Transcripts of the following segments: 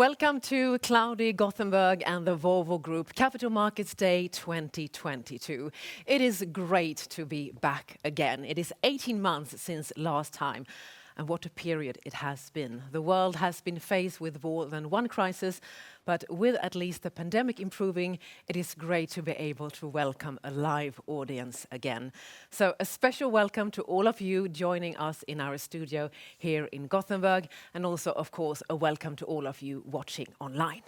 Welcome to cloudy Gothenburg and the Volvo Group Capital Markets Day 2022. It is great to be back again. It is 18 months since last time, and what a period it has been. The world has been faced with more than one crisis, but with at least the pandemic improving, it is great to be able to welcome a live audience again. So a special welcome to all of you joining us in our studio here in Gothenburg and also, of course, a welcome to all of you watching online.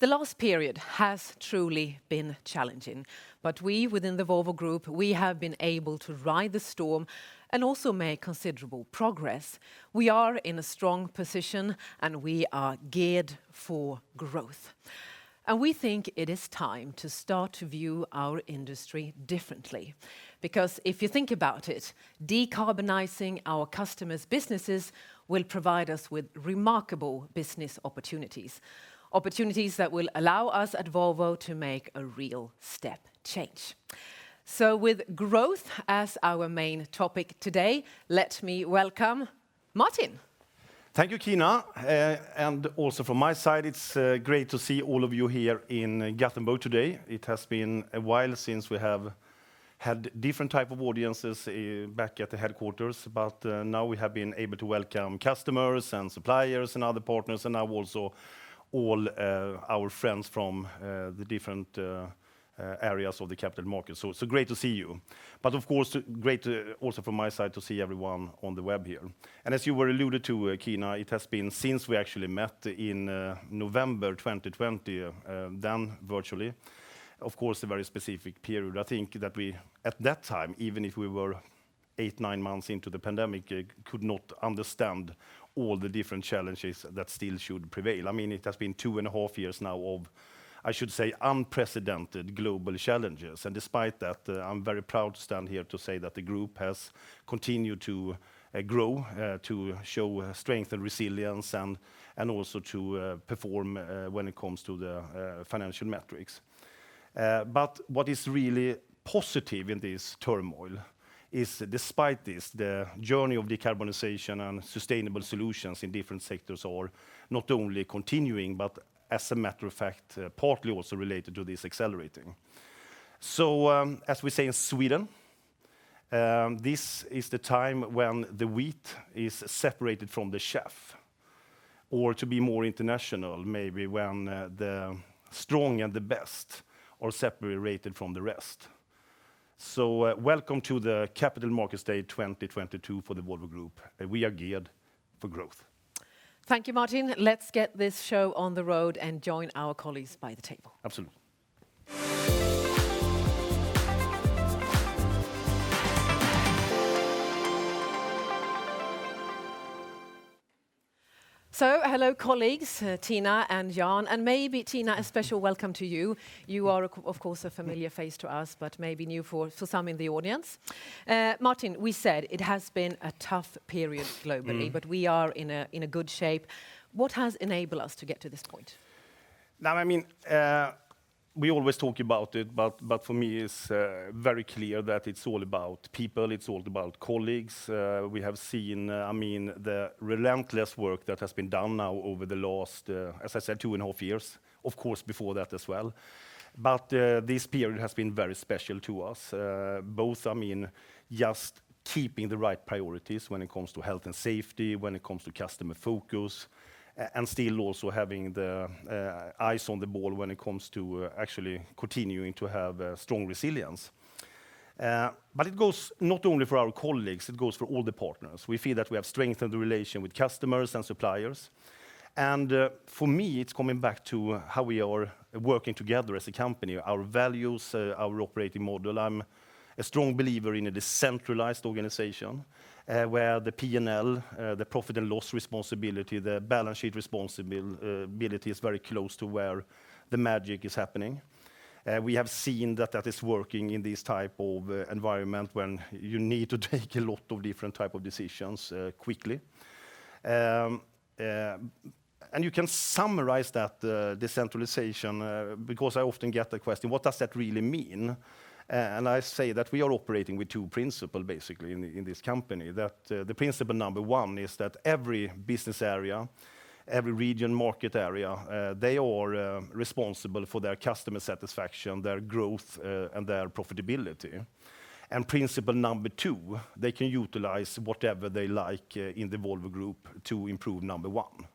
The last period has truly been challenging, but we within the Volvo Group, we have been able to ride the storm and also make considerable progress. We are in a strong position, and we are geared for growth. We think it is time to start to view our industry differently. Because if you think about it, decarbonizing our customers' businesses will provide us with remarkable business opportunities that will allow us at Volvo to make a real step change. With growth as our main topic today, let me welcome Martin. Thank you, Kina. Also from my side, it's great to see all of you here in Gothenburg today. It has been a while since we have had different type of audiences back at the headquarters. Now we have been able to welcome customers and suppliers and other partners, and now also all our friends from the different areas of the capital markets. Great to see you. Of course, great also from my side to see everyone on the web here. As Kina alluded to, it has been since we actually met in November 2020, then virtually, of course, a very specific period. I think that we, at that time, even if we were eight, nine months into the pandemic, could not understand all the different challenges that still should prevail. I mean, it has been two and a half years now of, I should say, unprecedented global challenges. Despite that, I'm very proud to stand here to say that the group has continued to grow, to show strength and resilience and also to perform when it comes to the financial metrics. What is really positive in this turmoil is despite this, the journey of decarbonization and sustainable solutions in different sectors are not only continuing, but as a matter of fact, partly also related to this accelerating. As we say in Sweden, this is the time when the wheat is separated from the chaff, or to be more international, maybe when the strong and the best are separated from the rest. Welcome to the Capital Markets Day 2022 for the Volvo Group. We are geared for growth. Thank you, Martin. Let's get this show on the road and join our colleagues by the table. Absolutely. Hello, colleagues, Tina and Jan, and maybe Tina, a special welcome to you. You are of course a familiar face to us, but maybe new for some in the audience. Martin, we said it has been a tough period globally. Mm-hmm We are in a good shape. What has enabled us to get to this point? Now, I mean, we always talk about it, but for me, it's very clear that it's all about people, it's all about colleagues. We have seen, I mean, the relentless work that has been done now over the last, as I said, 2.5 years, of course, before that as well. This period has been very special to us, both, I mean, just keeping the right priorities when it comes to health and safety, when it comes to customer focus, and still also having the eyes on the ball when it comes to actually continuing to have a strong resilience. It goes not only for our colleagues, it goes for all the partners. We feel that we have strengthened the relation with customers and suppliers. For me, it's coming back to how we are working together as a company, our values, our operating model. I'm a strong believer in a decentralized organization, where the P&L, the profit and loss responsibility, the balance sheet responsibility is very close to where the magic is happening. We have seen that is working in this type of environment when you need to take a lot of different type of decisions, quickly. You can summarize that, decentralization, because I often get the question, what does that really mean? I say that we are operating with two principle basically in this company, that, the principle number one is that every business area, every region, market area, they are responsible for their customer satisfaction, their growth, and their profitability. Principle number two, they can utilize whatever they like in the Volvo Group to improve number one.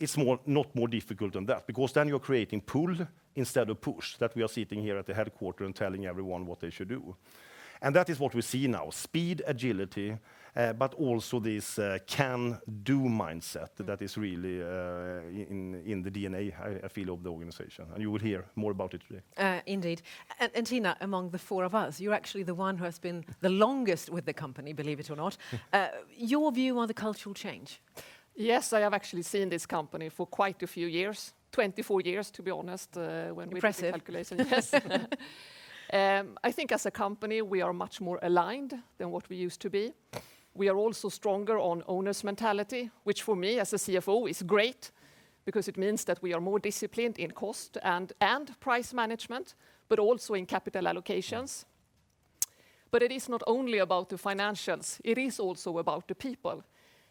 It's not more difficult than that, because then you're creating pull instead of push, that we are sitting here at the headquarters and telling everyone what they should do. That is what we see now, speed, agility, but also this can-do mindset that is really in the DNA, I feel, of the organization, and you will hear more about it today. Indeed. Tina, among the four of us, you're actually the one who has been the longest with the company, believe it or not. Your view on the cultural change? Yes, I have actually seen this company for quite a few years, 24 years, to be honest. Impressive When we do the calculation. Yes. I think as a company, we are much more aligned than what we used to be. We are also stronger on owner's mentality, which for me, as a CFO, is great, because it means that we are more disciplined in cost and price management, but also in capital allocations. It is not only about the financials, it is also about the people,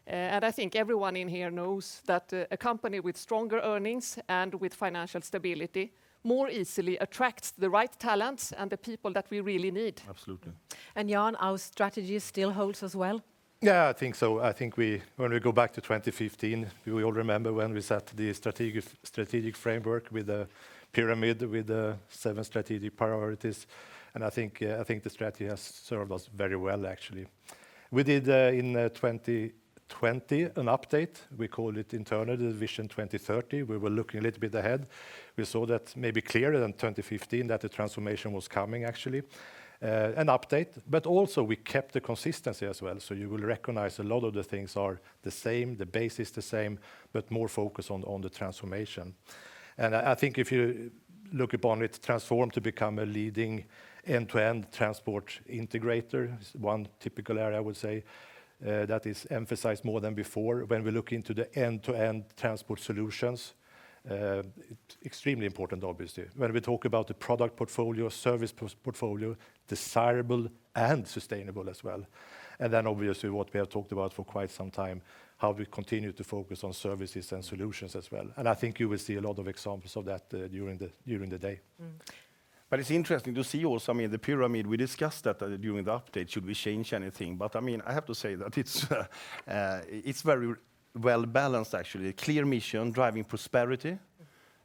and I think everyone in here knows that a company with stronger earnings and with financial stability more easily attracts the right talents and the people that we really need. Absolutely. Jan, our strategy still holds as well? Yeah, I think so. I think we, when we go back to 2015, we all remember when we set the strategic framework with a pyramid with seven strategic priorities, and I think the strategy has served us very well, actually. We did in 2020 an update. We called it internally the Vision 2030. We were looking a little bit ahead. We saw that maybe clearer than 2015 that the transformation was coming, actually. An update, but also we kept the consistency as well, so you will recognize a lot of the things are the same, the base is the same, but more focus on the transformation. I think if you look upon it, transform to become a leading end-to-end transport integrator is one typical area, I would say, that is emphasized more than before. When we look into the end-to-end transport solutions, it extremely important, obviously. When we talk about the product portfolio, service portfolio, desirable and sustainable as well. Obviously what we have talked about for quite some time, how we continue to focus on services and solutions as well, and I think you will see a lot of examples of that, during the day. Mm. It's interesting to see also, I mean, the pyramid, we discussed that during the update, should we change anything? I mean, I have to say that it's very well-balanced actually. A clear mission, driving prosperity,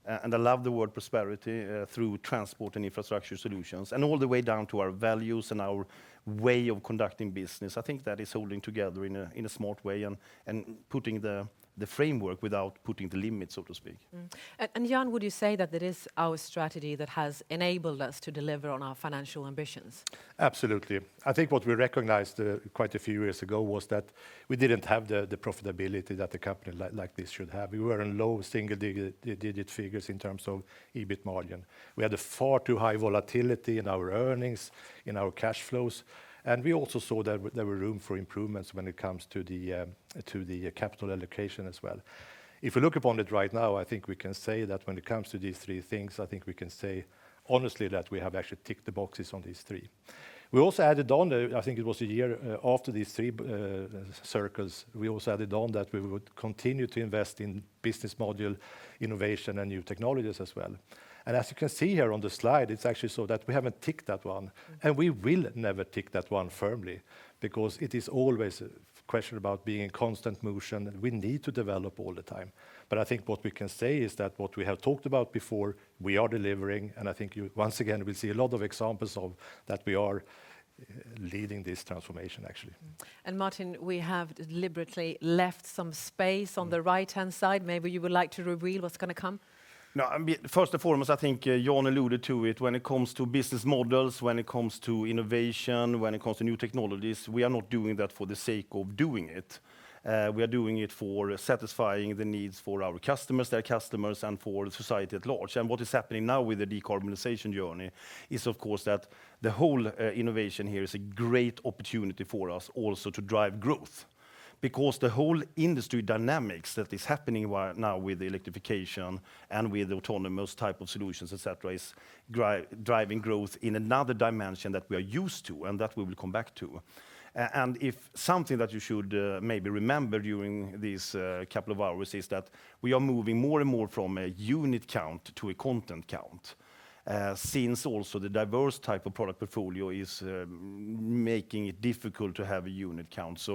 and I love the word prosperity through transport and infrastructure solutions, and all the way down to our values and our way of conducting business. I think that is holding together in a smart way and putting the framework without putting the limits, so to speak. Jan, would you say that it is our strategy that has enabled us to deliver on our financial ambitions? Absolutely. I think what we recognized quite a few years ago was that we didn't have the profitability that the company like this should have. We were in low single-digit figures in terms of EBIT margin. We had a far too high volatility in our earnings, in our cash flows, and we also saw that there were room for improvements when it comes to the capital allocation as well. If you look upon it right now, I think we can say that when it comes to these three things, I think we can say honestly that we have actually ticked the boxes on these three. We also added on, I think it was a year after these three circles, we also added on that we would continue to invest in business model innovation and new technologies as well. As you can see here on the slide, it's actually so that we haven't ticked that one, and we will never tick that one firmly, because it is always a question about being in constant motion, and we need to develop all the time. I think what we can say is that what we have talked about before, we are delivering, and I think you, once again, will see a lot of examples of that we are leading this transformation, actually. Martin, we have deliberately left some space on the right-hand side. Maybe you would like to reveal what's gonna come. No, I mean, first and foremost, I think, Jan alluded to it, when it comes to business models, when it comes to innovation, when it comes to new technologies, we are not doing that for the sake of doing it. We are doing it for satisfying the needs for our customers, their customers, and for society at large. What is happening now with the decarbonization journey is, of course, that the whole innovation here is a great opportunity for us also to drive growth. Because the whole industry dynamics that is happening right now with the electrification and with autonomous type of solutions, etcetera, is driving growth in another dimension that we are used to, and that we will come back to. If something that you should maybe remember during these couple of hours is that we are moving more and more from a unit count to a content count, since also the diverse type of product portfolio is making it difficult to have a unit count.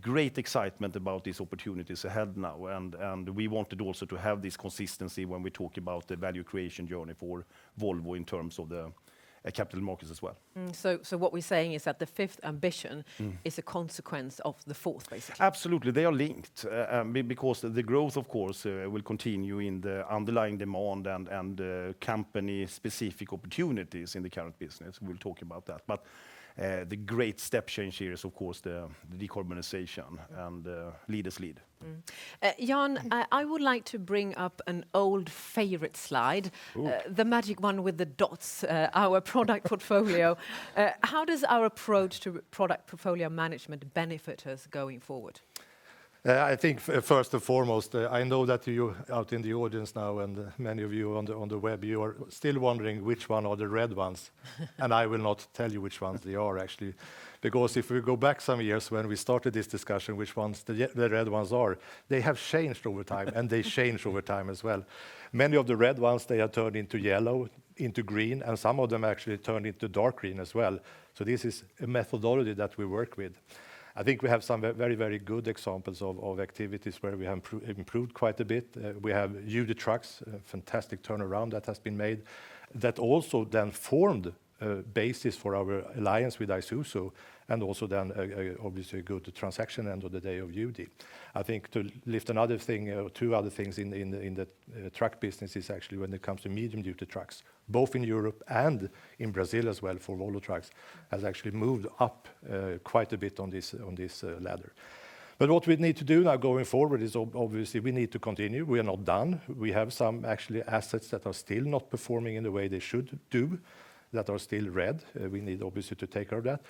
Great excitement about these opportunities ahead now, and we wanted also to have this consistency when we talk about the value creation journey for Volvo in terms of the capital markets as well. What we're saying is that the fifth ambition. Mm is a consequence of the fourth, basically. Absolutely. They are linked. Because the growth, of course, will continue in the underlying demand and company-specific opportunities in the current business, we'll talk about that. The great step change here is, of course, the decarbonization, and leaders lead. Jan, I would like to bring up an old favorite slide. Ooh. The magic one with the dots, our product portfolio. How does our approach to product portfolio management benefit us going forward? I think first and foremost, I know that you, out in the audience now, and many of you on the web, you are still wondering which one are the red ones. I will not tell you which ones they are, actually. Because if we go back some years when we started this discussion, which ones the red ones are, they have changed over time and they change over time as well. Many of the red ones, they are turned into yellow, into green, and some of them actually turned into dark green as well. This is a methodology that we work with. I think we have some very good examples of activities where we have improved quite a bit. We have UD Trucks, a fantastic turnaround that has been made, that also then formed a basis for our alliance with Isuzu, and also then obviously a good transaction end of the day of UD. I think to lift another thing, or two other things in the truck business is actually when it comes to medium-duty trucks, both in Europe and in Brazil as well, for Volvo Trucks, has actually moved up quite a bit on this ladder. What we need to do now going forward is obviously we need to continue. We are not done. We have some actually assets that are still not performing in the way they should do, that are still red. We need obviously to take care of that.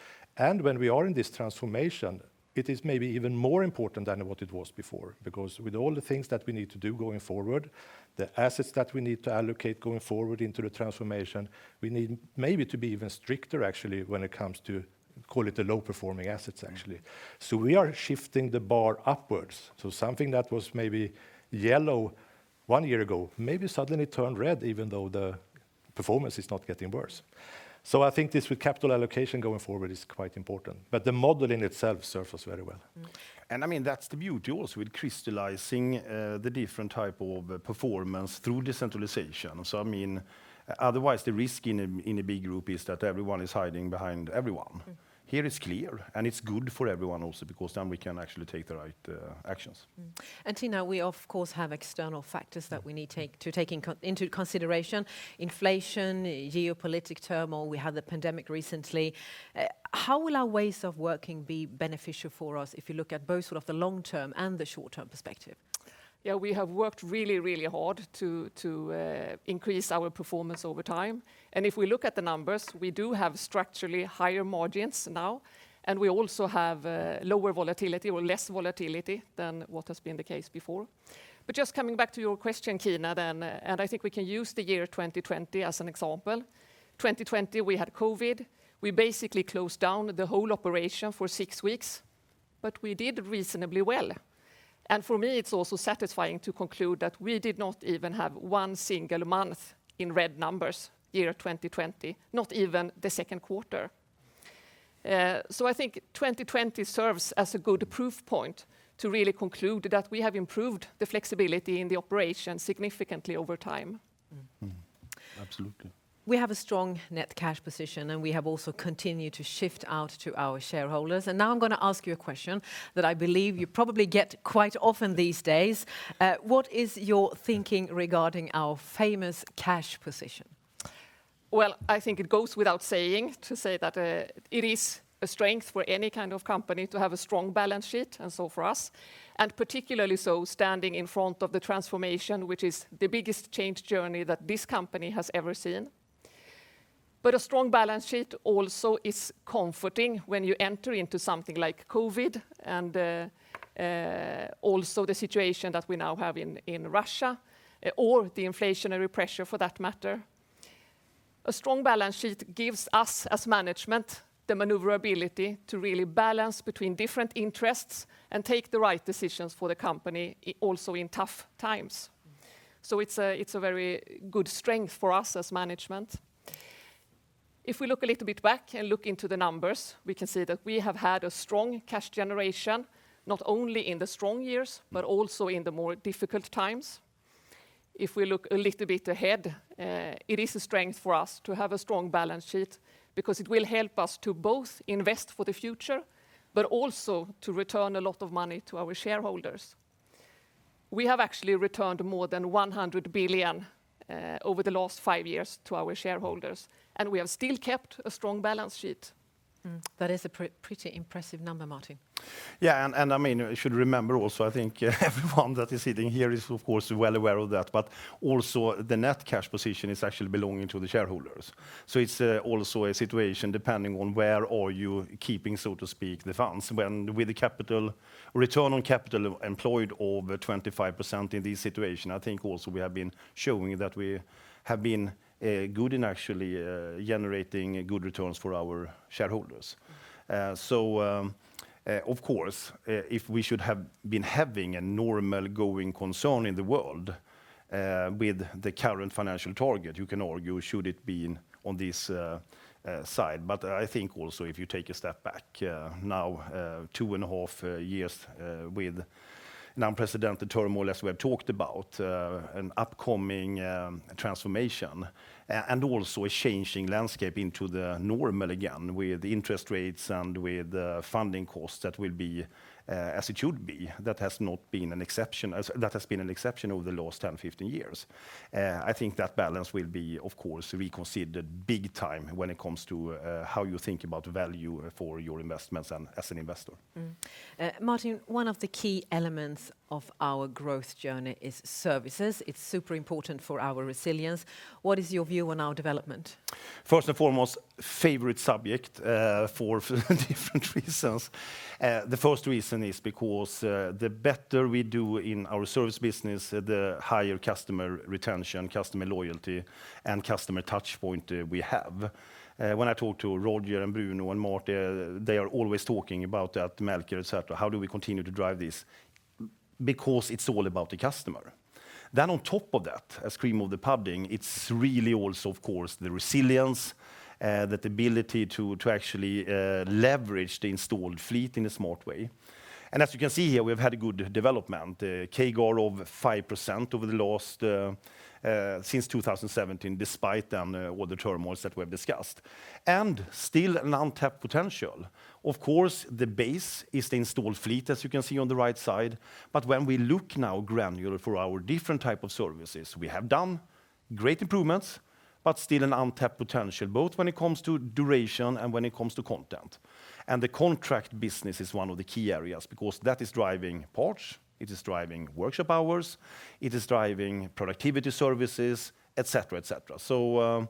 When we are in this transformation, it is maybe even more important than what it was before. Because with all the things that we need to do going forward, the assets that we need to allocate going forward into the transformation, we need maybe to be even stricter actually, when it comes to, call it the low-performing assets, actually. We are shifting the bar upwards. Something that was maybe yellow one year ago, maybe suddenly turned red, even though the performance is not getting worse. I think this with capital allocation going forward is quite important. The model in itself serves us very well. Mm. I mean, that's the beauty also with crystallizing the different type of performance through decentralization. I mean, otherwise, the risk in a big group is that everyone is hiding behind everyone. Mm. Here it's clear, and it's good for everyone also, because then we can actually take the right actions. Tina, we of course have external factors that we need to take into consideration, inflation, geopolitical turmoil. We had the pandemic recently. How will our ways of working be beneficial for us if you look at both sort of the long-term and the short-term perspective? Yeah, we have worked really, really hard to increase our performance over time. If we look at the numbers, we do have structurally higher margins now, and we also have lower volatility or less volatility than what has been the case before. Just coming back to your question, Kina, I think we can use the year 2020 as an example. 2020, we had COVID. We basically closed down the whole operation for six weeks, but we did reasonably well. For me, it's also satisfying to conclude that we did not even have one single month in red numbers year 2020, not even the second quarter. I think 2020 serves as a good proof point to really conclude that we have improved the flexibility in the operation significantly over time. Mm-hmm. Absolutely. We have a strong net cash position, and we have also continued to pay out to our shareholders. Now I'm gonna ask you a question that I believe you probably get quite often these days. What is your thinking regarding our famous cash position? Well, I think it goes without saying to say that it is a strength for any kind of company to have a strong balance sheet, and so for us, and particularly so standing in front of the transformation, which is the biggest change journey that this company has ever seen. A strong balance sheet also is comforting when you enter into something like COVID and also the situation that we now have in Russia, or the inflationary pressure for that matter. A strong balance sheet gives us, as management, the maneuverability to really balance between different interests and take the right decisions for the company also in tough times. It's a very good strength for us as management. If we look a little bit back and look into the numbers, we can see that we have had a strong cash generation, not only in the strong years, but also in the more difficult times. If we look a little bit ahead, it is a strength for us to have a strong balance sheet because it will help us to both invest for the future, but also to return a lot of money to our shareholders. We have actually returned more than 100 billion over the last five years to our shareholders, and we have still kept a strong balance sheet. That is a pretty impressive number, Martin. Yeah, I mean, we should remember also. I think everyone that is sitting here is of course well aware of that, but also the net cash position is actually belonging to the shareholders. It's also a situation depending on where are you keeping, so to speak, the funds. When with the capital, return on capital employed over 25% in this situation, I think also we have been showing that we have been good in actually generating good returns for our shareholders. Of course, if we should have been having a normal going concern in the world with the current financial target, you can argue, should it be in on this side? I think also if you take a step back, now 2.5 years with unprecedented turmoil, as we have talked about, an upcoming transformation and also a changing landscape into the normal again, with interest rates and with funding costs that will be as it should be. That has been an exception over the last 10, 15 years. I think that balance will be, of course, reconsidered big time when it comes to how you think about value for your investments and as an investor. Martin, one of the key elements of our growth journey is services. It's super important for our resilience. What is your view on our development? First and foremost, favorite subject, for different reasons. The first reason is because, the better we do in our service business, the higher customer retention, customer loyalty, and customer touchpoint we have. When I talk to Roger and Bruno and Martin, they are always talking about that, Melker, etcetera, how do we continue to drive this? Because it's all about the customer. On top of that, as cream of the pudding, it's really also of course the resilience, the ability to actually leverage the installed fleet in a smart way. As you can see here, we've had a good development, CAGR of 5% over the last, since 2017, despite then all the turmoils that we have discussed, and still an untapped potential. Of course, the base is the installed fleet, as you can see on the right side. When we look now granular for our different type of services, we have done great improvements, but still an untapped potential, both when it comes to duration and when it comes to content. The contract business is one of the key areas, because that is driving parts, it is driving workshop hours, it is driving productivity services, etcetera, etcetera.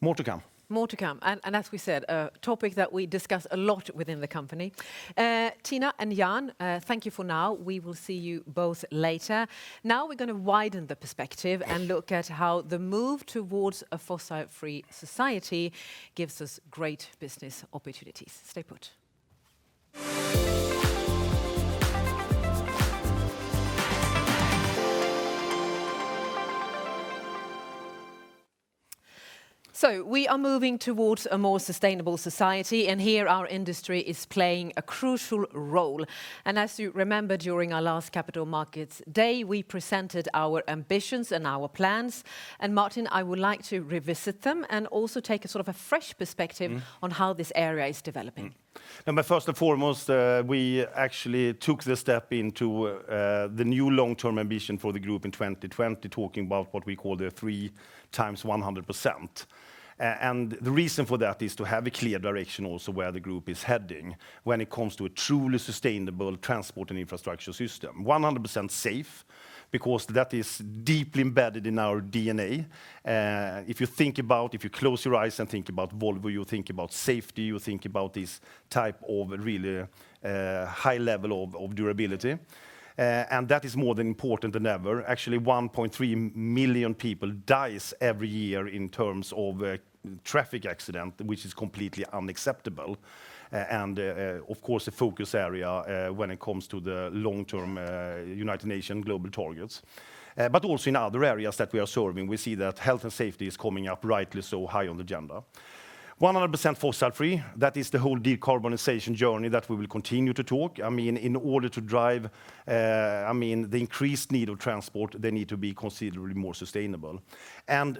More to come. More to come. As we said, a topic that we discuss a lot within the company. Tina and Jan, thank you for now. We will see you both later. Now we're gonna widen the perspective and look at how the move towards a fossil-free society gives us great business opportunities. Stay put. We are moving towards a more sustainable society, and here our industry is playing a crucial role. As you remember, during our last Capital Markets Day, we presented our ambitions and our plans, and Martin, I would like to revisit them, and also take a sort of a fresh perspective. Mm on how this area is developing. First and foremost, we actually took the step into the new long-term ambition for the group in 2020, talking about what we call the 3x 100%. The reason for that is to have a clear direction also where the group is heading when it comes to a truly sustainable transport and infrastructure system. 100% safe, because that is deeply embedded in our DNA. If you think about, if you close your eyes and think about Volvo, you think about safety, you think about this type of really high level of durability, and that is more than important than ever. Actually, 1.3 million people dies every year in terms of a traffic accident, which is completely unacceptable, and of course, a focus area when it comes to the long-term United Nations global targets. Also in other areas that we are serving, we see that health and safety is coming up rightly so high on the agenda. 100% fossil-free, that is the whole decarbonization journey that we will continue to talk. I mean, in order to drive, I mean, the increased need of transport, they need to be considerably more sustainable.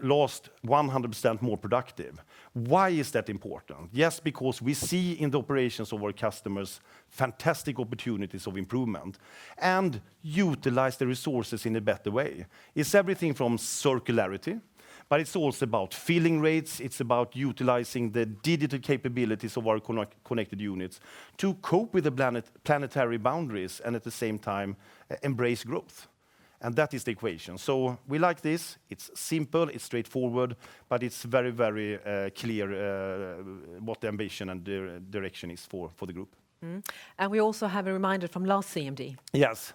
Last, 100% more productive. Why is that important? Yes, because we see in the operations of our customers fantastic opportunities of improvement, and utilize the resources in a better way. It's everything from circularity, but it's also about filling rates, it's about utilizing the digital capabilities of our connected units to cope with the planetary boundaries and at the same time embrace growth, and that is the equation. We like this. It's simple, it's straightforward, but it's very, very, clear what the ambition and direction is for the group. We also have a reminder from last CMD. Yes.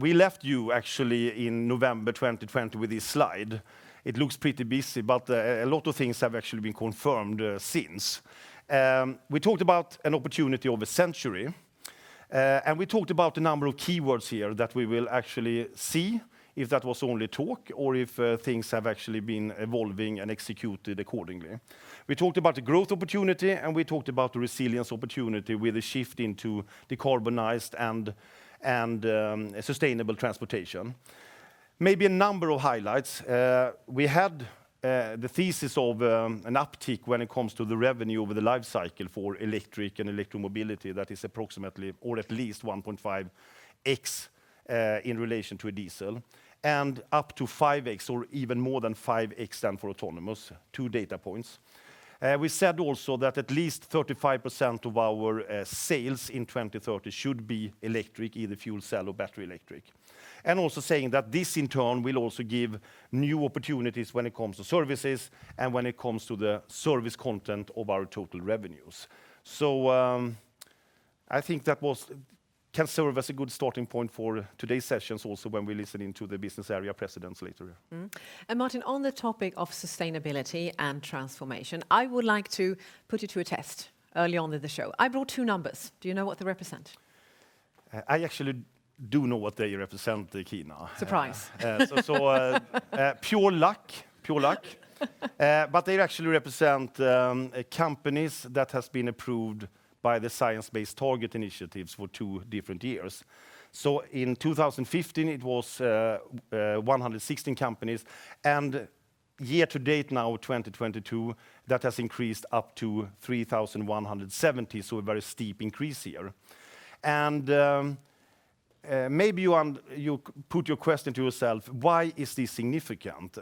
We left you actually in November 2020 with this slide. It looks pretty busy, but a lot of things have actually been confirmed since. We talked about an opportunity of a century, and we talked about a number of keywords here that we will actually see if that was only talk or if things have actually been evolving and executed accordingly. We talked about the growth opportunity, and we talked about the resilience opportunity with a shift into decarbonized and sustainable transportation. Maybe a number of highlights. We had the thesis of an uptick when it comes to the revenue over the life cycle for electric and electromobility that is approximately or at least 1.5x in relation to a diesel, and up to 5x or even more than 5x then for autonomous, two data points. We said also that at least 35% of our sales in 2030 should be electric, either fuel cell or battery electric. Also saying that this in turn will also give new opportunities when it comes to services and when it comes to the service content of our total revenues. I think that can serve as a good starting point for today's sessions also when we listen in to the business area presidents later. Martin, on the topic of sustainability and transformation, I would like to put you to a test early on in the show. I brought two numbers. Do you know what they represent? I actually do know what they represent, Kina. Surprise. So, pure luck. But they actually represent companies that has been approved by the Science Based Targets initiative for two different years. In 2015, it was 116 companies, and year to date now, 2022, that has increased up to 3,170, so a very steep increase here. Maybe you want to put your question to yourself, why is this significant?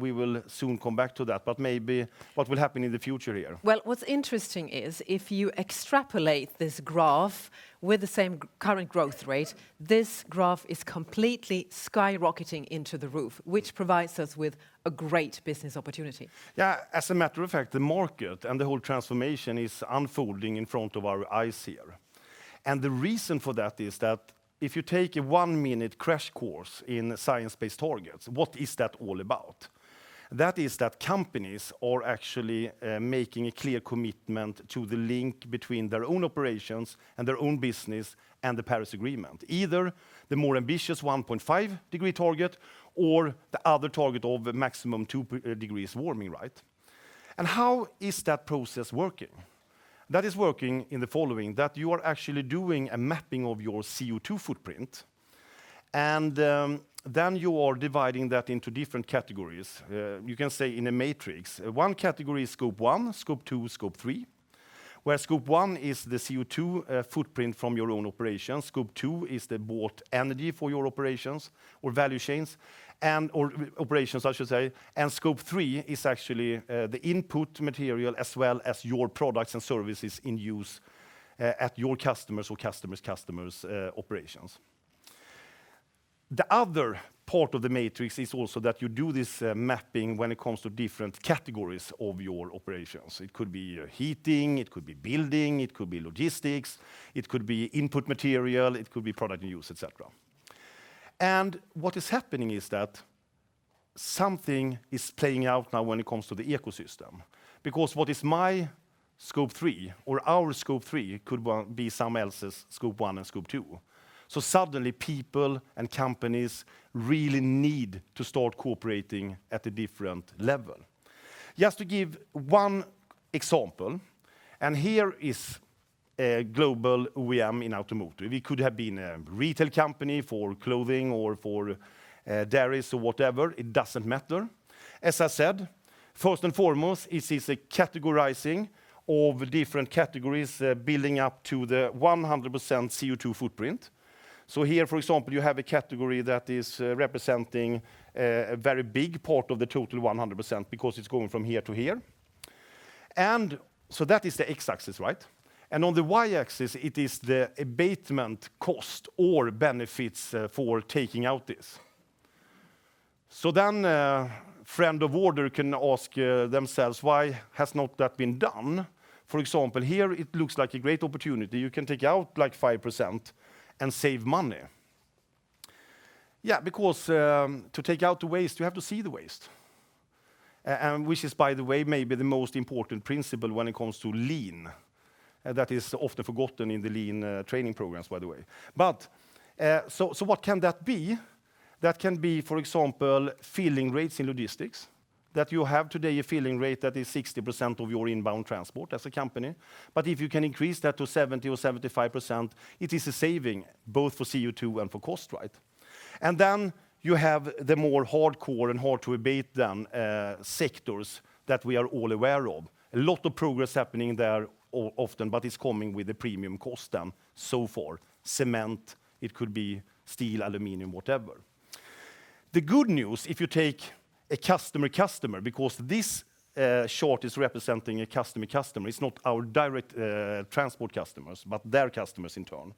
We will soon come back to that, but maybe what will happen in the future here? Well, what's interesting is if you extrapolate this graph with the same current growth rate, this graph is completely skyrocketing through the roof, which provides us with a great business opportunity. Yeah, as a matter of fact, the market and the whole transformation is unfolding in front of our eyes here, and the reason for that is that if you take a one-minute crash course in Science-Based Targets, what is that all about? That is that companies are actually making a clear commitment to the link between their own operations and their own business and the Paris Agreement, either the more ambitious 1.5-degree target or the other target of a maximum 2 degrees warming, right? How is that process working? That is working in the following, that you are actually doing a mapping of your CO2 footprint, and then you are dividing that into different categories, you can say in a matrix. One category is scope 1, scope 2, scope 3, where scope 1 is the CO2 footprint from your own operations, scope 2 is the bought energy for your operations, I should say, and scope 3 is actually the input material as well as your products and services in use at your customers' operations. The other part of the matrix is also that you do this mapping when it comes to different categories of your operations. It could be heating, it could be building, it could be logistics, it could be input material, it could be product in use, etcetera. What is happening is that something is playing out now when it comes to the ecosystem because what is my scope 3 or our scope 3 could be someone else's scope 1 and scope 2. Suddenly, people and companies really need to start cooperating at a different level. Just to give one example, here is a global OEM in automotive. It could have been a retail company for clothing or for dairies or whatever. It doesn't matter. As I said, first and foremost, it is a categorizing of different categories building up to the 100% ```. Here, for example, you have a category that is representing a very big part of the total 100% because it's going from here to here. That is the x-axis, right? On the y-axis, it is the abatement cost or benefits for taking out this. Friend of order can ask themselves, why has not that been done? For example, here it looks like a great opportunity. You can take out like 5% and save money. Yeah, because to take out the waste, you have to see the waste, and which is, by the way, maybe the most important principle when it comes to lean, that is often forgotten in the lean training programs, by the way. But, so what can that be? That can be, for example, filling rates in logistics, that you have today a filling rate that is 60% of your inbound transport as a company. If you can increase that to 70 or 75%, it is a saving both for CO2 and for cost, right? Then you have the more hardcore and hard to abate sectors that we are all aware of. A lot of progress happening there often, but it's coming with a premium cost then so far. Cement, it could be steel, aluminum, whatever. The good news, if you take a customer, because this chart is representing a customer. It's not our direct transport customers, but their customers in turn.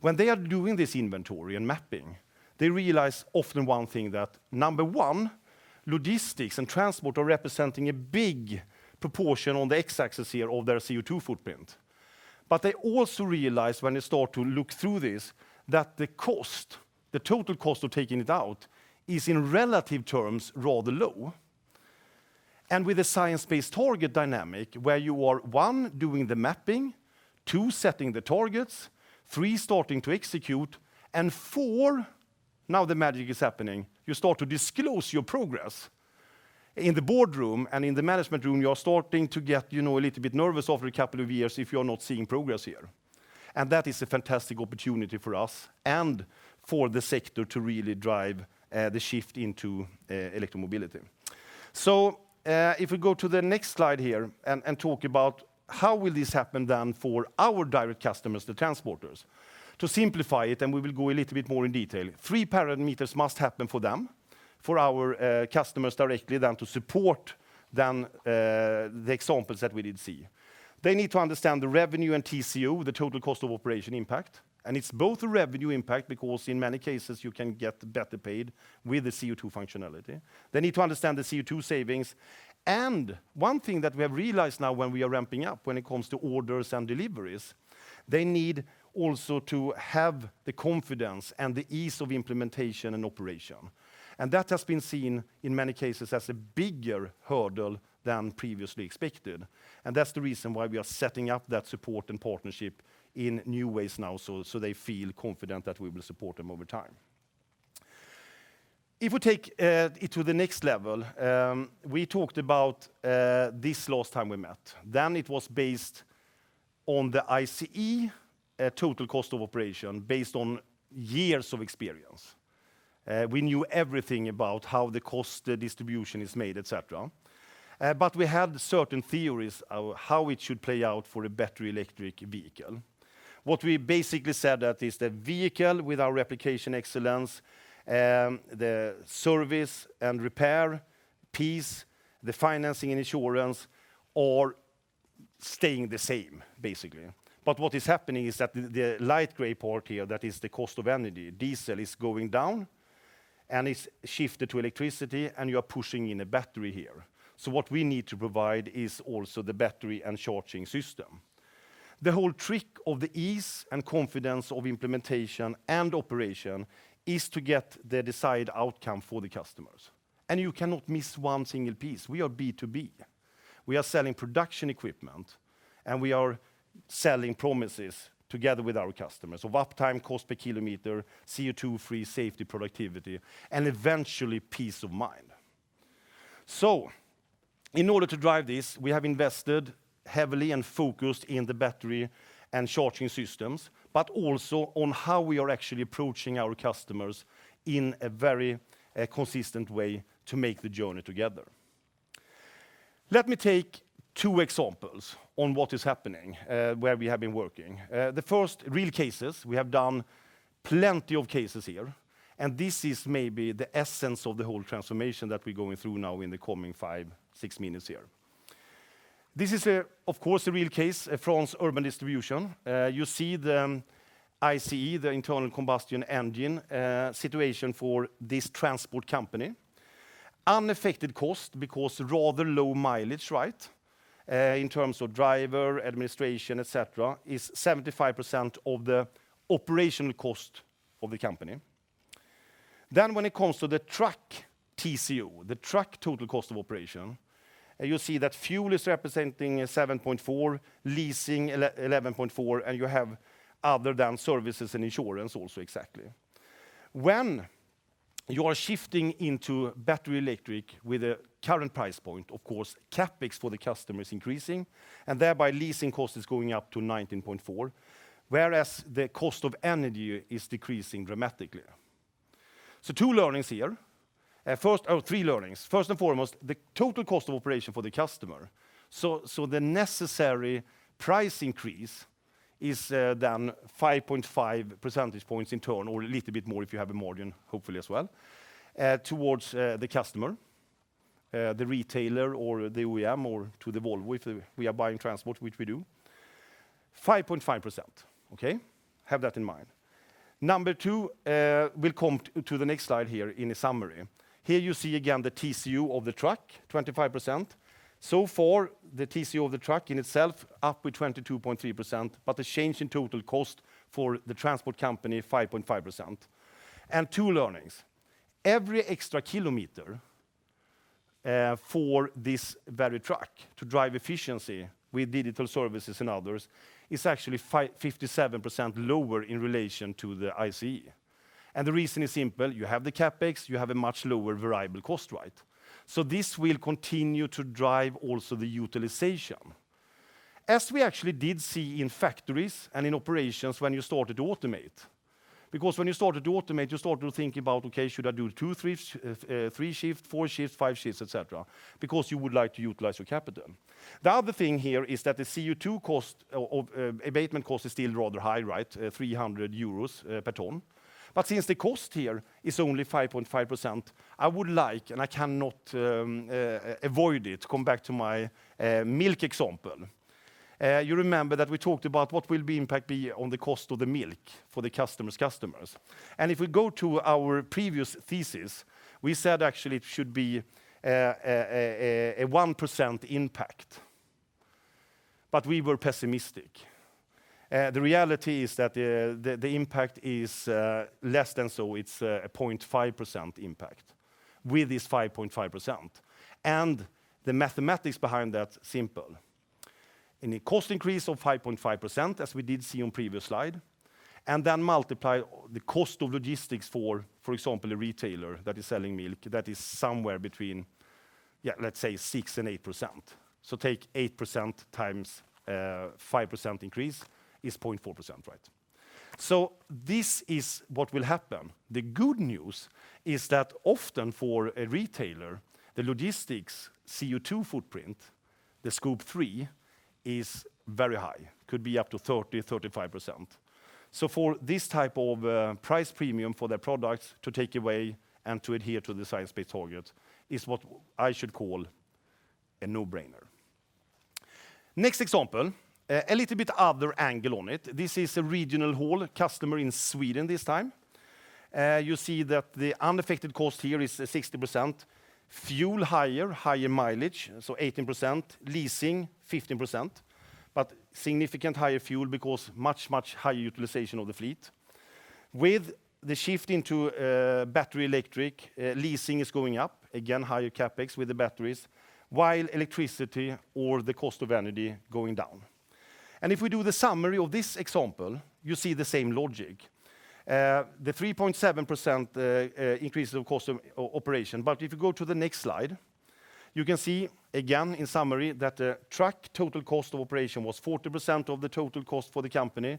When they are doing this inventory and mapping, they realize often one thing that, number one, logistics and transport are representing a big proportion on the x-axis here of their CO2 footprint. They also realize when they start to look through this that the cost, the total cost of taking it out, is in relative terms rather low. With a science-based target dynamic where you are, one, doing the mapping, two, setting the targets, three, starting to execute, and four, now the magic is happening. You start to disclose your progress. In the boardroom and in the management room, you are starting to get, you know, a little bit nervous over a couple of years if you're not seeing progress here. That is a fantastic opportunity for us and for the sector to really drive the shift into electric mobility. If we go to the next slide here and talk about how will this happen then for our direct customers, the transporters. To simplify it, we will go a little bit more in detail. Three parameters must happen for our customers directly to support the examples that we did see. They need to understand the revenue and TCO, the total cost of operation impact, and it's both a revenue impact because in many cases you can get better paid with the CO2 functionality. They need to understand the CO2 savings, and one thing that we have realized now when we are ramping up when it comes to orders and deliveries. They need also to have the confidence and the ease of implementation and operation. That has been seen in many cases as a bigger hurdle than previously expected, and that's the reason why we are setting up that support and partnership in new ways now so they feel confident that we will support them over time. If we take it to the next level, we talked about this last time we met. It was based on the ICE total cost of operation based on years of experience. We knew everything about how the cost, the distribution is made, etcetera. But we had certain theories of how it should play out for a battery electric vehicle. What we basically said that is the vehicle with our replication excellence, the service and repair piece, the financing and insurance are staying the same, basically. What is happening is that the light gray part here, that is the cost of energy, diesel is going down, and it's shifted to electricity, and you are pushing in a battery here. What we need to provide is also the battery and charging system. The whole trick of the ease and confidence of implementation and operation is to get the desired outcome for the customers, and you cannot miss one single piece. We are B2B. We are selling production equipment, and we are selling promises together with our customers of uptime, cost per kilometer, CO2 free safety, productivity, and eventually peace of mind. In order to drive this, we have invested heavily and focused in the battery and charging systems, but also on how we are actually approaching our customers in a very consistent way to make the journey together. Let me take two examples on what is happening, where we have been working. The first real cases, we have done plenty of cases here, and this is maybe the essence of the whole transformation that we're going through now in the coming five, six minutes here. This is of course, a real case, France Urban Distribution. You see the ICE, the internal combustion engine, situation for this transport company. Unaffected cost because rather low mileage, right? In terms of driver, administration, etcetera, is 75% of the operational cost of the company. Then when it comes to the truck TCO, the truck total cost of operation, you see that fuel is representing 7.4%, leasing 11.4%, and you have other than services and insurance also exactly. When you are shifting into battery electric with a current price point, of course, CapEx for the customer is increasing, and thereby leasing cost is going up to 19.4, whereas the cost of energy is decreasing dramatically. Two learnings here. First, three learnings. First and foremost, the total cost of operation for the customer. The necessary price increase is then 5.5 percentage points in turn or a little bit more if you have a margin, hopefully as well, towards the customer, the retailer or the OEM or to the Volvo if we are buying transport, which we do. 5.5%, okay? Have that in mind. Number two, we'll come to the next slide here in a summary. Here you see again the TCU of the truck, 25%. For the TCU of the truck in itself, up with 22.3%, but the change in total cost for the transport company, 5.5%. Two learnings. Every extra kilometer for this very truck to drive efficiency with digital services and others is actually 57% lower in relation to the ICE. The reason is simple. You have the CapEx, you have a much lower variable cost, right? This will continue to drive also the utilization. We actually did see in factories and in operations when you started to automate, because when you started to automate, you started to think about, okay, should I do two shifts, three shifts, four shifts, five shifts, etcetera, because you would like to utilize your capital. The other thing here is that the CO2 cost of abatement cost is still rather high, right, 300 euros per ton. Since the cost here is only 5.5%, I would like, and I cannot avoid it, come back to my milk example. You remember that we talked about what will the impact be on the cost of the milk for the customer's customers. If we go to our previous thesis, we said, actually, it should be a 1% impact. We were pessimistic. The reality is that the impact is less than, so it's a 0.5% impact with this 5.5%. The mathematics behind that's simple. In a cost increase of 5.5%, as we did see on previous slide, and then multiply the cost of logistics for example, a retailer that is selling milk, that is somewhere between, yeah, let's say 6%-8%. Take 8% x 5% increase is 0.4%, right? This is what will happen. The good news is that often for a retailer, the logistics CO2 footprint, the scope 3, is very high, could be up to 30%-35%. For this type of price premium for their products to take away and to adhere to the Science Based Target is what I should call a no-brainer. Next example, a little bit other angle on it. This is a regional haul, a customer in Sweden this time. You see that the unaffected cost here is 60%. Fuel higher mileage, so 18%. Leasing, 15%. Significant higher fuel because much higher utilization of the fleet. With the shift into battery electric, leasing is going up, again, higher CapEx with the batteries, while electricity or the cost of energy going down. If we do the summary of this example, you see the same logic. The 3.7% increase of cost of operation. If you go to the next slide, you can see again in summary that the truck total cost of operation was 40% of the total cost for the company.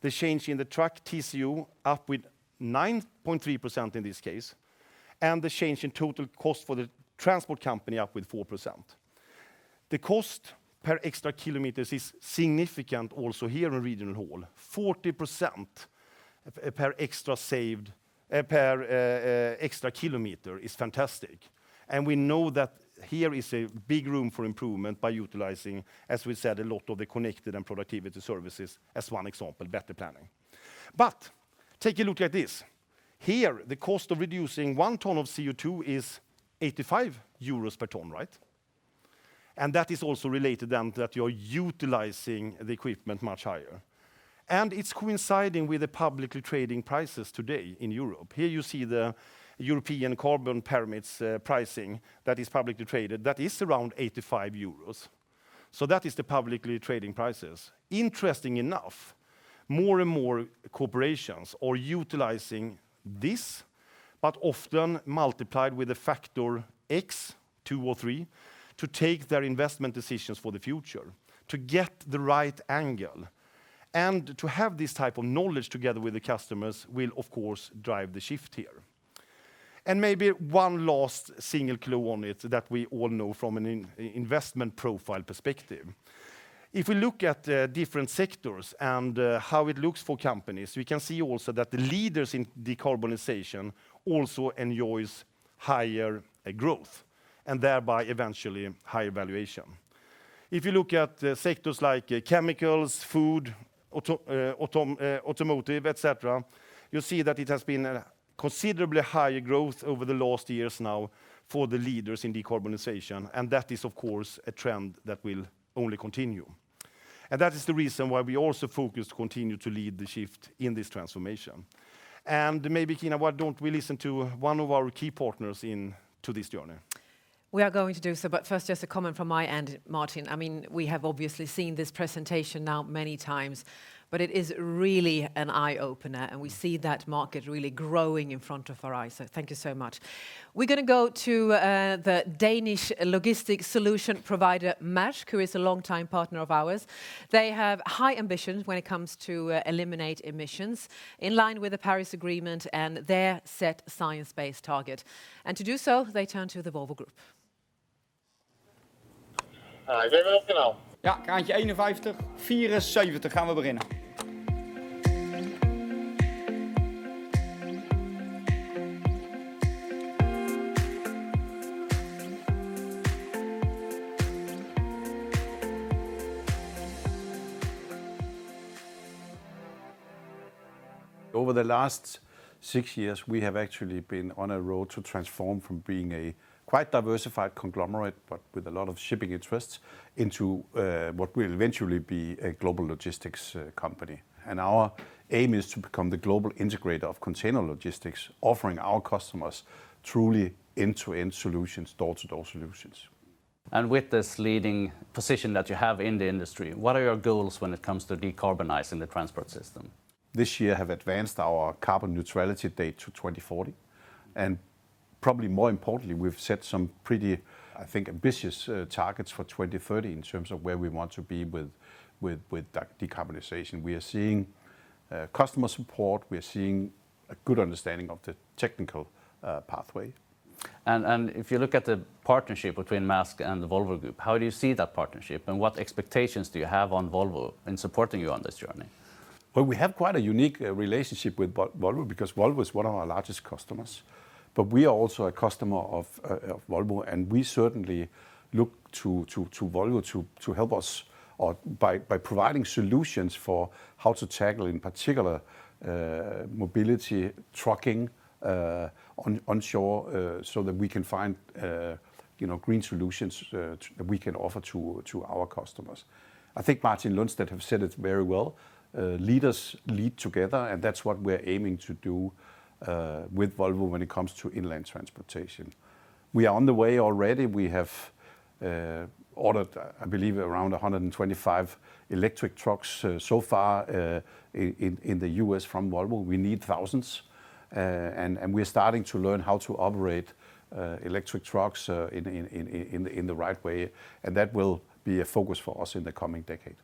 The change in the truck TCU up with 9.3% in this case, and the change in total cost for the transport company up with 4%. The cost per extra kilometers is significant also here in regional haul. 40% per extra kilometer is fantastic. We know that here is a big room for improvement by utilizing, as we said, a lot of the connected and productivity services as one example, better planning. Take a look at this. Here, the cost of reducing 1 ton of CO2 is 85 euros per ton, right? That is also related then to that you're utilizing the equipment much higher. It's coinciding with the publicly traded prices today in Europe. Here you see the European carbon permits pricing that is publicly traded, that is around 85 euros, so that is the publicly traded prices. Interesting enough, more and more corporations are utilizing this, but often multiplied with a factor X, two or three, to take their investment decisions for the future, to get the right angle. To have this type of knowledge together with the customers will of course drive the shift here. Maybe one last single clue on it that we all know from an investment profile perspective. If we look at different sectors and how it looks for companies, we can see also that the leaders in decarbonization also enjoys higher growth, and thereby eventually higher valuation. If you look at sectors like chemicals, food, automotive, etcetera, you see that it has been a considerably higher growth over the last years now for the leaders in decarbonization, and that is of course a trend that will only continue. That is the reason why we also focus to continue to lead the shift in this transformation. Maybe, Kina, why don't we listen to one of our key partners into this journey? We are going to do so, but first just a comment from my end, Martin. I mean, we have obviously seen this presentation now many times, but it is really an eye-opener. Mm... we see that market really growing in front of our eyes, so thank you so much. We're gonna go to the Danish logistics solution provider, Maersk, who is a longtime partner of ours. They have high ambitions when it comes to eliminate emissions in line with the Paris Agreement and their set science-based target. To do so, they turn to the Volvo Group. Over the last six years, we have actually been on a road to transform from being a quite diversified conglomerate, but with a lot of shipping interests, into what will eventually be a global logistics company. Our aim is to become the global integrator of container logistics, offering our customers truly end-to-end solutions, door-to-door solutions. With this leading position that you have in the industry, what are your goals when it comes to decarbonizing the transport system? This year have advanced our carbon neutrality date to 2040, and probably more importantly, we've set some pretty, I think, ambitious targets for 2030 in terms of where we want to be with that decarbonization. We are seeing customer support. We are seeing a good understanding of the technical pathway. If you look at the partnership between Maersk and the Volvo Group, how do you see that partnership, and what expectations do you have on Volvo in supporting you on this journey? Well, we have quite a unique relationship with Volvo because Volvo is one of our largest customers, but we are also a customer of Volvo, and we certainly look to Volvo to help us by providing solutions for how to tackle, in particular, mobility trucking onshore, so that we can find, you know, green solutions we can offer to our customers. I think Martin Lundstedt have said it very well, leaders lead together, and that's what we're aiming to do with Volvo when it comes to inland transportation. We are on the way already. We have ordered, I believe, around 125 electric trucks so far in the U.S. from Volvo. We need thousands. We're starting to learn how to operate electric trucks in the right way, and that will be a focus for us in the coming decade.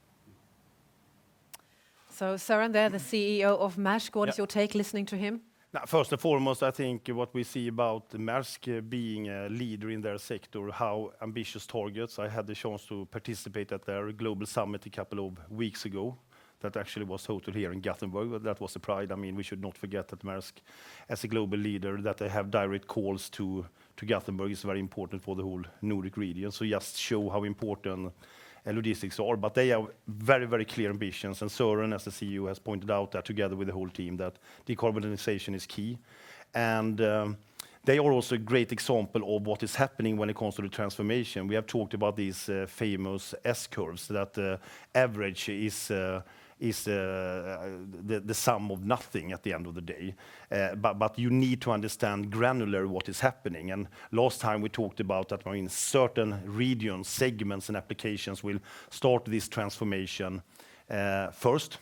Søren there, the CEO of Maersk. Yeah What is your take listening to him? Now, first and foremost, I think what we see about Maersk being a leader in their sector, how ambitious targets. I had the chance to participate at their global summit a couple of weeks ago that actually was hosted here in Gothenburg. That was a privilege. I mean, we should not forget that Maersk, as a global leader, that they have direct calls to Gothenburg is very important for the whole Nordic region, so it just shows how important logistics are. They have very, very clear ambitions, and Søren Skou, as the CEO, has pointed out that together with the whole team that decarbonization is key. They are also a great example of what is happening when it comes to the transformation. We have talked about these famous S-curves that average is the sum of nothing at the end of the day. But you need to understand granular what is happening. Last time we talked about that, I mean, certain regions, segments, and applications will start this transformation first.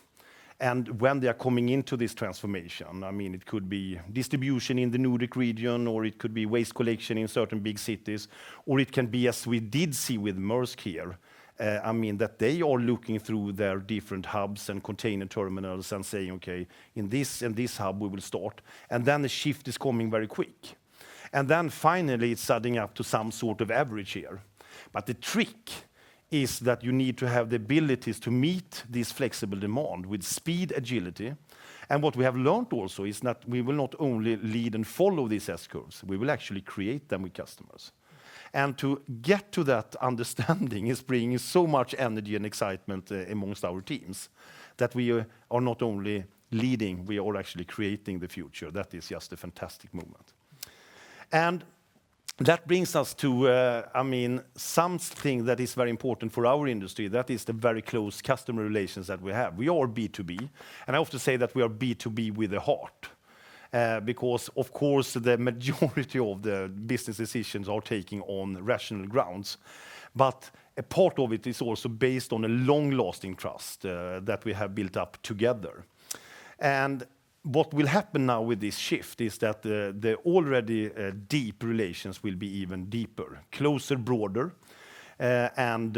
When they are coming into this transformation, I mean, it could be distribution in the Nordic region, or it could be waste collection in certain big cities, or it can be, as we did see with Maersk here, I mean, that they are looking through their different hubs and container terminals and saying, "Okay, in this hub we will start," and then the shift is coming very quick. Then finally it's adding up to some sort of average here. The trick is that you need to have the abilities to meet this flexible demand with speed, agility. What we have learned also is that we will not only lead and follow these S-curves, we will actually create them with customers. To get to that understanding is bringing so much energy and excitement among our teams, that we are not only leading, we are actually creating the future. That is just a fantastic moment. That brings us to, I mean, something that is very important for our industry, that is the very close customer relations that we have. We are B2B, and I often say that we are B2B with a heart, because of course the majority of the business decisions are taking on rational grounds, but a part of it is also based on a long-lasting trust that we have built up together. What will happen now with this shift is that the already deep relations will be even deeper, closer, broader, and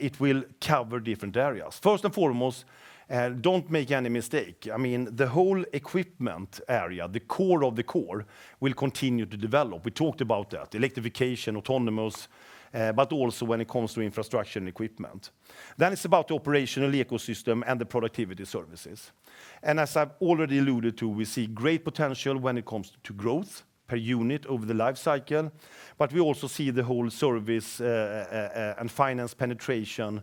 it will cover different areas. First and foremost, don't make any mistake. I mean, the whole equipment area, the core of the core, will continue to develop. We talked about that, electrification, autonomous, but also when it comes to infrastructure and equipment. It's about the operational ecosystem and the productivity services. As I've already alluded to, we see great potential when it comes to growth per unit over the life cycle, but we also see the whole service and finance penetration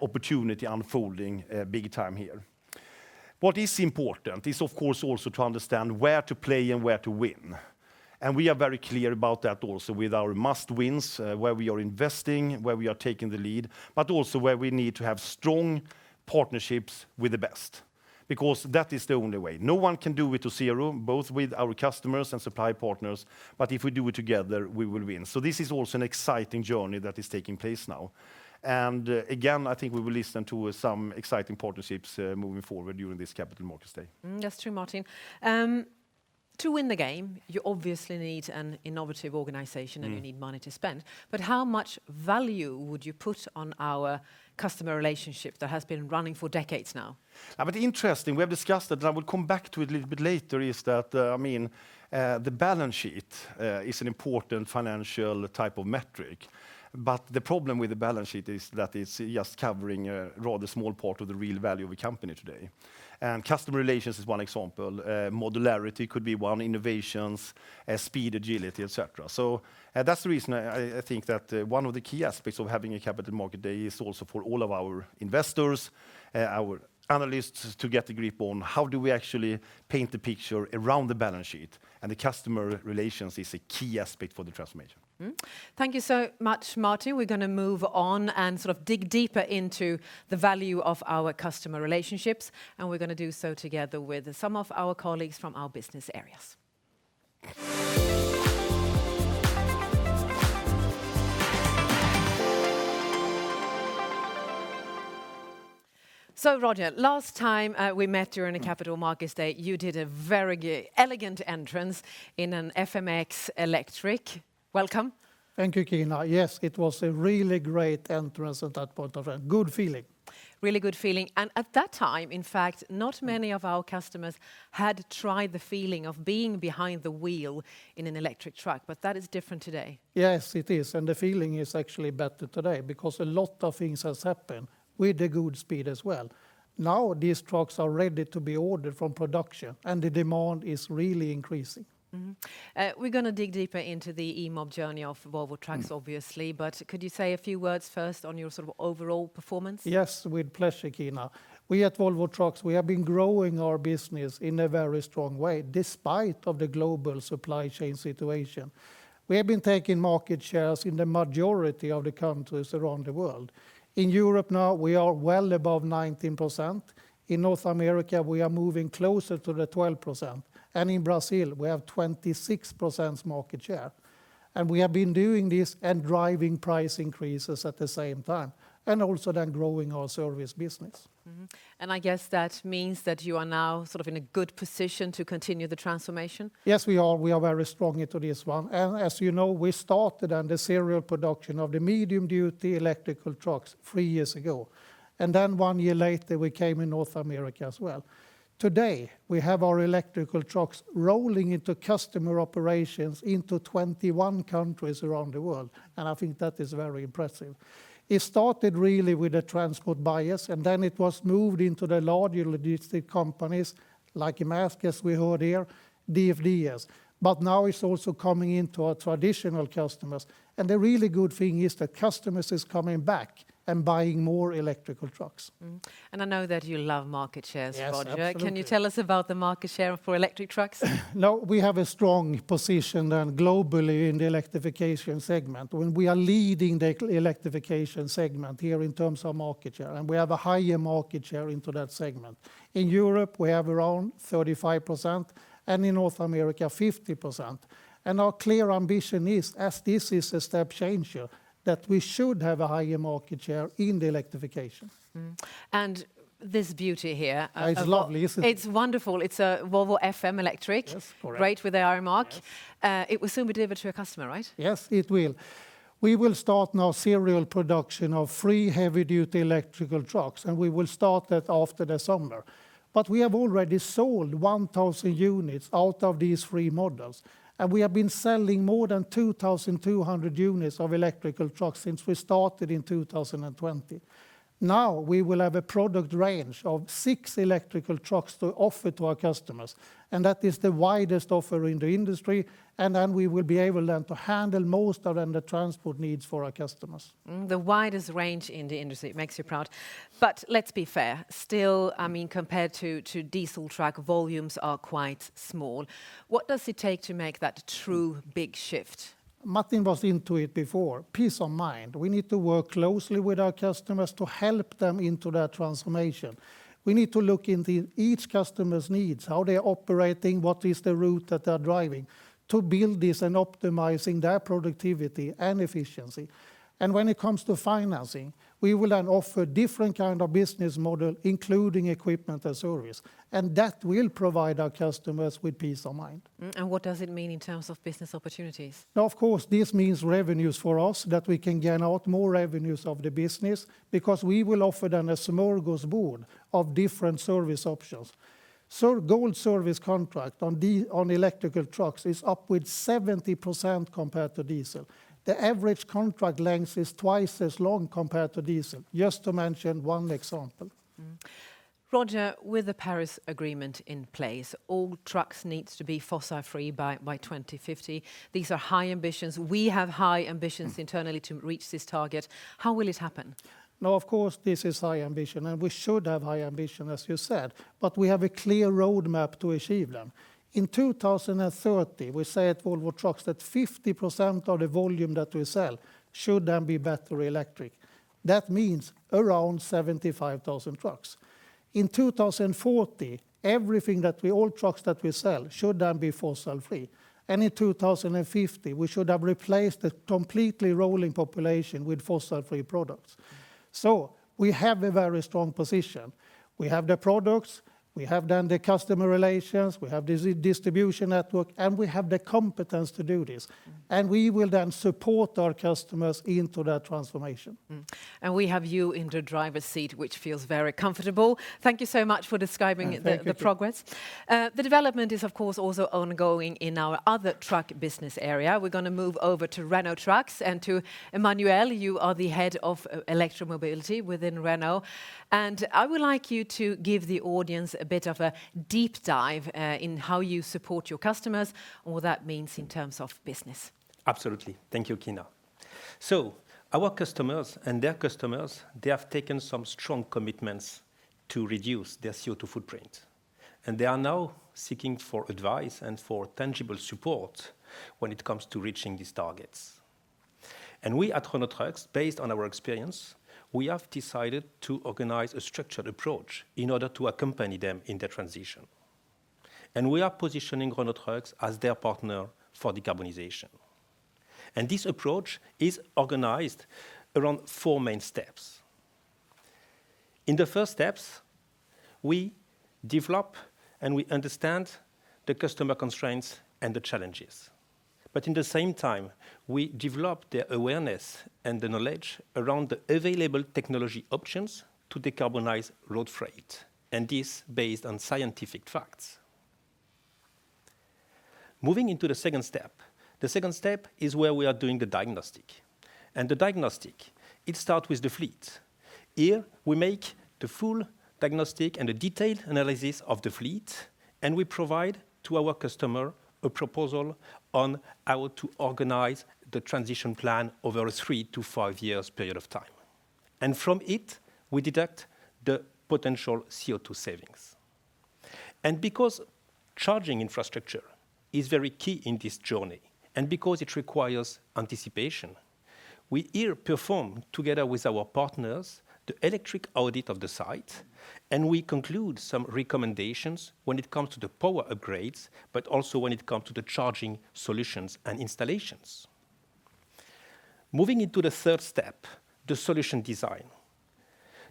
opportunity unfolding big time here. What is important is, of course, also to understand where to play and where to win, and we are very clear about that also with our must-wins, where we are investing, where we are taking the lead, but also where we need to have strong partnerships with the best because that is the only way. No one can do it alone, both with our customers and supply partners, but if we do it together, we will win. This is also an exciting journey that is taking place now. I think we will listen to some exciting partnerships, moving forward during this Capital Markets Day. That's true, Martin. To win the game, you obviously need an innovative organization. Mm you need money to spend, but how much value would you put on our customer relationship that has been running for decades now? Interesting, we have discussed that, and I will come back to it a little bit later, I mean, the balance sheet is an important financial type of metric, but the problem with the balance sheet is that it's just covering a rather small part of the real value of a company today. Customer relations is one example. Modularity could be one, innovations, speed, agility, etcetera. That's the reason I think that one of the key aspects of having a Capital Market Day is also for all of our investors, our analysts, is to get a grip on how do we actually paint the picture around the balance sheet, and the customer relations is a key aspect for the transformation. Thank you so much, Martin. We're gonna move on and sort of dig deeper into the value of our customer relationships, and we're gonna do so together with some of our colleagues from our business areas. Roger, last time, we met during the Capital Markets Day, you did a very elegant entrance in an FMX Electric. Welcome. Thank you, Kina. Yes, it was a really great entrance at that point of a good feeling. Really good feeling. At that time, in fact, not many of our customers had tried the feeling of being behind the wheel in an electric truck, but that is different today. Yes, it is, and the feeling is actually better today because a lot of things has happened with a good speed as well. Now, these trucks are ready to be ordered from production, and the demand is really increasing. Mm-hmm. We're gonna dig deeper into the e-mobility journey of Volvo Trucks. Mm Obviously, could you say a few words first on your sort of overall performance? Yes, with pleasure, Kina. We at Volvo Trucks, we have been growing our business in a very strong way despite of the global supply chain situation. We have been taking market shares in the majority of the countries around the world. In Europe now, we are well above 19%. In North America, we are moving closer to the 12%, and in Brazil, we have 26% market share. We have been doing this and driving price increases at the same time, and also then growing our service business. I guess that means that you are now sort of in a good position to continue the transformation? Yes, we are. We are very strong into this one. As you know, we started on the series production of the medium-duty electric trucks three years ago, and then one year later we came in North America as well. Today, we have our electric trucks rolling into customer operations into 21 countries around the world, and I think that is very impressive. It started really with the transport buyers, and then it was moved into the larger logistics companies, like Maersk, as we heard here, DFDS. Now it's also coming into our traditional customers, and the really good thing is that customers is coming back and buying more electric trucks. I know that you love market shares, Roger. Yes, absolutely. Can you tell us about the market share for electric trucks? Now, we have a strong position, and globally in the electrification segment, when we are leading the electrification segment here in terms of market share, and we have a higher market share into that segment. In Europe, we have around 35%, and in North America 50%. Our clear ambition is, as this is a step change here, that we should have a higher market share in the electrification. This beauty here. It's lovely, isn't it? It's wonderful. It's a Volvo FM Electric. Yes, correct. Great with our mark. Yes. It will soon be delivered to a customer, right? Yes, it will. We will start now series production of three heavy-duty electric trucks, and we will start that after the summer. We have already sold 1,000 units out of these three models, and we have been selling more than 2,200 units of electric trucks since we started in 2020. Now, we will have a product range of six electric trucks to offer to our customers, and that is the widest offer in the industry. We will be able to handle most of the transport needs for our customers. The widest range in the industry, it makes you proud. Let's be fair. Still, I mean, compared to diesel truck, volumes are quite small. What does it take to make that true big shift? Martin was into it before. Peace of mind. We need to work closely with our customers to help them into their transformation. We need to look into each customer's needs, how they are operating, what is the route that they are driving, to build this and optimizing their productivity and efficiency. When it comes to financing, we will then offer different kind of business model, including equipment and service, and that will provide our customers with peace of mind. What does it mean in terms of business opportunities? Of course, this means revenues for us, that we can get out more revenues of the business because we will offer them a smorgasbord of different service options. Gold service contract on the, on electric trucks is up with 70% compared to diesel. The average contract length is twice as long compared to diesel, just to mention one example. Roger, with the Paris Agreement in place, all trucks needs to be fossil free by 2050. These are high ambitions. We have high ambitions internally to reach this target. How will it happen? No, of course, this is high ambition, and we should have high ambition, as you said. We have a clear roadmap to achieve them. In 2030, we say at Volvo Trucks that 50% of the volume that we sell should then be battery electric. That means around 75,000 trucks. In 2040, all trucks that we sell should then be fossil free. In 2050, we should have replaced the complete rolling population with fossil-free products. We have a very strong position. We have the products, we have then the customer relations, we have this distribution network, and we have the competence to do this. We will then support our customers into that transformation. We have you in the driver's seat, which feels very comfortable. Thank you so much for describing the- Oh, thank you. The progress. The development is, of course, also ongoing in our other truck business area. We're gonna move over to Renault Trucks and to Emmanuel. You are the head of electromobility within Renault Trucks, and I would like you to give the audience a bit of a deep dive in how you support your customers and what that means in terms of business. Absolutely. Thank you, Kina. Our customers and their customers, they have taken some strong commitments to reduce their CO2 footprint, and they are now seeking for advice and for tangible support when it comes to reaching these targets. We at Renault Trucks, based on our experience, we have decided to organize a structured approach in order to accompany them in their transition, and we are positioning Renault Trucks as their partner for decarbonization. This approach is organized around four main steps. In the first steps, we develop and we understand the customer constraints and the challenges. In the same time, we develop their awareness and the knowledge around the available technology options to decarbonize road freight, and this based on scientific facts. Moving into the second step, the second step is where we are doing the diagnostic. The diagnostic, it start with the fleet. Here, we make the full diagnostic and a detailed analysis of the fleet, and we provide to our customer a proposal on how to organize the transition plan over a three to five years period of time. From it, we deduct the potential CO2 savings. Because charging infrastructure is very key in this journey, and because it requires anticipation, we here perform together with our partners the electric audit of the site, and we conclude some recommendations when it comes to the power upgrades, but also when it come to the charging solutions and installations. Moving into the third step, the solution design.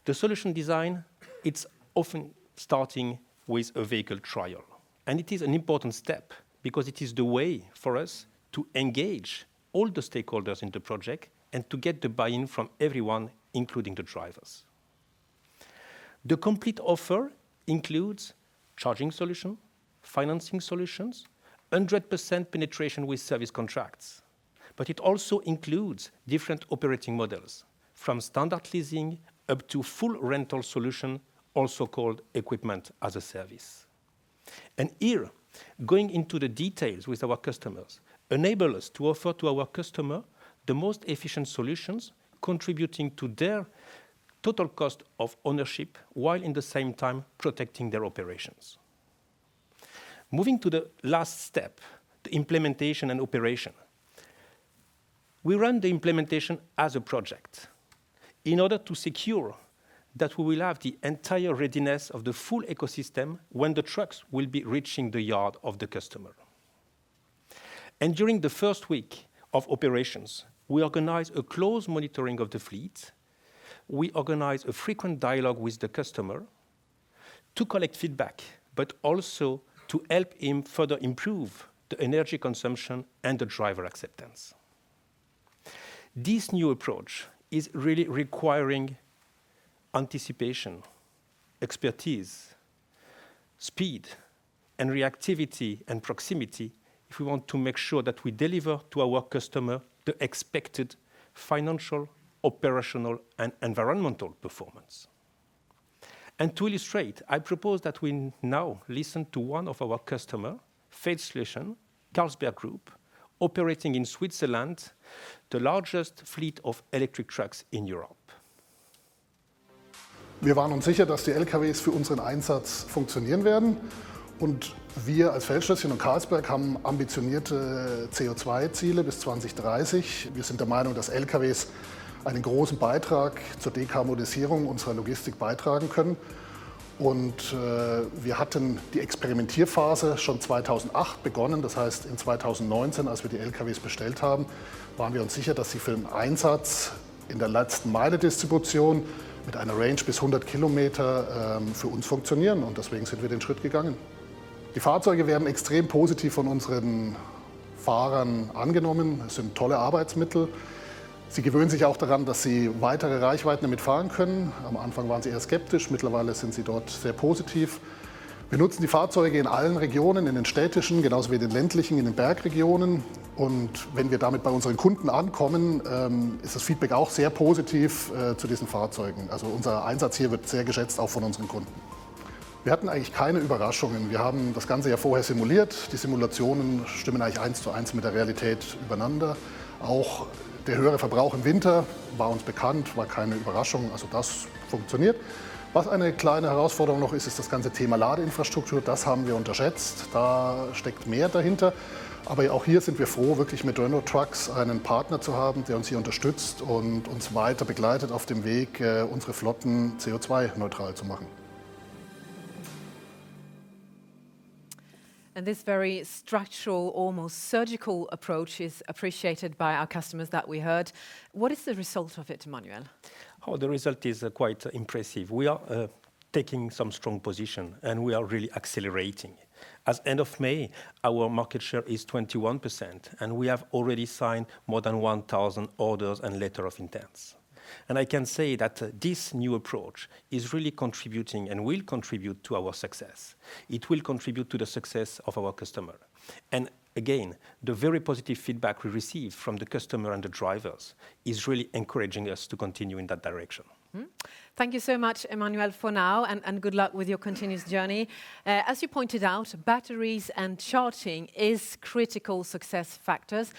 The solution design, it's often starting with a vehicle trial, and it is an important step because it is the way for us to engage all the stakeholders in the project and to get the buy-in from everyone, including the drivers. The complete offer includes charging solution, financing solutions, 100% penetration with service contracts, but it also includes different operating models from standard leasing up to full rental solution, also called equipment as a service. Here, going into the details with our customers enable us to offer to our customer the most efficient solutions contributing to their total cost of ownership, while in the same time protecting their operations. Moving to the last step, the implementation and operation. We run the implementation as a project in order to secure that we will have the entire readiness of the full ecosystem when the trucks will be reaching the yard of the customer. During the first week of operations, we organize a close monitoring of the fleet, we organize a frequent dialogue with the customer to collect feedback, but also to help him further improve the energy consumption and the driver acceptance. This new approach is really requiring anticipation, expertise, speed, and reactivity and proximity if we want to make sure that we deliver to our customer the expected financial, operational, and environmental performance. To illustrate, I propose that we now listen to one of our customer, Feldschlösschen, Carlsberg Group, operating in Switzerland, the largest fleet of electric trucks in Europe. Wir waren uns sicher, dass die LKWs für unseren Einsatz funktionieren werden. Wir als Feldschlösschen und Carlsberg haben ambitionierte CO₂-Ziele bis 2030. Wir sind der Meinung, dass LKWs einen großen Beitrag zur Dekarbonisierung unserer Logistik beitragen können. Wir hatten die Experimentierphase schon 2008 begonnen. Das heißt, in 2019, als wir die LKWs bestellt haben, waren wir uns sicher, dass sie für den Einsatz in der Last-Meile-Distribution mit einer Range bis 100 Kilometer für uns funktionieren, und deswegen sind wir den Schritt gegangen. Die Fahrzeuge werden extrem positiv von unseren Fahrern angenommen. Es sind tolle Arbeitsmittel. Sie gewöhnen sich auch daran, dass sie weitere Reichweiten damit fahren können. Am Anfang waren sie eher skeptisch, mittlerweile sind sie dort sehr positiv. Wir nutzen die Fahrzeuge in allen Regionen, in den städtischen genauso wie in den ländlichen, in den Bergregionen. Wenn wir damit bei unseren Kunden ankommen, ist das Feedback auch sehr positiv zu diesen Fahrzeugen. Unser Einsatz hier wird sehr geschätzt, auch von unseren Kunden. Wir hatten eigentlich keine Überraschungen. Wir haben das Ganze ja vorher simuliert. Die Simulationen stimmen eigentlich eins zu eins mit der Realität überein. Auch der höhere Verbrauch im Winter war uns bekannt, war keine Überraschung. Das funktioniert. Was eine kleine Herausforderung noch ist das ganze Thema Ladeinfrastruktur. Das haben wir unterschätzt. Da steckt mehr dahinter. Aber auch hier sind wir froh, wirklich mit Renault Trucks einen Partner zu haben, der uns hier unterstützt und uns weiter begleitet auf dem Weg, unsere Flotten CO2-neutral zu machen. This very structural, almost surgical approach is appreciated by our customers that we heard. What is the result of it, Emmanuel? Oh, the result is quite impressive. We are taking some strong position, and we are really accelerating. As end of May, our market share is 21%, and we have already signed more than 1,000 orders and letter of intents. I can say that this new approach is really contributing and will contribute to our success. It will contribute to the success of our customer. Again, the very positive feedback we receive from the customer and the drivers is really encouraging us to continue in that direction. Thank you so much, Emmanuel, for now, and good luck with your continuous journey. As you pointed out, batteries and charging is critical success factors.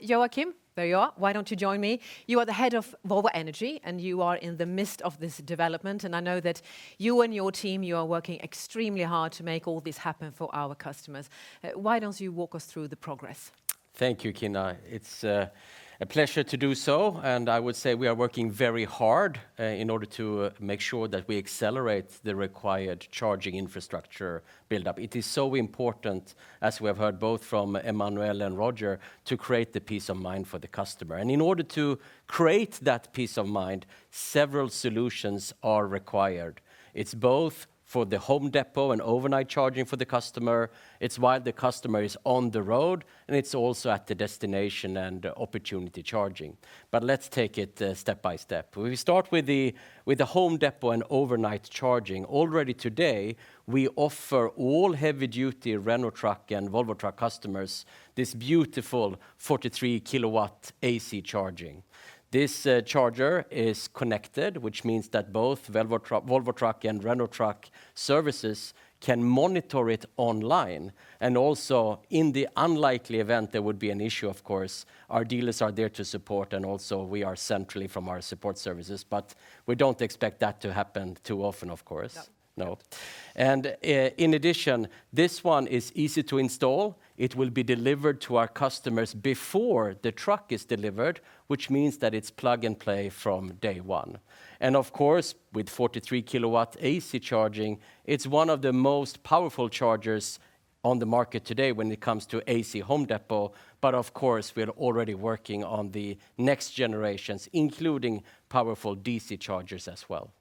Joachim, there you are. Why don't you join me? You are the head of Volvo Energy, and you are in the midst of this development, and I know that you and your team, you are working extremely hard to make all this happen for our customers. Why don't you walk us through the progress? Thank you, Kina. It's a pleasure to do so, and I would say we are working very hard in order to make sure that we accelerate the required charging infrastructure build-up. It is so important, as we have heard both from Emmanuel and Roger, to create the peace of mind for the customer. In order to create that peace of mind, several solutions are required. It's both for the home depot and overnight charging for the customer, it's while the customer is on the road, and it's also at the destination and opportunity charging. Let's take it step by step. We start with the home depot and overnight charging. Already today, we offer all heavy-duty Renault Trucks and Volvo Trucks customers this beautiful 43 kW AC charging. This charger is connected, which means that both Volvo Trucks and Renault Trucks services can monitor it online. In the unlikely event there would be an issue, of course, our dealers are there to support, and also we have central support services, but we don't expect that to happen too often, of course. No. No. In addition, this one is easy to install. It will be delivered to our customers before the truck is delivered, which means that it's plug and play from day one. Of course, with 43 kW AC charging, it's one of the most powerful chargers on the market today when it comes to AC home charging. Of course, we're already working on the next generations, including powerful DC chargers as well.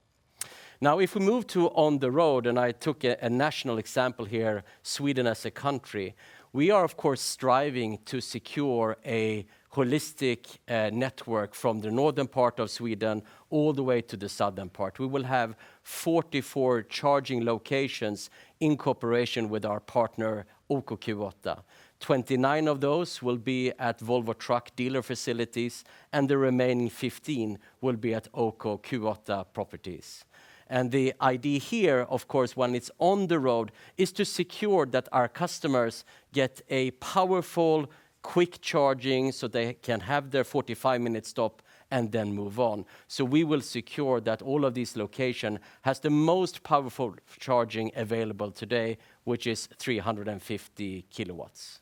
Now, if we move to on the road, I took a national example here, Sweden as a country, we are of course striving to secure a holistic network from the northern part of Sweden all the way to the southern part. We will have 44 charging locations in cooperation with our partner OKQ8. 29 of those will be at Volvo Trucks dealer facilities, and the remaining 15 will be at OKQ8 properties. The idea here, of course, when it's on the road, is to secure that our customers get a powerful, quick charging, so they can have their 45-minute stop and then move on. We will secure that all of these locations have the most powerful fast charging available today, which is 350 kilowatts.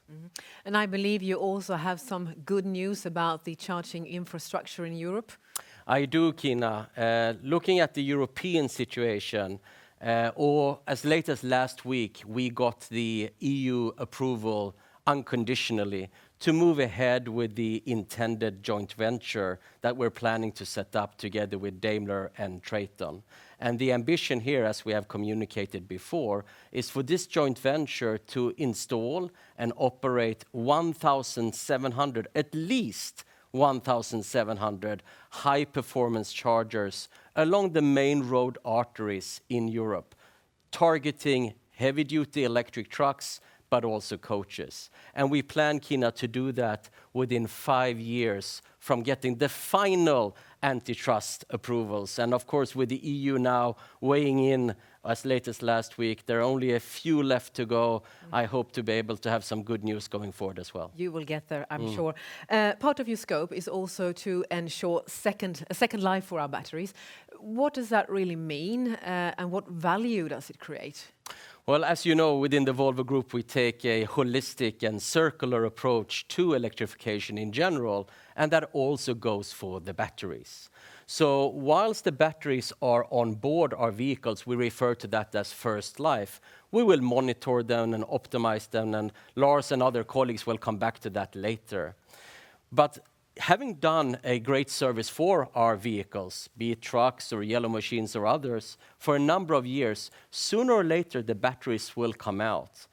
I believe you also have some good news about the charging infrastructure in Europe. I do, Kina. Looking at the European situation, or as late as last week, we got the EU approval unconditionally to move ahead with the intended joint venture that we're planning to set up together with Daimler Truck and Traton. The ambition here, as we have communicated before, is for this joint venture to install and operate 1,700, at least 1,700 high performance chargers along the main road arteries in Europe. Targeting heavy duty electric trucks, but also coaches. We plan, Kina, to do that within five years from getting the final antitrust approvals. Of course, with the EU now weighing in as late as last week, there are only a few left to go. I hope to be able to have some good news going forward as well. You will get there, I'm sure. Mm. Part of your scope is also to ensure a second life for our batteries. What does that really mean, and what value does it create? Well, as you know, within the Volvo Group, we take a holistic and circular approach to electrification in general, and that also goes for the batteries. While the batteries are on board our vehicles, we refer to that as first life, we will monitor them and optimize them, and Lars and other colleagues will come back to that later. Having done a great service for our vehicles, be it trucks or yellow machines or others, for a number of years, sooner or later the batteries will come out,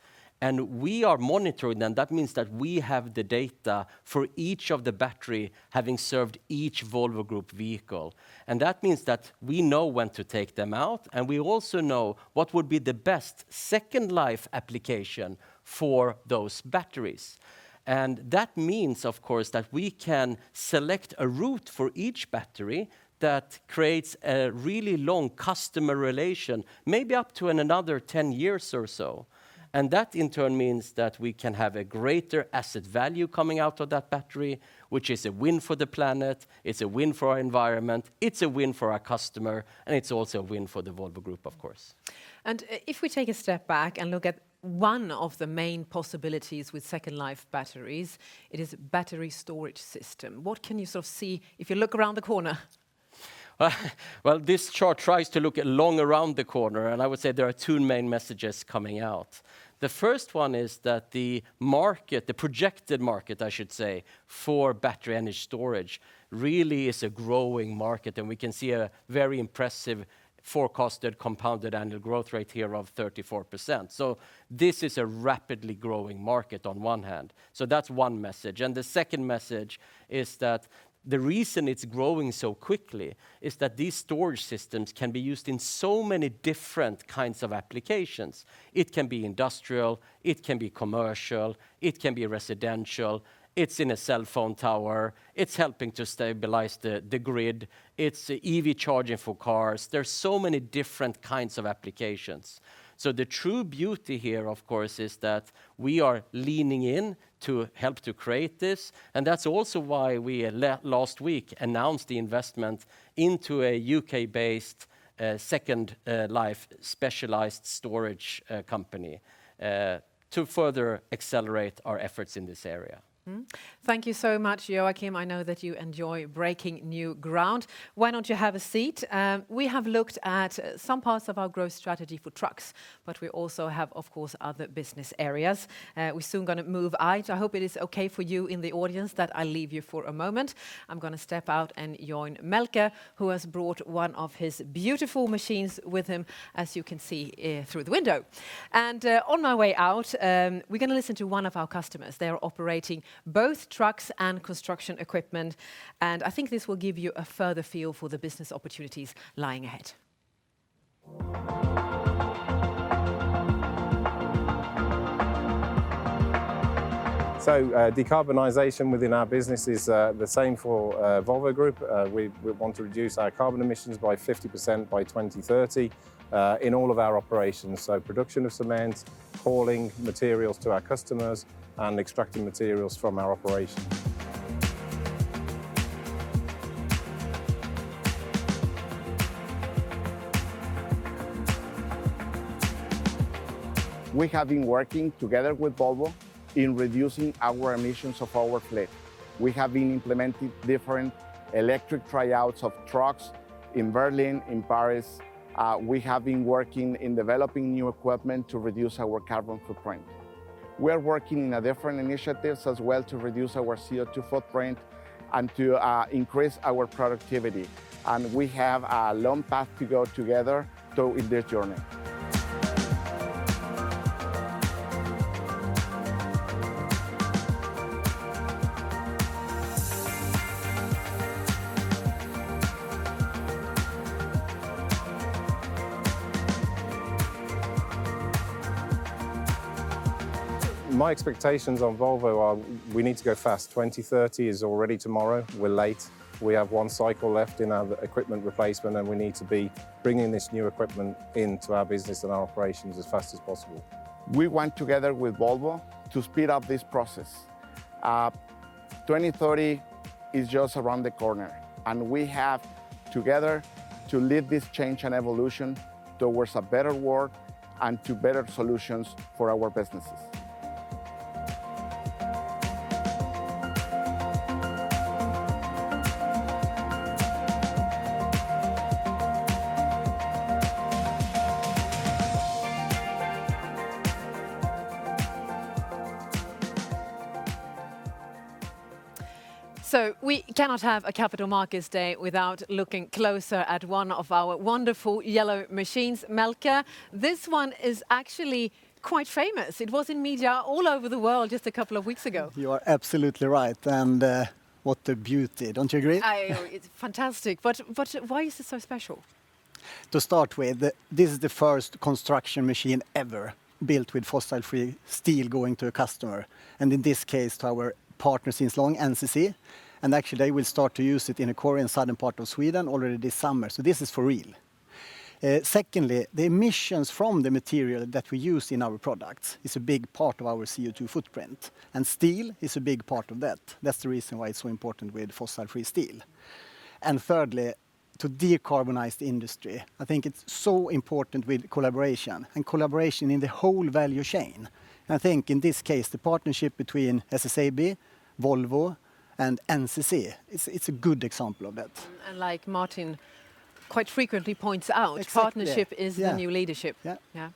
and we are monitoring them. That means that we have the data for each of the battery having served each Volvo Group vehicle, and that means that we know when to take them out, and we also know what would be the best second life application for those batteries. That means, of course, that we can select a route for each battery that creates a really long customer relation, maybe up to another 11 years or so. That, in turn, means that we can have a greater asset value coming out of that battery, which is a win for the planet, it's a win for our environment, it's a win for our customer, and it's also a win for the Volvo Group, of course. If we take a step back and look at one of the main possibilities with second life batteries, it is battery storage system. What can you sort of see if you look around the corner? Well, this chart tries to look long around the corner, and I would say there are two main messages coming out. The first one is that the market, the projected market, I should say, for battery energy storage really is a growing market, and we can see a very impressive forecasted compounded annual growth rate here of 34%. This is a rapidly growing market on one hand, so that's one message. The second message is that the reason it's growing so quickly is that these storage systems can be used in so many different kinds of applications. It can be industrial, it can be commercial, it can be residential, it's in a cellphone tower, it's helping to stabilize the grid, it's EV charging for cars. There's so many different kinds of applications. The true beauty here, of course, is that we are leaning in to help to create this, and that's also why we last week announced the investment into a U.K.-based, second life specialized storage company, to further accelerate our efforts in this area. Thank you so much, Joachim. I know that you enjoy breaking new ground. Why don't you have a seat? We have looked at some parts of our growth strategy for trucks, but we also have, of course, other business areas. We're soon gonna move out. I hope it is okay for you in the audience that I leave you for a moment. I'm gonna step out and join Melker, who has brought one of his beautiful machines with him, as you can see through the window. On my way out, we're gonna listen to one of our customers. They are operating both trucks and construction equipment, and I think this will give you a further feel for the business opportunities lying ahead. Decarbonization within our business is the same for Volvo Group. We want to reduce our carbon emissions by 50% by 2030 in all of our operations, so production of cement, hauling materials to our customers, and extracting materials from our operation. We have been working together with Volvo in reducing our emissions of our fleet. We have been implementing different electric tryouts of trucks in Berlin, in Paris. We have been working in developing new equipment to reduce our carbon footprint. We are working in different initiatives as well to reduce our CO2 footprint and to increase our productivity, and we have a long path to go together in this journey. My expectations on Volvo are we need to go fast. 2030 is already tomorrow. We're late. We have one cycle left in our equipment replacement, and we need to be bringing this new equipment into our business and our operations as fast as possible. We went together with Volvo to speed up this process. 2030 is just around the corner, and we have, together, to lead this change and evolution towards a better world and to better solutions for our businesses. We cannot have a Capital Markets Day without looking closer at one of our wonderful yellow machines. Melker, this one is actually quite famous. It was in media all over the world just a couple of weeks ago. You are absolutely right, and, what a beauty. Don't you agree? It's fantastic, but why is it so special? To start with, this is the first construction machine ever built with fossil-free steel going to a customer, and in this case, to our partner since long, NCC. Actually they will start to use it in Skåne southern part of Sweden already this summer, so this is for real. Secondly, the emissions from the material that we use in our products is a big part of our CO2 footprint, and steel is a big part of that. That's the reason why it's so important with fossil-free steel. Thirdly, to decarbonize the industry, I think it's so important with collaboration, and collaboration in the whole value chain. I think in this case, the partnership between SSAB, Volvo, and NCC is, it's a good example of it. Like Martin quite frequently points out. Exactly, yeah. Partnership is the new leadership. Yeah. Yeah.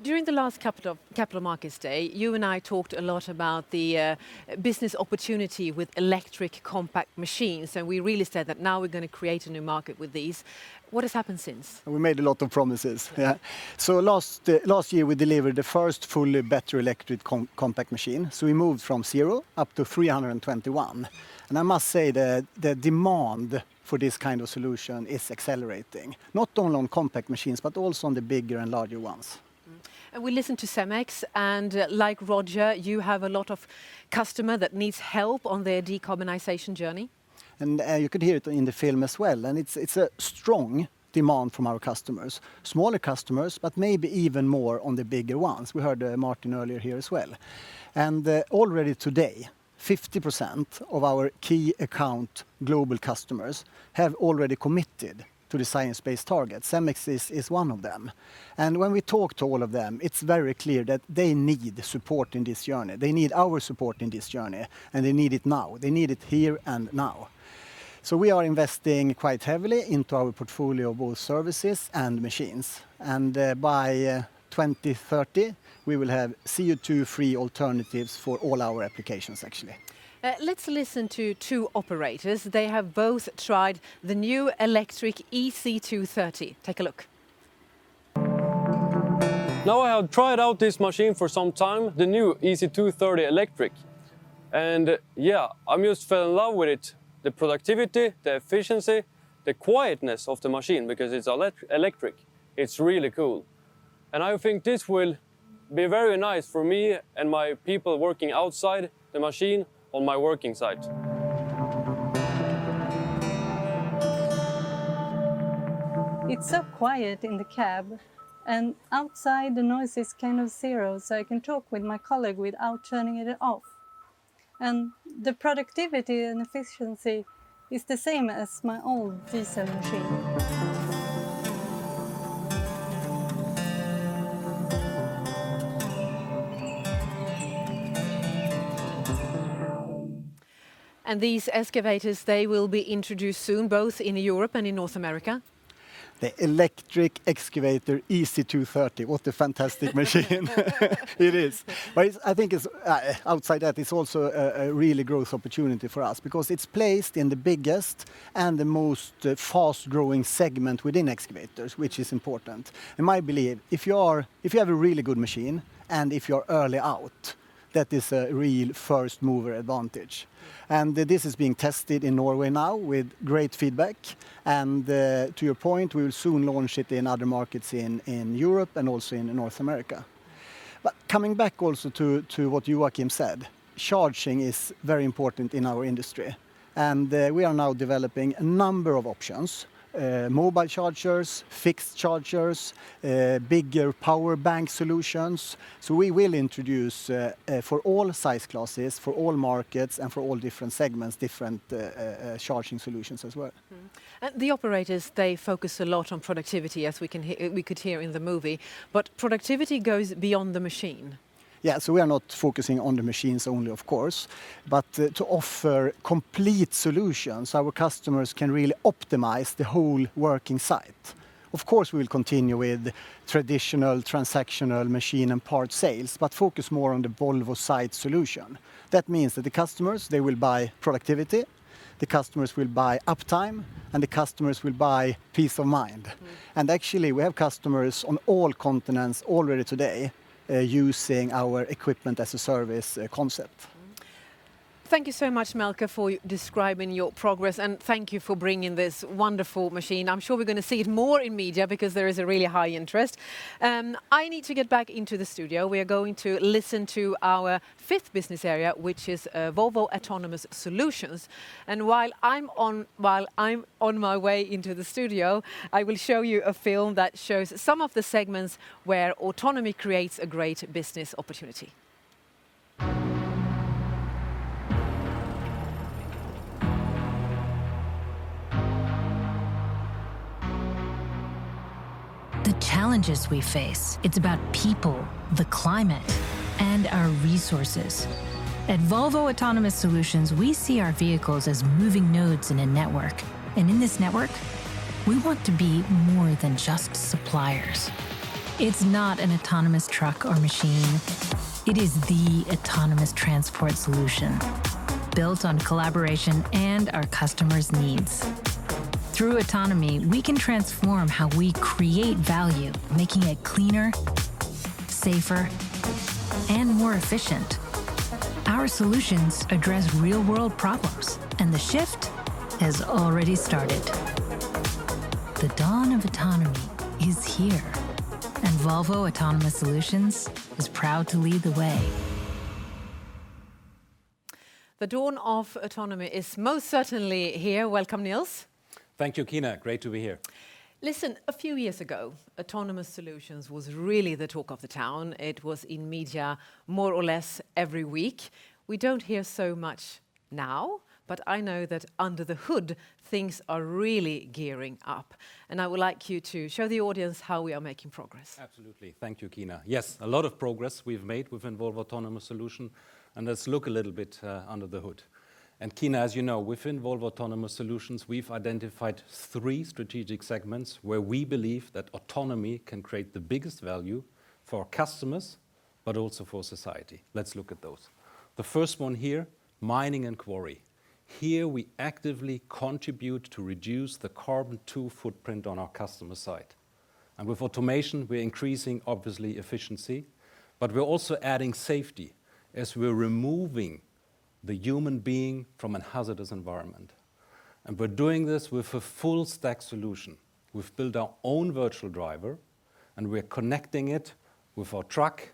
During the last Capital Markets Day, you and I talked a lot about the business opportunity with electric compact machines, and we really said that now we're gonna create a new market with these. What has happened since? We made a lot of promises, yeah. Last year we delivered the first fully battery electric compact machine, so we moved from zero up to 321. I must say the demand for this kind of solution is accelerating, not only on compact machines, but also on the bigger and larger ones. We listened to Cemex, and like Roger, you have a lot of customer that needs help on their decarbonization journey. You could hear it in the film as well, and it's a strong demand from our customers, smaller customers, but maybe even more on the bigger ones. We heard Martin earlier here as well. Already today, 50% of our key account global customers have already committed to the science-based target. Cemex is one of them. When we talk to all of them, it's very clear that they need support in this journey. They need our support in this journey, and they need it now. They need it here and now. We are investing quite heavily into our portfolio of both services and machines. By 2030, we will have CO2-free alternatives for all our applications, actually. Let's listen to two operators. They have both tried the new electric EC230. Take a look. Now I have tried out this machine for some time, the new EC230 Electric. Yeah, I'm just fell in love with it. The productivity, the efficiency, the quietness of the machine because it's electric, it's really cool. I think this will be very nice for me and my people working outside the machine on my working site. It's so quiet in the cab, and outside the noise is kind of zero, so I can talk with my colleague without turning it off. The productivity and efficiency is the same as my old diesel machine. These excavators, they will be introduced soon, both in Europe and in North America? The electric excavator, EC230, what a fantastic machine it is. It's, I think, outside that, it's also a really growth opportunity for us because it's placed in the biggest and the most fast-growing segment within excavators, which is important. In my belief, if you are, if you have a really good machine, and if you're early out, that is a real first-mover advantage. This is being tested in Norway now with great feedback, and to your point, we'll soon launch it in other markets in Europe and also in North America. Coming back also to what Joachim said, charging is very important in our industry, and we are now developing a number of options, mobile chargers, fixed chargers, bigger power bank solutions. We will introduce, for all size classes, for all markets, and for all different segments, different charging solutions as well. The operators, they focus a lot on productivity, as we could hear in the movie. Productivity goes beyond the machine. We are not focusing on the machines only, of course, but to offer complete solutions our customers can really optimize the whole working site. Of course, we'll continue with traditional transactional machine and part sales, but focus more on the Volvo side solution. That means that the customers, they will buy productivity, the customers will buy uptime, and the customers will buy peace of mind. Mm. Actually, we have customers on all continents already today, using our equipment as a service, concept. Thank you so much, Melker, for describing your progress, and thank you for bringing this wonderful machine. I'm sure we're gonna see it more in media because there is a really high interest. I need to get back into the studio. We are going to listen to our fifth business area, which is Volvo Autonomous Solutions. While I'm on my way into the studio, I will show you a film that shows some of the segments where autonomy creates a great business opportunity. The challenges we face, it's about people, the climate, and our resources. At Volvo Autonomous Solutions, we see our vehicles as moving nodes in a network. In this network, we want to be more than just suppliers. It's not an autonomous truck or machine. It is the autonomous transport solution, built on collaboration and our customers' needs. Through autonomy, we can transform how we create value, making it cleaner, safer, and more efficient. Our solutions address real-world problems, and the shift has already started. The dawn of autonomy is here, and Volvo Autonomous Solutions is proud to lead the way. The dawn of autonomy is most certainly here. Welcome, Nils. Thank you, Kina. Great to be here. Listen, a few years ago, Autonomous Solutions was really the talk of the town. It was in media more or less every week. We don't hear so much now, but I know that under the hood things are really gearing up, and I would like you to show the audience how we are making progress. Absolutely. Thank you, Kina. Yes, a lot of progress we've made within Volvo Autonomous Solutions, and let's look a little bit under the hood. Kina, as you know, within Volvo Autonomous Solutions, we've identified three strategic segments where we believe that autonomy can create the biggest value for our customers, but also for society. Let's look at those. The first one here, mining and quarry. Here we actively contribute to reduce the CO2 footprint on our customer site. With automation we're increasing, obviously, efficiency, but we're also adding safety as we're removing the human being from a hazardous environment. We're doing this with a full stack solution. We've built our own virtual driver, and we are connecting it with our truck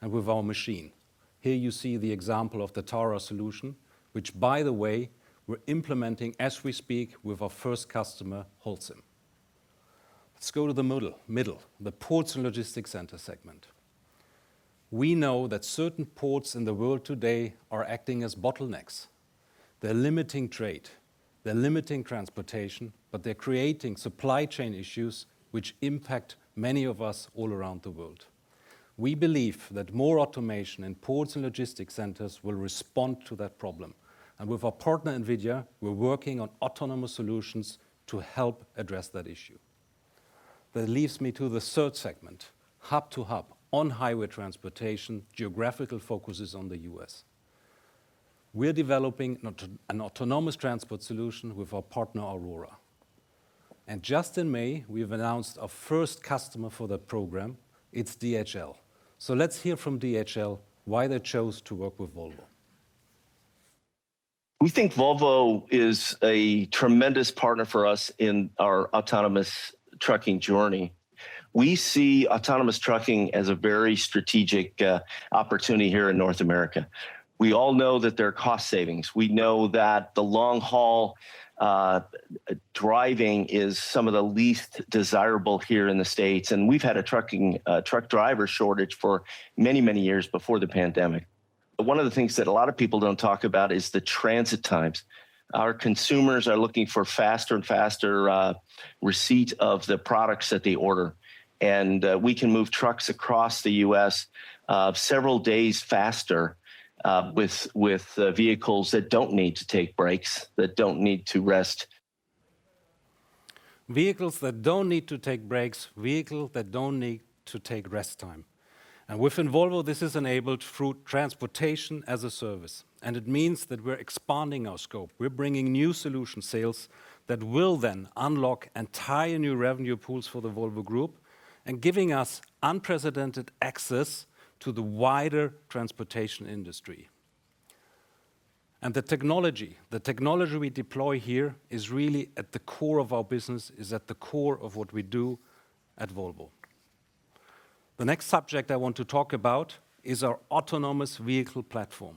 and with our machine. Here you see the example of the TARA solution, which by the way, we're implementing as we speak with our first customer, Holcim. Let's go to the middle, the ports and logistics center segment. We know that certain ports in the world today are acting as bottlenecks. They're limiting trade, they're limiting transportation, but they're creating supply chain issues which impact many of us all around the world. We believe that more automation in ports and logistics centers will respond to that problem. With our partner, NVIDIA, we're working on autonomous solutions to help address that issue. That leads me to the third segment, hub-to-hub on highway transportation, geographical focus is on the U.S. We're developing an autonomous transport solution with our partner Aurora. Just in May, we have announced our first customer for that program. It's DHL. Let's hear from DHL why they chose to work with Volvo. We think Volvo is a tremendous partner for us in our autonomous trucking journey. We see autonomous trucking as a very strategic opportunity here in North America. We all know that there are cost savings. We know that the long haul driving is some of the least desirable here in the States, and we've had a truck driver shortage for many years before the pandemic. One of the things that a lot of people don't talk about is the transit times. Our consumers are looking for faster and faster receipt of the products that they order, and we can move trucks across the U.S. several days faster with vehicles that don't need to take breaks, that don't need to rest. Vehicles that don't need to take breaks, vehicle that don't need to take rest time. Within Volvo this is enabled through transportation as a service, and it means that we're expanding our scope. We're bringing new solution sales that will then unlock entire new revenue pools for the Volvo Group and giving us unprecedented access to the wider transportation industry. The technology we deploy here is really at the core of our business, is at the core of what we do at Volvo. The next subject I want to talk about is our autonomous vehicle platform,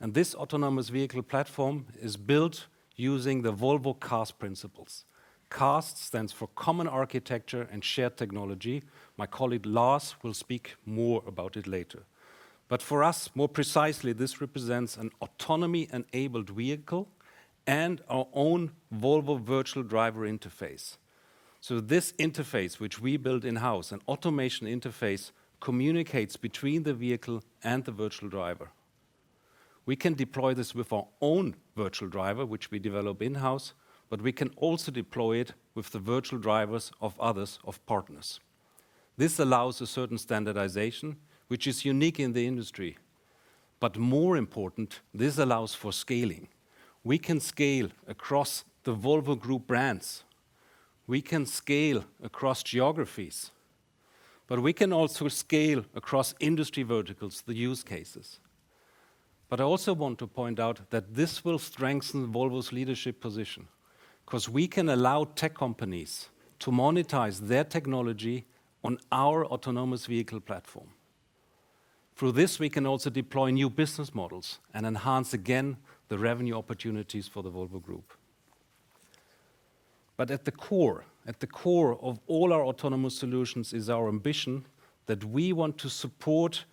and this autonomous vehicle platform is built using the Volvo CAST principles. CAST stands for Common Architecture and Shared Technology. My colleague Lars will speak more about it later. For us, more precisely, this represents an autonomy-enabled vehicle and our own Volvo virtual driver interface. This interface, which we build in-house, an automation interface, communicates between the vehicle and the virtual driver. We can deploy this with our own virtual driver, which we develop in-house, but we can also deploy it with the virtual drivers of others, of partners. This allows a certain standardization, which is unique in the industry. More important, this allows for scaling. We can scale across the Volvo Group brands. We can scale across geographies, but we can also scale across industry verticals, the use cases. I also want to point out that this will strengthen Volvo's leadership position, 'cause we can allow tech companies to monetize their technology on our autonomous vehicle platform. Through this, we can also deploy new business models and enhance again the revenue opportunities for the Volvo Group. At the core of all our autonomous solutions is our ambition that we want to support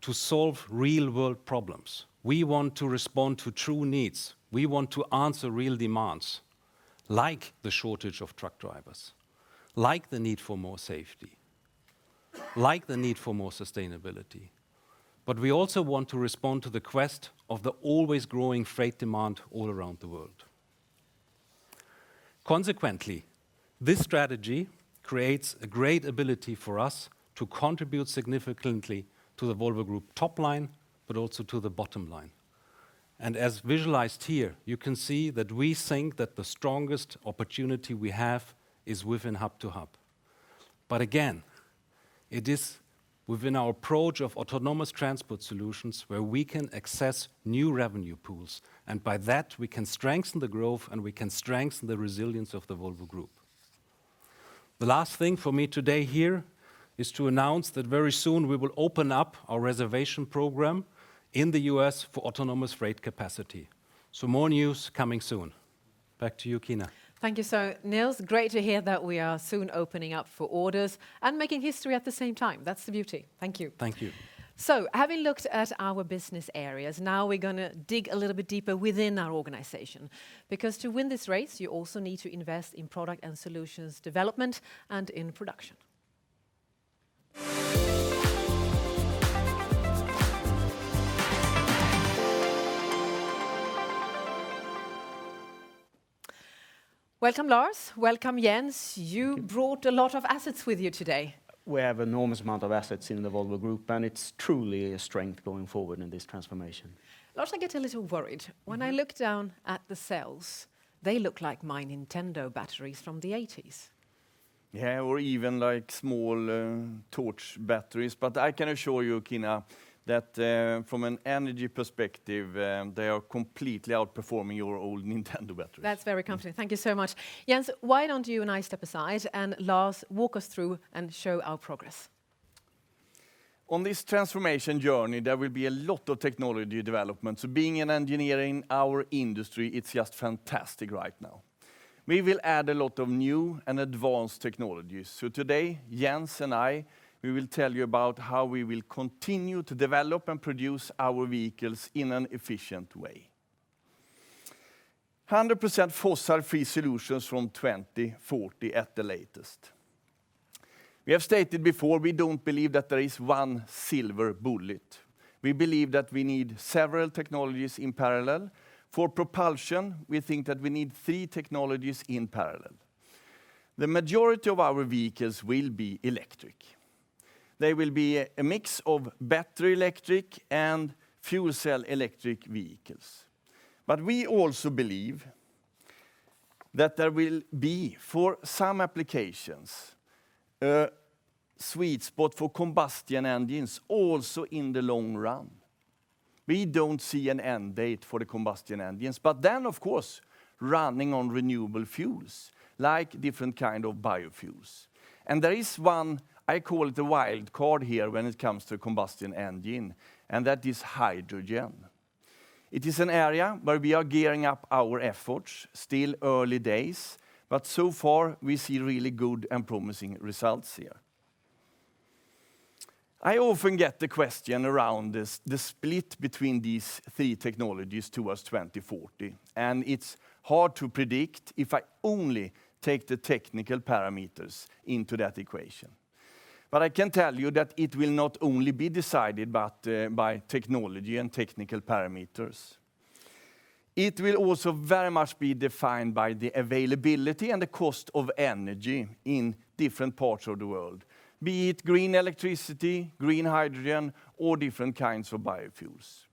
to solve real world problems. We want to respond to true needs. We want to answer real demands, like the shortage of truck drivers, like the need for more safety, like the need for more sustainability. We also want to respond to the quest of the always growing freight demand all around the world. Consequently, this strategy creates a great ability for us to contribute significantly to the Volvo Group top line, but also to the bottom line. As visualized here, you can see that we think that the strongest opportunity we have is within hub-to-hub. Again, it is within our approach of autonomous transport solutions where we can access new revenue pools, and by that, we can strengthen the growth, and we can strengthen the resilience of the Volvo Group. The last thing for me today here is to announce that very soon we will open up our reservation program in the U.S. for autonomous freight capacity. More news coming soon. Back to you, Kina. Thank you, sir. Nils, great to hear that we are soon opening up for orders and making history at the same time. That's the beauty. Thank you. Thank you. Having looked at our business areas, now we're gonna dig a little bit deeper within our organization because to win this race, you also need to invest in product and solutions development and in production. Welcome, Lars. Welcome, Jens. You brought a lot of assets with you today. We have enormous amount of assets in the Volvo Group, and it's truly a strength going forward in this transformation. Lars, I get a little worried. When I look down at the cells, they look like my Nintendo batteries from the '80s. Yeah, or even like small torch batteries. I can assure you, Kina, that from an energy perspective, they are completely outperforming your old Nintendo batteries. That's very comforting. Thank you so much. Jens, why don't you and I step aside, and Lars, walk us through and show our progress. On this transformation journey, there will be a lot of technology development, so being in engineering, our industry, it's just fantastic right now. We will add a lot of new and advanced technologies. Today, Jens and I, we will tell you about how we will continue to develop and produce our vehicles in an efficient way. 100% fossil-free solutions from 2040 at the latest. We have stated before, we don't believe that there is one silver bullet. We believe that we need several technologies in parallel. For propulsion, we think that we need three technologies in parallel. The majority of our vehicles will be electric. They will be a mix of battery electric and fuel cell electric vehicles. We also believe that there will be, for some applications, a sweet spot for combustion engines also in the long run. We don't see an end date for the combustion engines, but then of course, running on renewable fuels like different kind of biofuels. There is one, I call it the wild card here when it comes to combustion engine, and that is hydrogen. It is an area where we are gearing up our efforts. Still early days, but so far, we see really good and promising results here. I often get the question around this, the split between these three technologies towards 2040, and it's hard to predict if I only take the technical parameters into that equation. I can tell you that it will not only be decided but, by technology and technical parameters. It will also very much be defined by the availability and the cost of energy in different parts of the world, be it green electricity, green hydrogen, or different kinds of biofuels.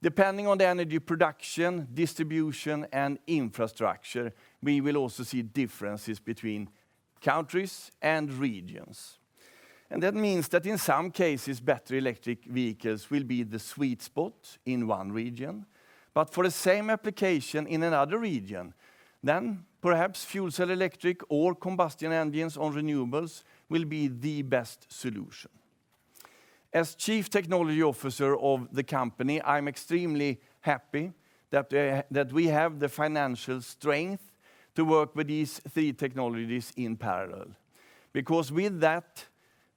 Depending on the energy production, distribution, and infrastructure, we will also see differences between countries and regions. That means that in some cases, better electric vehicles will be the sweet spot in one region. For the same application in another region, then perhaps fuel cell electric or combustion engines on renewables will be the best solution. As Chief Technology Officer of the company, I'm extremely happy that we have the financial strength to work with these three technologies in parallel. With that,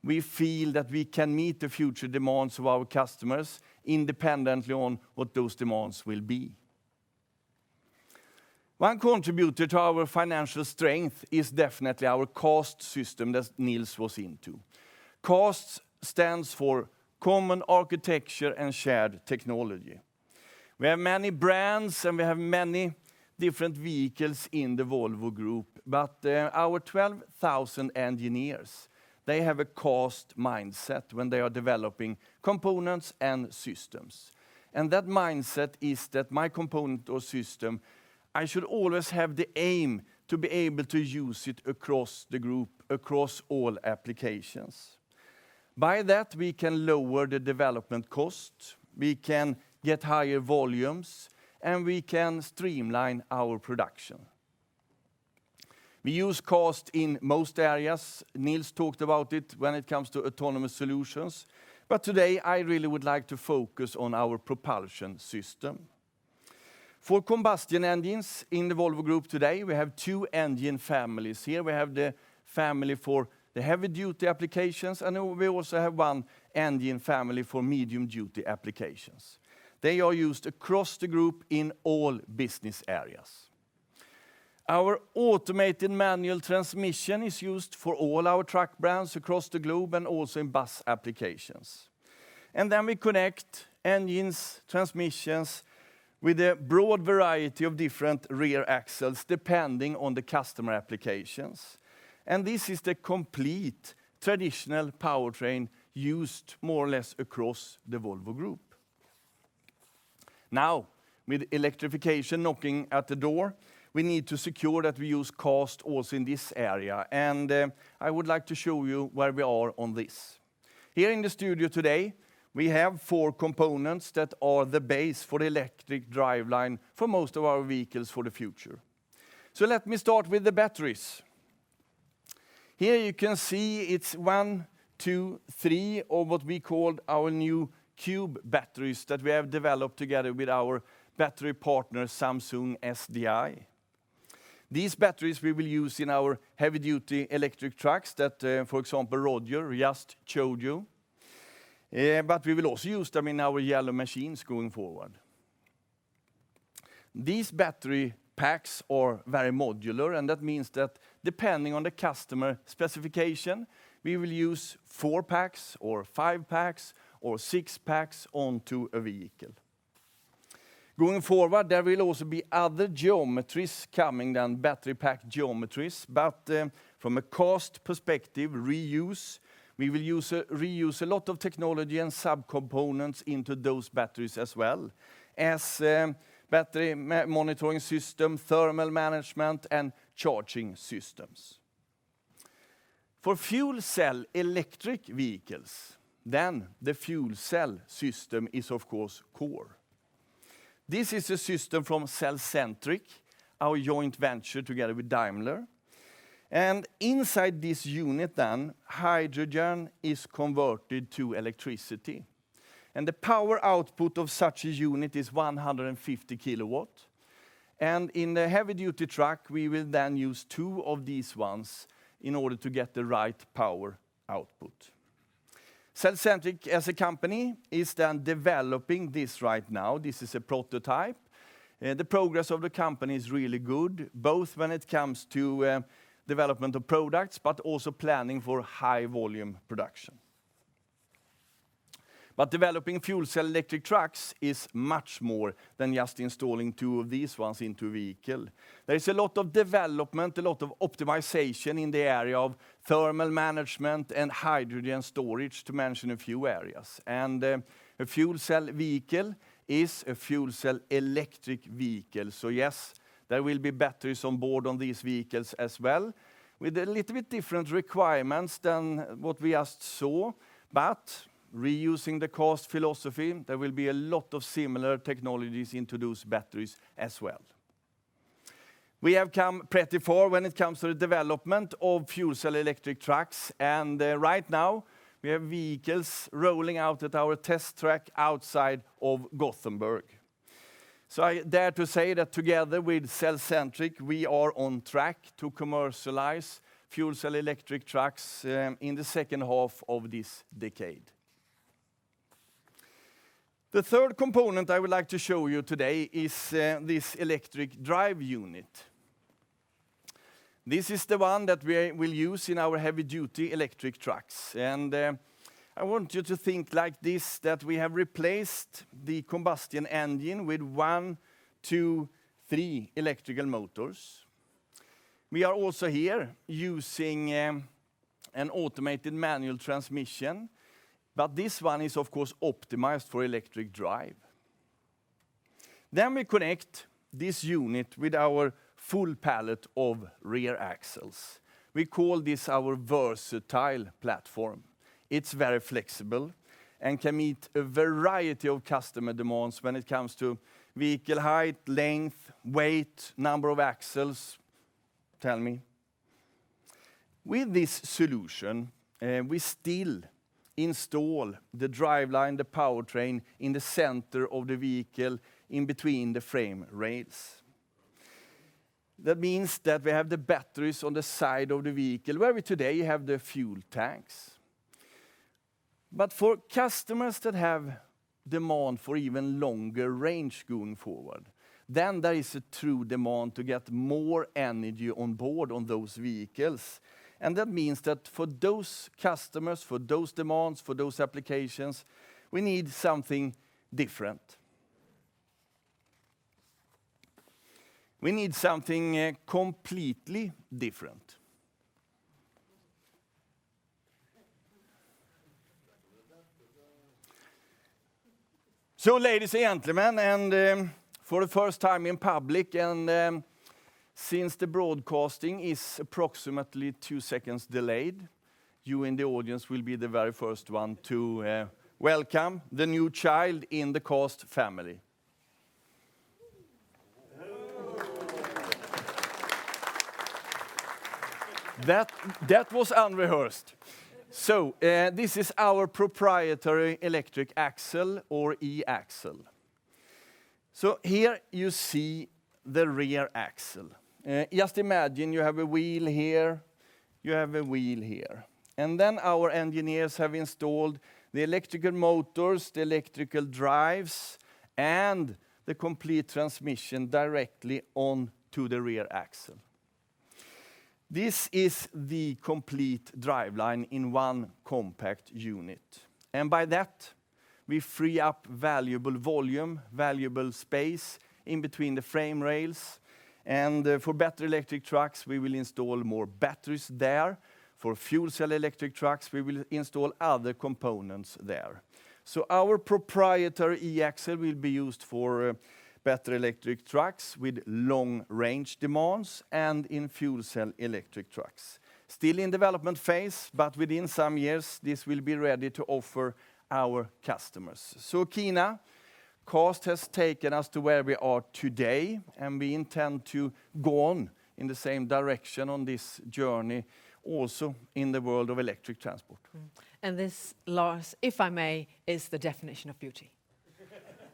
we feel that we can meet the future demands of our customers independently on what those demands will be. One contributor to our financial strength is definitely our CAST system that Nils went into. CAST stands for Common Architecture and Shared Technology. We have many brands, and we have many different vehicles in the Volvo Group. Our 12,000 engineers, they have a CAST mindset when they are developing components and systems, and that mindset is that my component or system, I should always have the aim to be able to use it across the group, across all applications. By that, we can lower the development cost, we can get higher volumes, and we can streamline our production. We use CAST in most areas. Nils talked about it when it comes to autonomous solutions. Today, I really would like to focus on our propulsion system. For combustion engines in the Volvo Group today, we have two engine families here. We have the family for the heavy-duty applications, and we also have one engine family for medium-duty applications. They are used across the group in all business areas. Our automated manual transmission is used for all our truck brands across the globe and also in bus applications. We connect engines, transmissions with a broad variety of different rear axles depending on the customer applications, and this is the complete traditional powertrain used more or less across the Volvo Group. Now, with electrification knocking at the door, we need to secure that we use cost also in this area, and I would like to show you where we are on this. Here in the studio today, we have four components that are the base for the electric driveline for most of our vehicles for the future. Let me start with the batteries. Here you can see it's one, two, three of what we call our new cube batteries that we have developed together with our battery partner, Samsung SDI. These batteries we will use in our heavy-duty electric trucks that, for example, Roger just showed you. We will also use them in our yellow machines going forward. These battery packs are very modular, and that means that depending on the customer specification, we will use four packs or five packs or six packs onto a vehicle. Going forward, there will also be other geometries coming than battery pack geometries, but from a cost perspective, reuse, we will reuse a lot of technology and subcomponents into those batteries as well, as battery monitoring system, thermal management, and charging systems. For fuel cell electric vehicles, the fuel cell system is of course core. This is a system from Cellcentric, our joint venture together with Daimler Truck. Inside this unit then, hydrogen is converted to electricity, and the power output of such a unit is 150 kW. In the heavy-duty truck, we will then use two of these ones in order to get the right power output. Cellcentric as a company is then developing this right now. This is a prototype. The progress of the company is really good, both when it comes to development of products, but also planning for high-volume production. Developing fuel cell electric trucks is much more than just installing two of these ones into a vehicle. There is a lot of development, a lot of optimization in the area of thermal management and hydrogen storage, to mention a few areas. A fuel cell vehicle is a fuel cell electric vehicle, so yes, there will be batteries on board on these vehicles as well, with a little bit different requirements than what we just saw. But reusing the cost philosophy, there will be a lot of similar technologies into those batteries as well. We have come pretty far when it comes to the development of fuel cell electric trucks, and right now, we have vehicles rolling out at our test track outside of Gothenburg. I dare to say that together with Cellcentric, we are on track to commercialize fuel cell electric trucks in the second half of this decade. The third component I would like to show you today is this electric drive unit. This is the one that we'll use in our heavy-duty electric trucks. I want you to think like this, that we have replaced the combustion engine with one, two, three electrical motors. We are also here using an automated manual transmission, but this one is of course optimized for electric drive. We connect this unit with our full palette of rear axles. We call this our versatile platform. It's very flexible and can meet a variety of customer demands when it comes to vehicle height, length, weight, number of axles. With this solution, we still install the driveline, the powertrain, in the center of the vehicle in between the frame rails. That means that we have the batteries on the side of the vehicle where we today have the fuel tanks. For customers that have demand for even longer range going forward, there is a true demand to get more energy on board on those vehicles, and that means that for those customers, for those demands, for those applications, we need something different. We need something completely different. Ladies and gentlemen, for the first time in public, since the broadcasting is approximately 2 seconds delayed, you in the audience will be the very first one to welcome the new child in the Volvo family. That was unrehearsed. This is our proprietary electric axle or e-axle. Here you see the rear axle. Just imagine you have a wheel here, you have a wheel here. Our engineers have installed the electrical motors, the electrical drives, and the complete transmission directly onto the rear axle. This is the complete driveline in one compact unit, and by that we free up valuable volume, valuable space in between the frame rails. For battery electric trucks, we will install more batteries there. For fuel cell electric trucks, we will install other components there. Our proprietary e-axle will be used for battery electric trucks with long-range demands and in fuel cell electric trucks. Still in development phase, but within some years this will be ready to offer our customers. Kina, cost has taken us to where we are today, and we intend to go on in the same direction on this journey also in the world of electric transport. This, Lars, if I may, is the definition of beauty.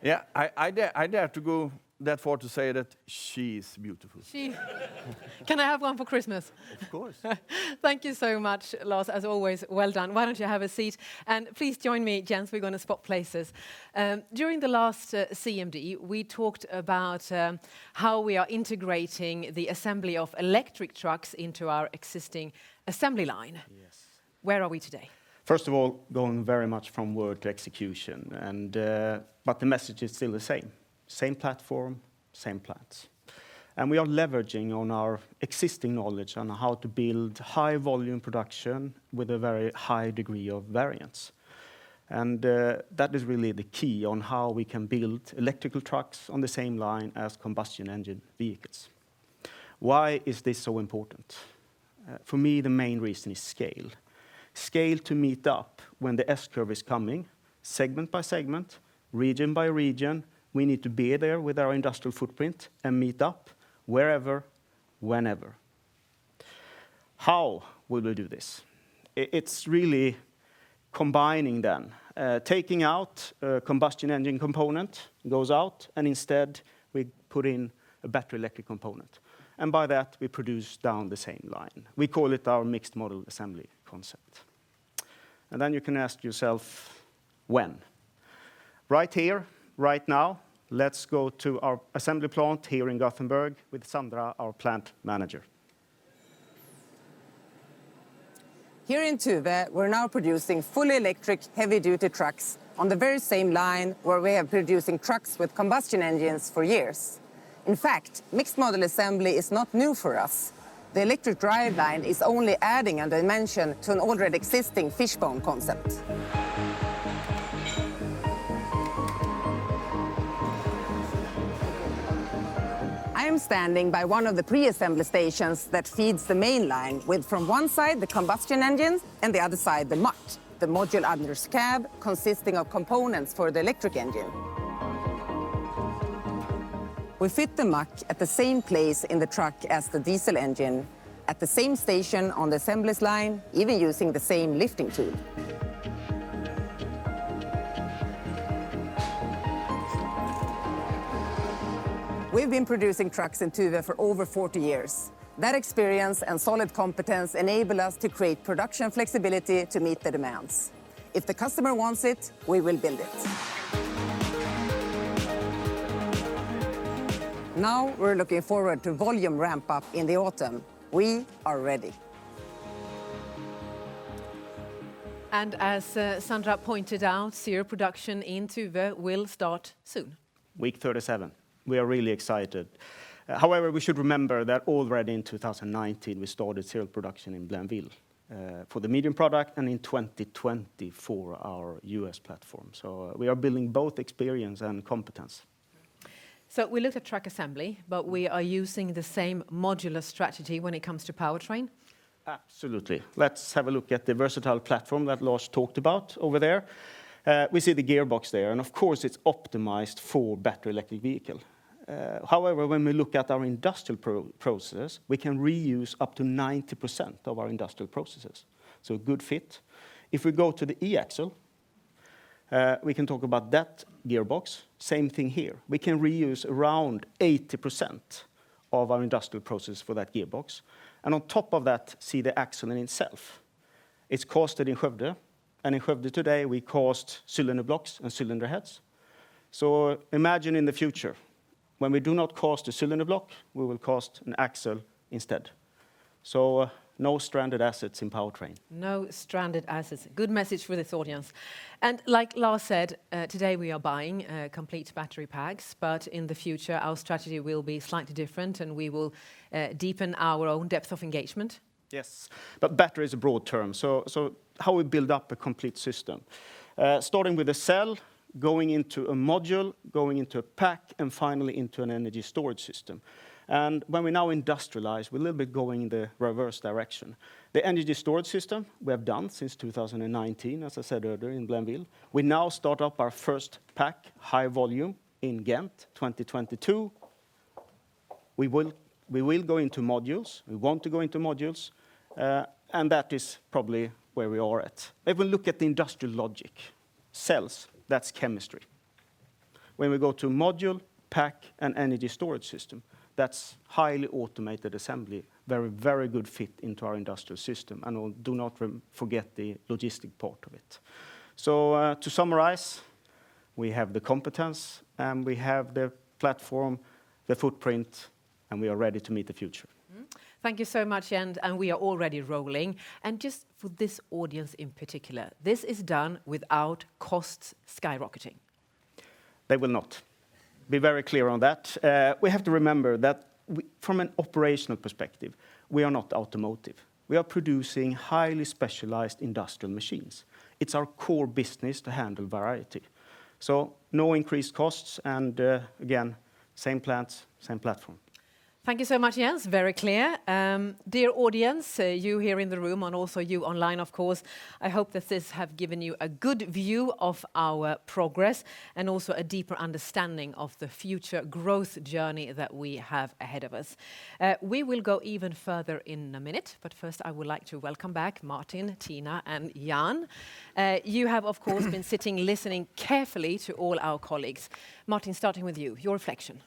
Yeah, I dare to go that far to say that she is beautiful. Can I have one for Christmas? Of course. Thank you so much, Lars. As always, well done. Why don't you have a seat, and please join me, Jens. We're gonna swap places. During the last CMD, we talked about how we are integrating the assembly of electric trucks into our existing assembly line. Yes. Where are we today? First of all, going very much from word to execution, and but the message is still the same. Same platform, same plans. We are leveraging on our existing knowledge on how to build high volume production with a very high degree of variance, and that is really the key on how we can build electric trucks on the same line as combustion engine vehicles. Why is this so important? For me, the main reason is scale. Scale to meet up when the S-curve is coming, segment by segment, region by region, we need to be there with our industrial footprint and meet up wherever, whenever. How will we do this? It's really combining them. Taking out a combustion engine component, goes out, and instead we put in a battery electric component, and by that we produce down the same line. We call it our mixed model assembly concept. You can ask yourself when. Right here, right now, let's go to our assembly plant here in Gothenburg with Sandra, our plant manager. Here in Tuve, we're now producing fully electric heavy-duty trucks on the very same line where we've been producing trucks with combustion engines for years. In fact, mixed model assembly is not new for us. The electric driveline is only adding a dimension to an already existing fishbone concept. I am standing by one of the pre-assembly stations that feeds the main line with, from one side, the combustion engines and the other side the MAC, the Module Under Cab, consisting of components for the electric engine. We fit the MAC at the same place in the truck as the diesel engine, at the same station on the assembly line, even using the same lifting tool. We've been producing trucks in Tuve for over 40 years. That experience and solid competence enable us to create production flexibility to meet the demands. If the customer wants it, we will build it. Now we're looking forward to volume ramp-up in the autumn. We are ready. As Sandra pointed out, serial production in Tuve will start soon. Week 37. We are really excited. However, we should remember that already in 2019 we started serial production in Blainville, for the medium product and in 2020 for our U.S. platform, so we are building both experience and competence. We looked at truck assembly, but we are using the same modular strategy when it comes to powertrain? Absolutely. Let's have a look at the versatile platform that Lars talked about over there. We see the gearbox there, and of course it's optimized for battery electric vehicle. However, when we look at our industrial processes, we can reuse up to 90% of our industrial processes, so a good fit. If we go to the e-axle, we can talk about that gearbox. Same thing here. We can reuse around 80% of our industrial process for that gearbox. On top of that, see the axle in itself. It's cast in Skövde, and in Skövde today we cast cylinder blocks and cylinder heads, so imagine in the future when we do not cast a cylinder block, we will cast an axle instead, so no stranded assets in powertrain. No stranded assets. Good message for this audience. Like Lars said, today we are buying complete battery packs, but in the future our strategy will be slightly different and we will deepen our own depth of engagement. Yes, but battery is a broad term, so how we build up a complete system, starting with a cell, going into a module, going into a pack, and finally into an energy storage system. When we now industrialize, we're a little bit going the reverse direction. The energy storage system we have done since 2019, as I said earlier, in Blainville. We now start up our first pack, high volume, in Ghent, 2022. We will go into modules. We want to go into modules, and that is probably where we are at. If we look at the industrial logic, cells, that's chemistry. When we go to module, pack, and energy storage system, that's highly automated assembly, very good fit into our industrial system. Do not forget the logistics part of it. We have the competence, and we have the platform, the footprint, and we are ready to meet the future. Mm-hmm. Thank you so much, and we are already rolling. Just for this audience in particular, this is done without costs skyrocketing. They will not. Be very clear on that. We have to remember that from an operational perspective, we are not automotive. We are producing highly specialized industrial machines. It's our core business to handle variety. No increased costs, and again, same plants, same platform. Thank you so much, Jens. Very clear. Dear audience, you here in the room and also you online of course, I hope that this have given you a good view of our progress and also a deeper understanding of the future growth journey that we have ahead of us. We will go even further in a minute, but first I would like to welcome back Martin, Tina, and Jan. You have, of course, been sitting, listening carefully to all our colleagues. Martin, starting with you, your reflection.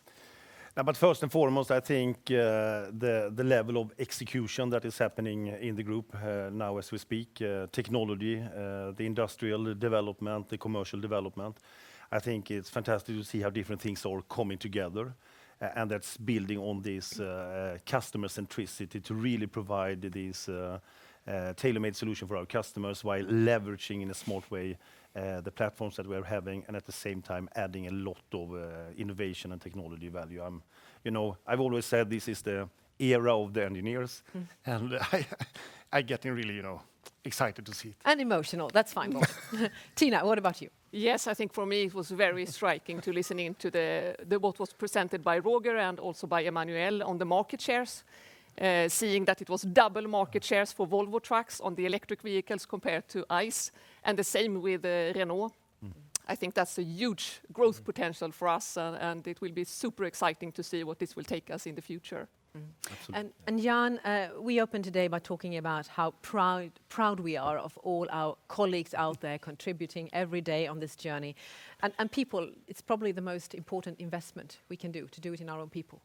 First and foremost, I think the level of execution that is happening in the group now as we speak, technology, the industrial development, the commercial development. I think it's fantastic to see how different things are coming together and that's building on this customer centricity to really provide these tailor-made solution for our customers while leveraging in a smart way the platforms that we're having, and at the same time, adding a lot of innovation and technology value. You know, I've always said this is the era of the engineers. Mm. I getting really, you know, excited to see it. Emotional. That's fine both. Tina, what about you? Yes. I think for me it was very striking to listening to the what was presented by Roger and also by Emmanuel on the market shares, seeing that it was double market shares for Volvo Trucks on the electric vehicles compared to ICE, and the same with Renault. Mm-hmm. I think that's a huge growth potential for us, and it will be super exciting to see what this will take us in the future. Mm-hmm. Absolutely. Jan, we opened today by talking about how proud we are of all our colleagues out there contributing every day on this journey. People, it's probably the most important investment we can do it in our own people.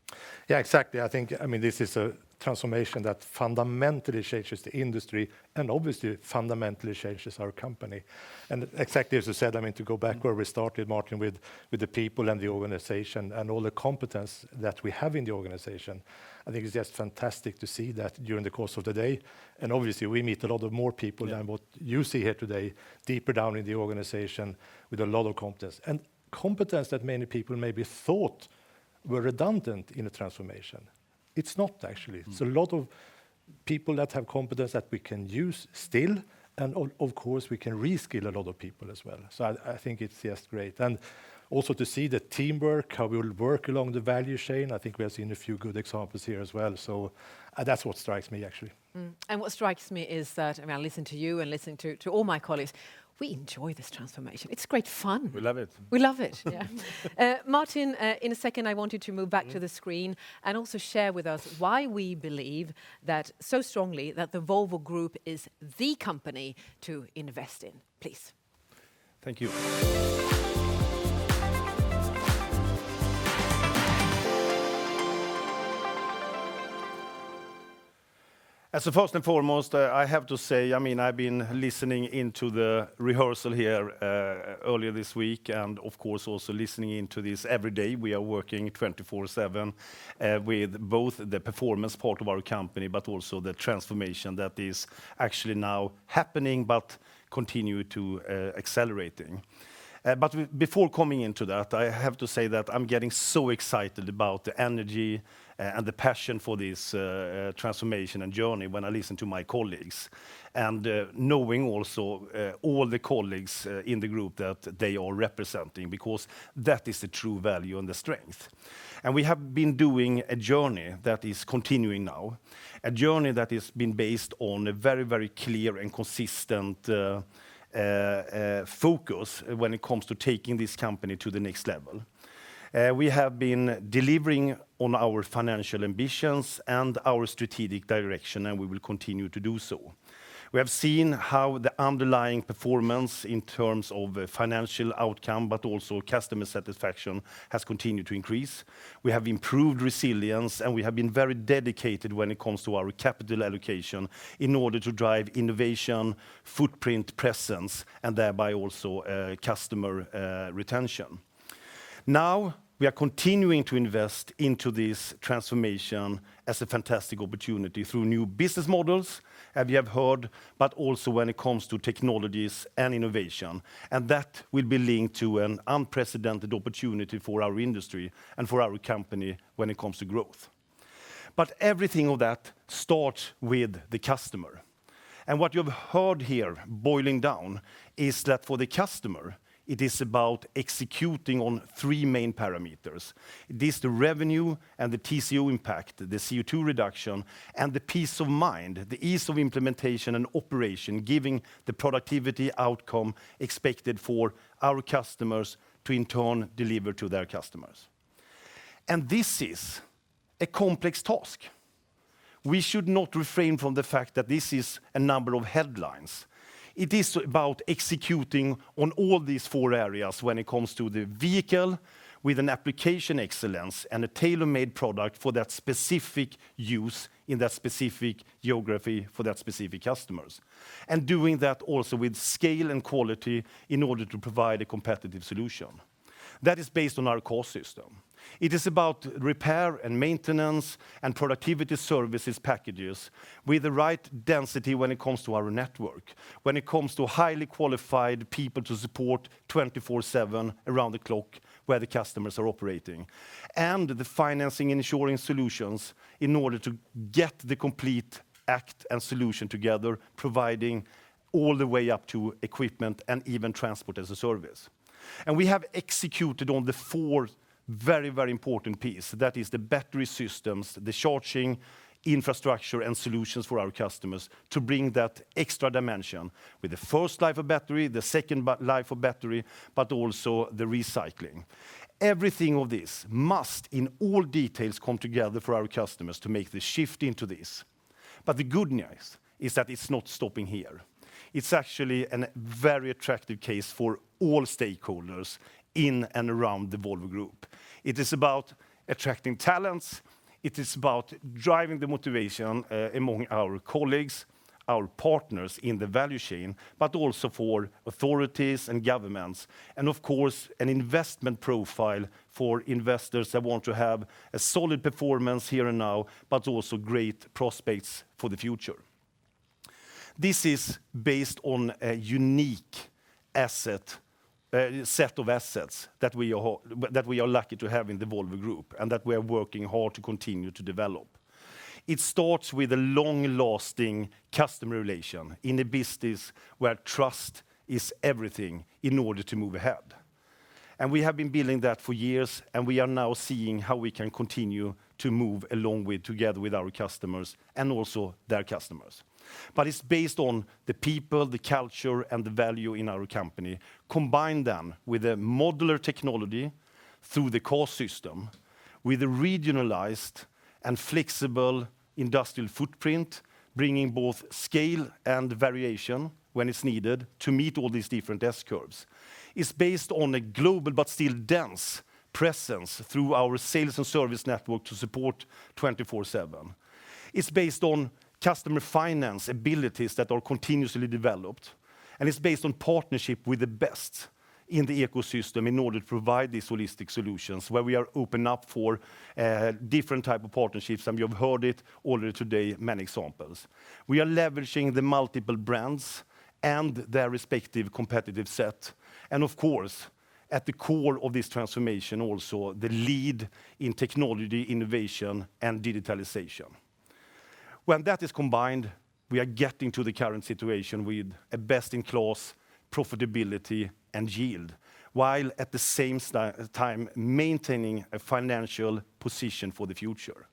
Yeah, exactly. I think, I mean, this is a transformation that fundamentally changes the industry and obviously fundamentally changes our company. Exactly as you said, I mean, to go back where we started, Martin, with the people and the organization and all the competence that we have in the organization, I think it's just fantastic to see that during the course of the day, and obviously we meet a lot more people. Yeah... than what you see here today, deeper down in the organization with a lot of competence. Competence that many people maybe thought were redundant in the transformation. It's not actually. Mm. A lot of people that have competence that we can use still, and of course, we can re-skill a lot of people as well. I think it's just great. Also to see the teamwork, how we'll work along the value chain. I think we have seen a few good examples here as well. That's what strikes me, actually. What strikes me is that, I mean, I listen to you and listening to all my colleagues, we enjoy this transformation. It's great fun. We love it. We love it. Yeah. Martin, in a second, I wanted to move back to the screen and also share with us why we believe that so strongly that the Volvo Group is the company to invest in, please. Thank you. First and foremost, I have to say, I mean, I've been listening into the rehearsal here earlier this week, and of course, also listening into this every day. We are working 24/7 with both the performance part of our company, but also the transformation that is actually now happening but continue to accelerating. But before coming into that, I have to say that I'm getting so excited about the energy and the passion for this transformation and journey when I listen to my colleagues, and knowing also all the colleagues in the group that they are representing because that is the true value and the strength. We have been doing a journey that is continuing now, a journey that has been based on a very, very clear and consistent focus when it comes to taking this company to the next level. We have been delivering on our financial ambitions and our strategic direction, and we will continue to do so. We have seen how the underlying performance in terms of financial outcome, but also customer satisfaction, has continued to increase. We have improved resilience, and we have been very dedicated when it comes to our capital allocation in order to drive innovation, footprint presence, and thereby also customer retention. Now, we are continuing to invest into this transformation as a fantastic opportunity through new business models, as you have heard, but also when it comes to technologies and innovation, and that will be linked to an unprecedented opportunity for our industry and for our company when it comes to growth. Everything of that starts with the customer. What you've heard here boiling down is that for the customer, it is about executing on three main parameters. It is the revenue and the TCO impact, the CO2 reduction, and the peace of mind, the ease of implementation and operation, giving the productivity outcome expected for our customers to in turn deliver to their customers. This is a complex task. We should not refrain from the fact that this is a number of headlines. It is about executing on all these four areas when it comes to the vehicle with an application excellence and a tailor-made product for that specific use in that specific geography for that specific customers, and doing that also with scale and quality in order to provide a competitive solution. That is based on our core system. It is about repair and maintenance and productivity services packages with the right density when it comes to our network, when it comes to highly qualified people to support 24/7 around the clock where the customers are operating, and the financing, ensuring solutions in order to get the complete package and solution together, providing all the way up to equipment and even transport as a service. We have executed on the fourth very, very important piece. That is the battery systems, the charging infrastructure and solutions for our customers to bring that extra dimension with the first life of battery, the second life of battery, but also the recycling. Everything of this must, in all details, come together for our customers to make the shift into this. The good news is that it's not stopping here. It's actually a very attractive case for all stakeholders in and around the Volvo Group. It is about attracting talents, it is about driving the motivation among our colleagues, our partners in the value chain, but also for authorities and governments, and of course, an investment profile for investors that want to have a solid performance here and now, but also great prospects for the future. This is based on a unique asset set of assets that we are lucky to have in the Volvo Group and that we are working hard to continue to develop. It starts with a long-lasting customer relation in a business where trust is everything in order to move ahead, and we have been building that for years, and we are now seeing how we can continue to move along with together with our customers and also their customers. It's based on the people, the culture, and the value in our company, combine them with a modular technology through the core system with a regionalized and flexible industrial footprint, bringing both scale and variation when it's needed to meet all these different S-curves. It's based on a global but still dense presence through our sales and service network to support 24/7. It's based on customer finance abilities that are continuously developed, and it's based on partnership with the best in the ecosystem in order to provide these holistic solutions, where we are opening up for a different type of partnerships, and you've heard it already today, many examples. We are leveraging the multiple brands and their respective competitive set, and of course, at the core of this transformation also, the lead in technology, innovation, and digitalization. When that is combined, we are getting to the current situation with a best-in-class profitability and yield, while at the same time maintaining a financial position for the future,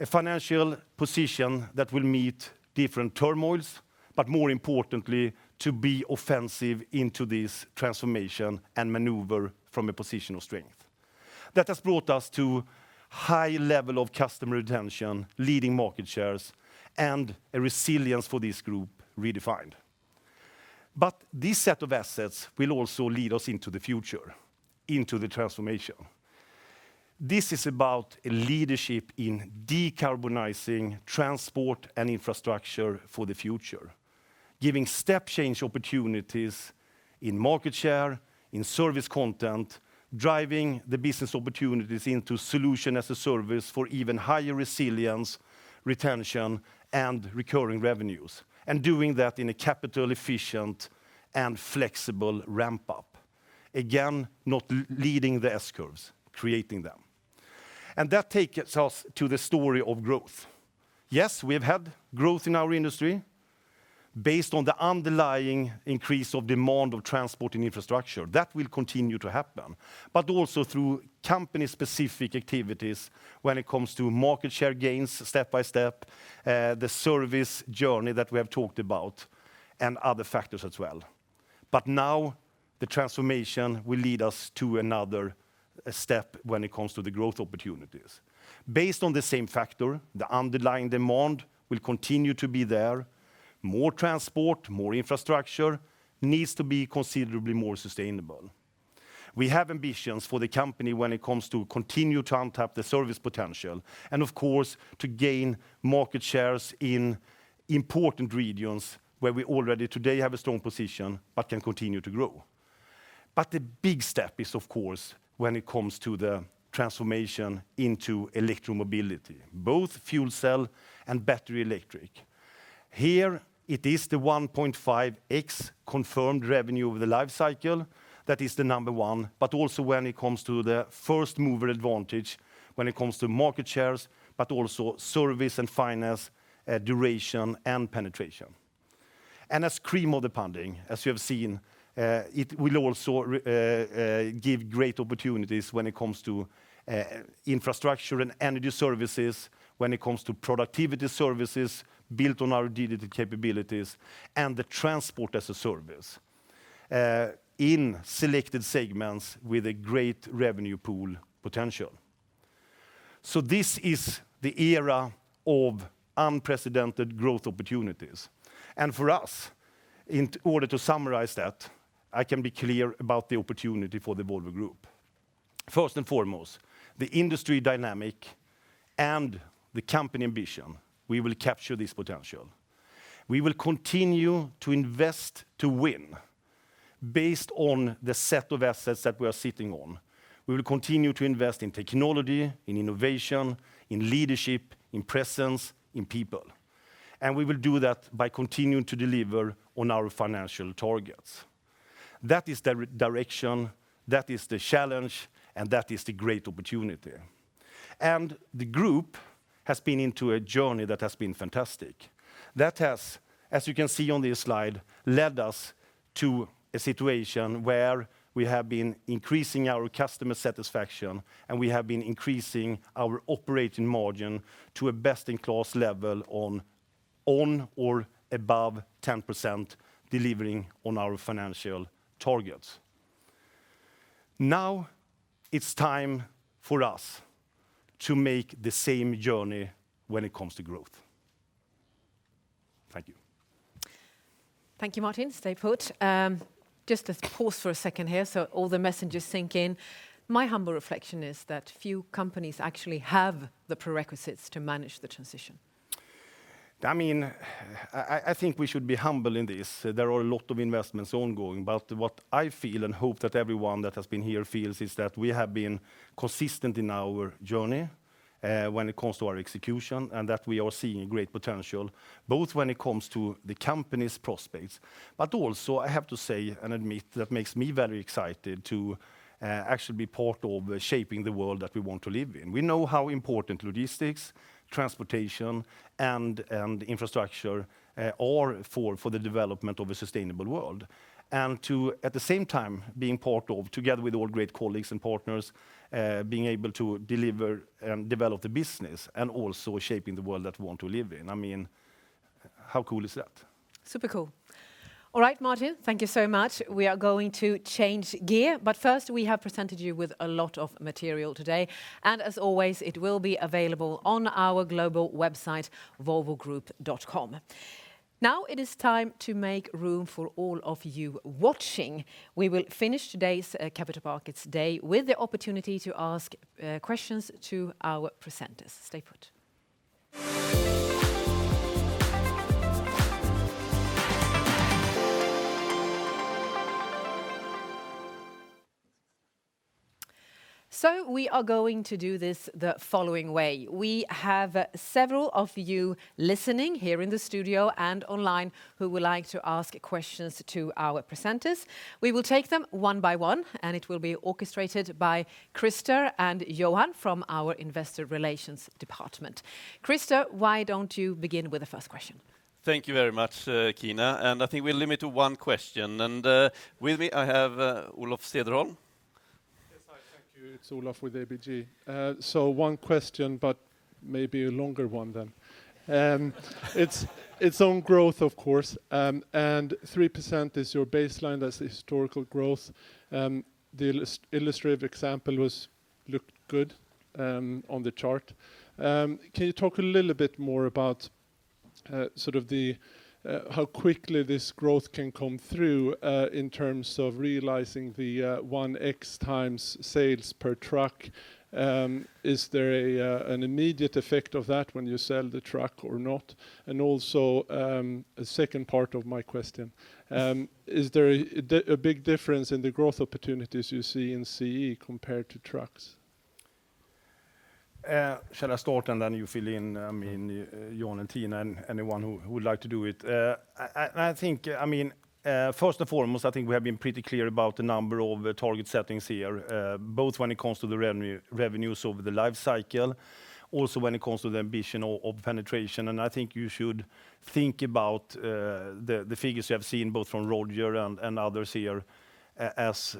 a financial position that will meet different turmoils, but more importantly, to be offensive into this transformation and maneuver from a position of strength. That has brought us to high level of customer retention, leading market shares, and a resilience for this group redefined. This set of assets will also lead us into the future, into the transformation. This is about leadership in decarbonizing transport and infrastructure for the future, giving step change opportunities in market share, in service content, driving the business opportunities into solution as a service for even higher resilience, retention, and recurring revenues, and doing that in a capital efficient and flexible ramp-up. Again, not leading the S-curves, creating them. That takes us to the story of growth. Yes, we've had growth in our industry based on the underlying increase of demand of transport and infrastructure. That will continue to happen, but also through company-specific activities when it comes to market share gains step by step, the service journey that we have talked about, and other factors as well. Now the transformation will lead us to another step when it comes to the growth opportunities. Based on the same factor, the underlying demand will continue to be there. More transport, more infrastructure needs to be considerably more sustainable. We have ambitions for the company when it comes to continue to untap the service potential, and of course, to gain market shares in important regions where we already today have a strong position but can continue to grow. The big step is, of course, when it comes to the transformation into electromobility, both fuel cell and battery electric. Here it is the 1.5x confirmed revenue of the life cycle that is the number one, but also when it comes to the first-mover advantage, when it comes to market shares, but also service and finance, duration, and penetration. As the cream of the crop, as you have seen, it will also give great opportunities when it comes to infrastructure and energy services, when it comes to productivity services built on our digital capabilities, and the transport as a service in selected segments with a great revenue pool potential. This is the era of unprecedented growth opportunities. For us, in order to summarize that, I can be clear about the opportunity for the Volvo Group. First and foremost, the industry dynamic and the company ambition, we will capture this potential. We will continue to invest to win based on the set of assets that we are sitting on. We will continue to invest in technology, in innovation, in leadership, in presence, in people, and we will do that by continuing to deliver on our financial targets. That is the right direction, that is the challenge, and that is the great opportunity. The group has been on a journey that has been fantastic. That has, as you can see on this slide, led us to a situation where we have been increasing our customer satisfaction, and we have been increasing our operating margin to a best-in-class level on or above 10% delivering on our financial targets. Now, it's time for us to make the same journey when it comes to growth. Thank you. Thank you, Martin. Stay put. Just to pause for a second here, so all the messages sink in. My humble reflection is that few companies actually have the prerequisites to manage the transition. I mean, I think we should be humble in this. There are a lot of investments ongoing, but what I feel and hope that everyone that has been here feels is that we have been consistent in our journey, when it comes to our execution, and that we are seeing great potential, both when it comes to the company's prospects, but also, I have to say and admit, that makes me very excited to actually be part of shaping the world that we want to live in. We know how important logistics, transportation, and infrastructure are for the development of a sustainable world. To at the same time, being part of together with all great colleagues and partners, being able to deliver and develop the business and also shaping the world that we want to live in. I mean, how cool is that? Super cool. All right, Martin, thank you so much. We are going to change gear, but first, we have presented you with a lot of material today, and as always, it will be available on our global website, volvogroup.com. Now it is time to make room for all of you watching. We will finish today's Capital Markets Day with the opportunity to ask questions to our presenters. Stay put. We are going to do this the following way. We have several of you listening here in the studio and online who would like to ask questions to our presenters. We will take them one by one, and it will be orchestrated by Christer and Johan from our Investor Relations department. Christer, why don't you begin with the first question? Thank you very much, Kina, and I think we'll limit to one question. With me, I have Olof Cederholm. Yes, hi. Thank you. It's Olof with ABG. So one question, but maybe a longer one then. It's on growth, of course, and 3% is your baseline. That's historical growth. The illustrative example looked good on the chart. Can you talk a little bit more about sort of the how quickly this growth can come through in terms of realizing the 1x sales per truck? Is there an immediate effect of that when you sell the truck or not? And also, a second part of my question, is there a big difference in the growth opportunities you see in CE compared to trucks? Shall I start, and then you fill in, I mean, Johan and Tina and anyone who would like to do it? I think, I mean, first and foremost, I think we have been pretty clear about the number of target settings here, both when it comes to the revenues over the life cycle, also when it comes to the ambition of penetration. I think you should think about the figures you have seen both from Roger and others here as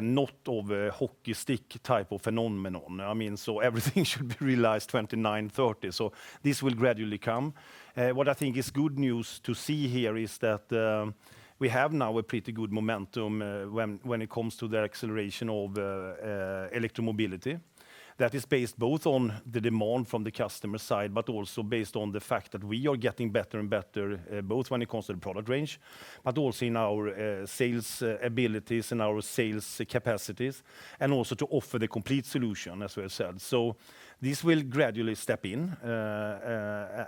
not a hockey stick type of phenomenon. I mean, everything should be realized 2029-2030. This will gradually come. What I think is good news to see here is that we have now a pretty good momentum when it comes to the acceleration of electromobility. That is based both on the demand from the customer side, but also based on the fact that we are getting better and better, both when it comes to the product range, but also in our, sales, abilities and our sales capacities, and also to offer the complete solution, as we have said. This will gradually step in,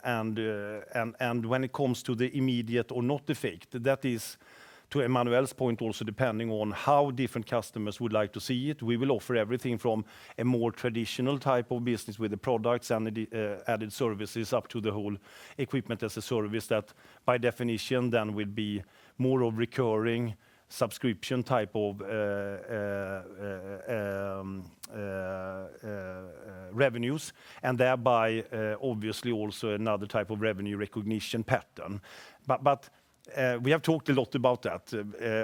and when it comes to the immediate or not effect, that is, to Emmanuel's point also, depending on how different customers would like to see it, we will offer everything from a more traditional type of business with the products and the added services up to the whole equipment as a service that by definition then will be more of recurring subscription type of, revenues, and thereby, obviously also another type of revenue recognition pattern. We have talked a lot about that.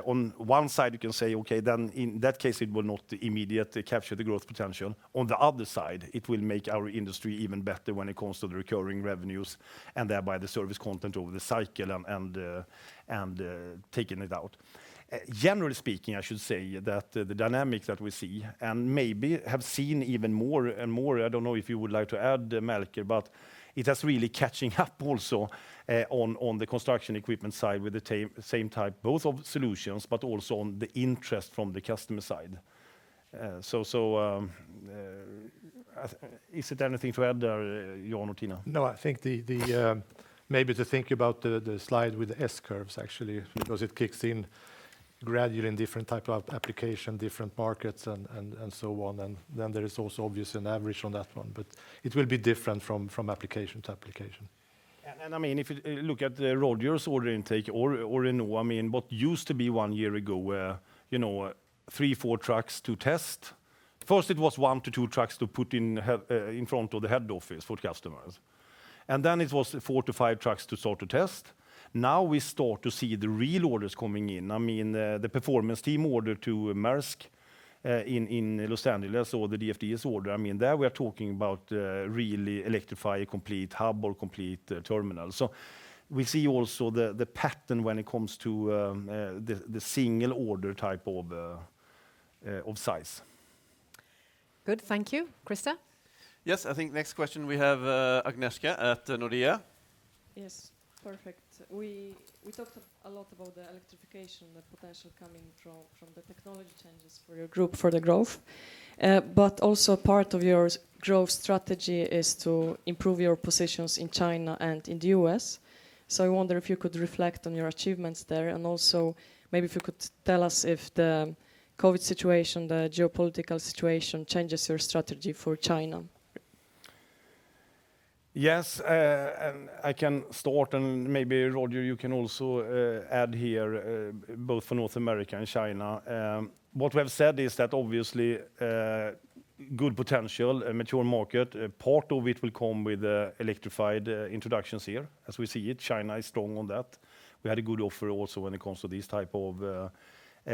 On one side, you can say, okay, then in that case, it will not immediately capture the growth potential. On the other side, it will make our industry even better when it comes to the recurring revenues and thereby the service content over the cycle and taking it out. Generally speaking, I should say that the dynamics that we see and maybe have seen even more and more. I don't know if you would like to add, Melker, but it has really catching up also on the construction equipment side with the same type both of solutions, but also on the interest from the customer side. Is there anything to add there, Jan or Tina? No, I think maybe to think about the slide with the S-curves actually, because it kicks in gradually in different type of application, different markets and so on. There is also obviously an average on that one, but it will be different from application to application. I mean, if you look at Roger's order intake or in what I mean, what used to be one year ago where, you know, three, four trucks to test. First it was one to two trucks to put in front of the head office for customers. Then it was four to five trucks to start to test. Now we start to see the real orders coming in. I mean, the performance team order to Maersk in Los Angeles or the DFDS order. I mean, there we are talking about really electrify a complete hub or complete terminal. We see also the pattern when it comes to the single order type of size. Good. Thank you. Christer? Yes. I think next question we have, Agnieszka at Nordea. Yes. Perfect. We talked a lot about the electrification, the potential coming from the technology changes for your group for the growth. But also part of your growth strategy is to improve your positions in China and in the U.S. I wonder if you could reflect on your achievements there, and also maybe if you could tell us if the COVID situation, the geopolitical situation changes your strategy for China. Yes, I can start, and maybe Roger, you can also add here, both for North America and China. What we have said is that obviously good potential, a mature market, part of it will come with electrified introductions here. As we see it, China is strong on that. We had a good offer also when it comes to these type of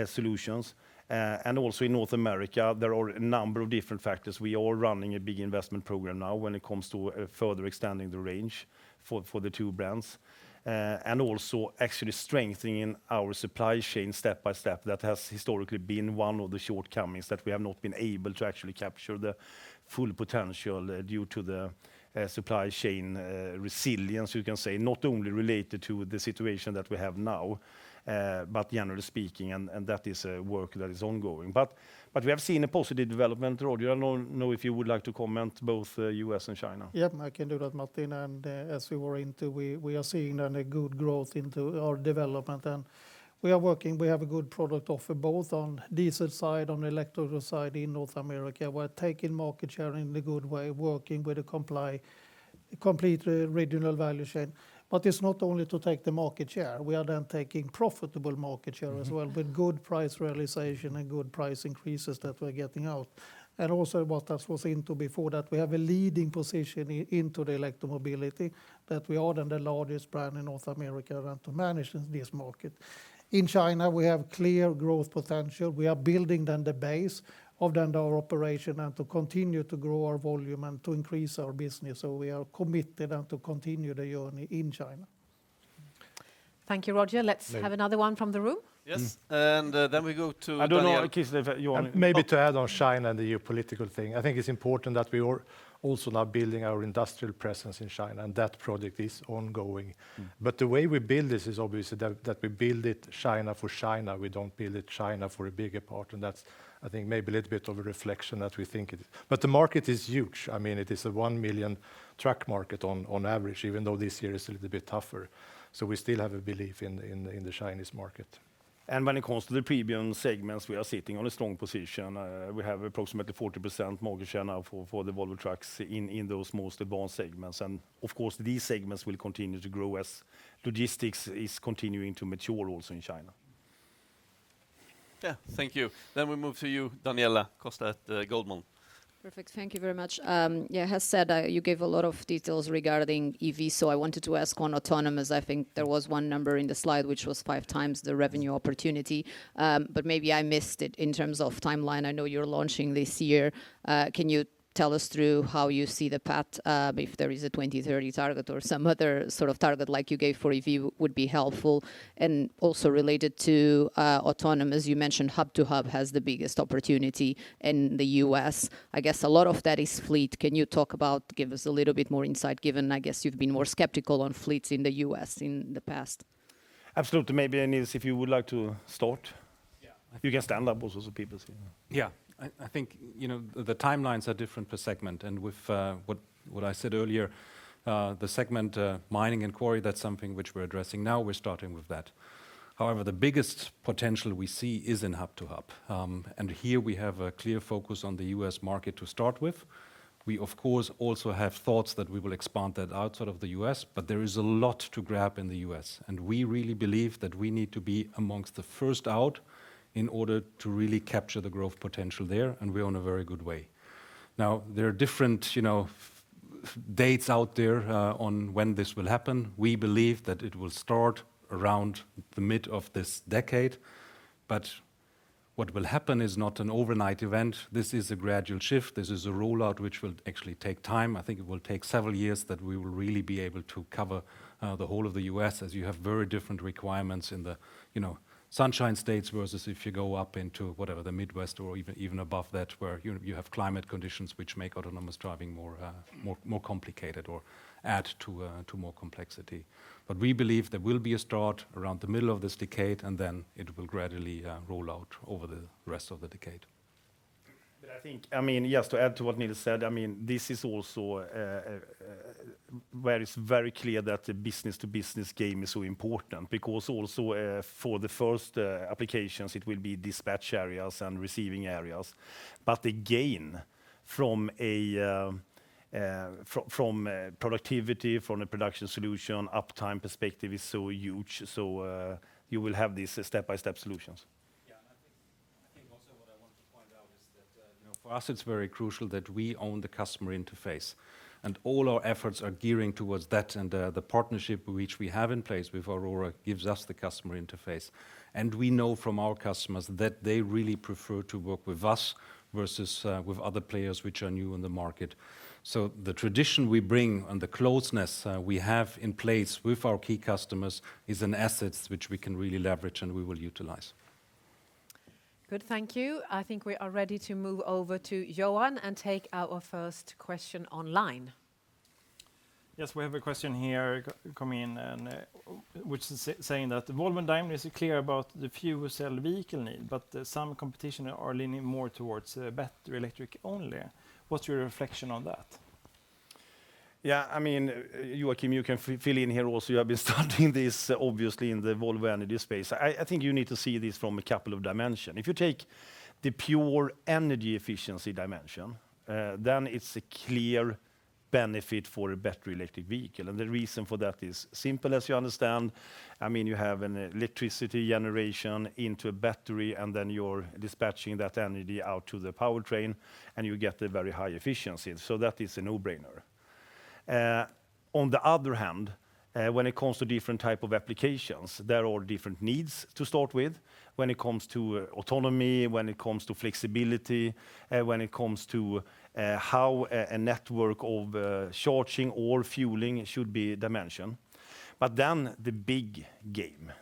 solutions. In North America, there are a number of different factors. We are running a big investment program now when it comes to further extending the range for the two brands, and also actually strengthening our supply chain step by step. That has historically been one of the shortcomings, that we have not been able to actually capture the full potential, due to the supply chain resilience, you can say, not only related to the situation that we have now, but generally speaking, and that is a work that is ongoing. We have seen a positive development. Roger, I don't know if you would like to comment both U.S. and China. Yep. I can do that, Martin. As we were into, we are seeing then a good growth into our development, and we are working. We have a good product offer both on diesel side, on electrical side in North America. We're taking market share in a good way, working with a complete regional value chain. It's not only to take the market share. We are then taking profitable market share as well, with good price realization and good price increases that we're getting out. Also, as we were into before, that we have a leading position into the electromobility, that we are then the largest brand in North America and to manage this market. In China, we have clear growth potential. We are building then the base of then our operation and to continue to grow our volume and to increase our business. We are committed and to continue the journey in China. Thank you, Roger. Thank you. Let's have another one from the room. Yes. Then we go to Daniela- Maybe to add on China and the geopolitical thing, I think it's important that we are also now building our industrial presence in China, and that project is ongoing. Mm-hmm. The way we build this is obviously that we build it in China for China. We don't build it in China for a bigger part, and that's, I think, maybe a little bit of a reflection that we think it. The market is huge. I mean, it is a 1 million truck market on average, even though this year is a little bit tougher. We still have a belief in the Chinese market. When it comes to the premium segments, we are sitting on a strong position. We have approximately 40% market share now for the Volvo Trucks in those most advanced segments. Of course, these segments will continue to grow as logistics is continuing to mature also in China. Yeah. Thank you. We move to you, Daniela Costa at Goldman. Perfect. Thank you very much. You gave a lot of details regarding EV, so I wanted to ask on autonomous. I think there was one number in the slide, which was five times the revenue opportunity, but maybe I missed it in terms of timeline. I know you're launching this year. Can you tell us through how you see the path, if there is a 2030 target or some other sort of target like you gave for EV would be helpful. Also related to autonomous, you mentioned hub to hub has the biggest opportunity in the U.S. I guess a lot of that is fleet. Can you talk about, give us a little bit more insight, given I guess you've been more skeptical on fleets in the U.S. in the past? Absolutely. Maybe, Nils, if you would like to start. Yeah. You can stand up also, so people see. Yeah. I think, you know, the timelines are different per segment, and with what I said earlier, the segment mining and quarry, that's something which we're addressing now. We're starting with that. However, the biggest potential we see is in hub to hub. Here we have a clear focus on the U.S. market to start with. We of course also have thoughts that we will expand that outside of the U.S., but there is a lot to grab in the U.S., and we really believe that we need to be amongst the first out in order to really capture the growth potential there, and we're on a very good way. Now, there are different, you know, dates out there on when this will happen. We believe that it will start around the mid of this decade, but what will happen is not an overnight event. This is a gradual shift. This is a rollout which will actually take time. I think it will take several years that we will really be able to cover the whole of the U.S., as you have very different requirements in the, you know, Sunshine States versus if you go up into, whatever, the Midwest or even above that, where you have climate conditions which make autonomous driving more complicated or add to more complexity. We believe there will be a start around the middle of this decade, and then it will gradually roll out over the rest of the decade. I think, I mean, just to add to what Nils said, I mean, this is also where it's very clear that the business-to-business game is so important because also for the first applications, it will be dispatch areas and receiving areas. The gain from productivity, from the production solution, uptime perspective is so huge, so you will have these step-by-step solutions. Yeah. I think also what I want to point out is that, you know, for us it's very crucial that we own the customer interface, and all our efforts are gearing towards that. The partnership which we have in place with Aurora gives us the customer interface, and we know from our customers that they really prefer to work with us versus with other players which are new in the market. The tradition we bring and the closeness we have in place with our key customers is an asset which we can really leverage and we will utilize. Good. Thank you. I think we are ready to move over to Johan and take our first question online. Yes, we have a question here coming in and which is saying that Volvo dynamic is clear about the fuel cell vehicle need, but some competition are leaning more towards battery electric only. What's your reflection on that? Yeah, I mean, Joachim, you can fill in here also. You have been studying this obviously in the Volvo Energy space. I think you need to see this from a couple of dimension. If you take the pure energy efficiency dimension, then it's a clear benefit for a battery electric vehicle. The reason for that is simple as you understand. I mean, you have an electricity generation into a battery, and then you're dispatching that energy out to the powertrain, and you get a very high efficiency. That is a no-brainer. On the other hand, when it comes to different type of applications, there are different needs to start with when it comes to autonomy, when it comes to flexibility, when it comes to how a network of charging or fueling should be dimensioned. The big game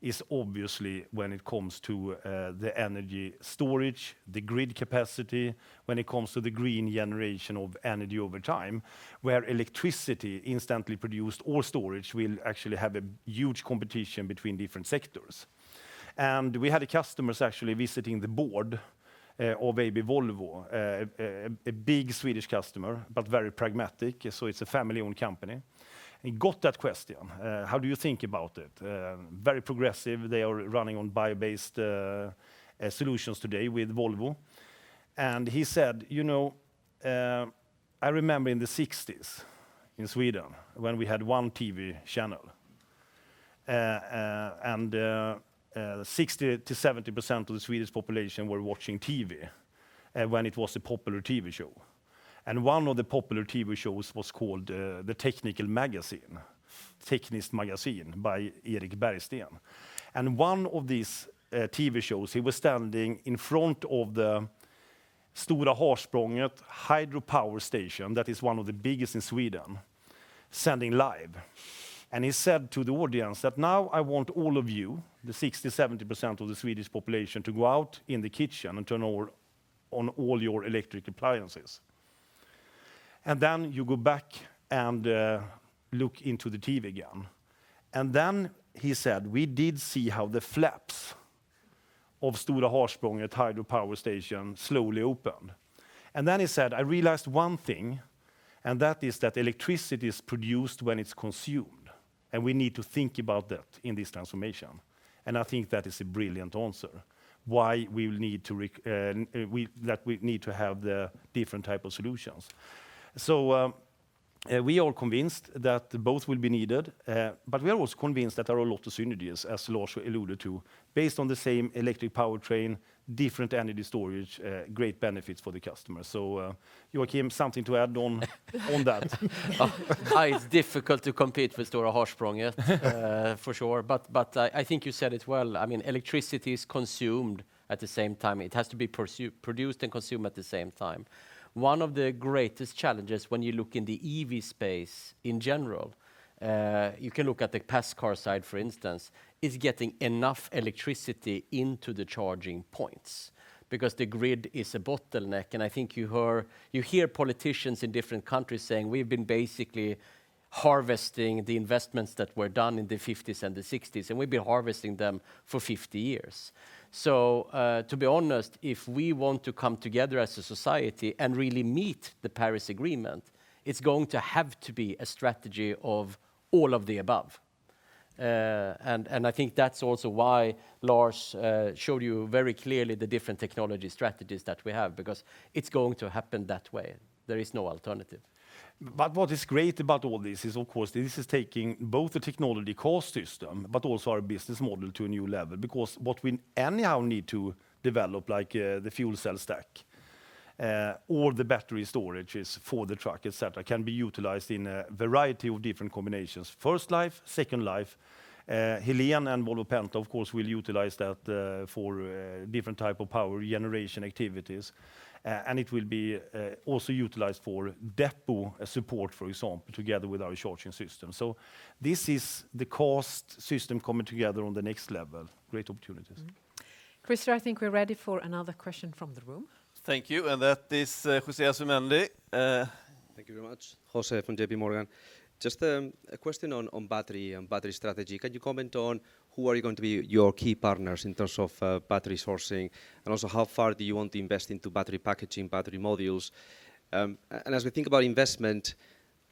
is obviously when it comes to the energy storage, the grid capacity, when it comes to the green generation of energy over time, where electricity is instantly produced or storage will actually have a huge competition between different sectors. We had customers actually visiting the board of AB Volvo, a big Swedish customer, but very pragmatic, so it's a family-owned company, and got that question, "How do you think about it?" Very progressive. They are running on bio-based solutions today with Volvo. He said, "You know, I remember in the 1960s in Sweden when we had one TV channel, and 60%-70% of the Swedish population were watching TV, when it was a popular TV show, and one of the popular TV shows was called Tekniskt magasin by Erik Bergsten. One of these TV shows, he was standing in front of the Stornorrfors hydropower station, that is one of the biggest in Sweden, sending live. He said to the audience that, 'Now I want all of you, the 60%-70% of the Swedish population, to go out in the kitchen and turn on all your electric appliances.' You go back and look into the TV again. He said, "We did see how the flaps of Stornorrfors hydropower station slowly opened." He said, "I realized one thing, and that is that electricity is produced when it's consumed, and we need to think about that in this transformation." I think that is a brilliant answer why we will need, that we need to have the different type of solutions. We are convinced that both will be needed, but we are also convinced that there are a lot of synergies, as Lars alluded to, based on the same electric powertrain, different energy storage, great benefits for the customer. Joachim, something to add on that? It's difficult to compete with Stornorrfors, for sure, but I think you said it well. I mean, electricity is consumed at the same time. It has to be produced and consumed at the same time. One of the greatest challenges when you look in the EV space in general, you can look at the passenger car side, for instance, is getting enough electricity into the charging points because the grid is a bottleneck. I think you hear politicians in different countries saying, we've been basically harvesting the investments that were done in the 1950s and the 1960s, and we've been harvesting them for 50 years. To be honest, if we want to come together as a society and really meet the Paris Agreement, it's going to have to be a strategy of all of the above. I think that's also why Lars showed you very clearly the different technology strategies that we have because it's going to happen that way. There is no alternative. What is great about all this is, of course, this is taking both the technology ecosystem but also our business model to a new level. Because what we anyhow need to develop, like, the fuel cell stack, or the battery storages for the truck, etcetera, can be utilized in a variety of different combinations. First life, second life. Heléne and Volvo Penta, of course, will utilize that, for different type of power generation activities. And it will be also utilized for depot support, for example, together with our charging system. This is the ecosystem coming together on the next level. Great opportunities. Mm-hmm. Christer, I think we're ready for another question from the room. Thank you, that is, José Asumendi. Thank you very much. José from JPMorgan. Just a question on battery and battery strategy. Can you comment on who are you going to be your key partners in terms of battery sourcing? And also how far do you want to invest into battery packaging, battery modules? And as we think about investment,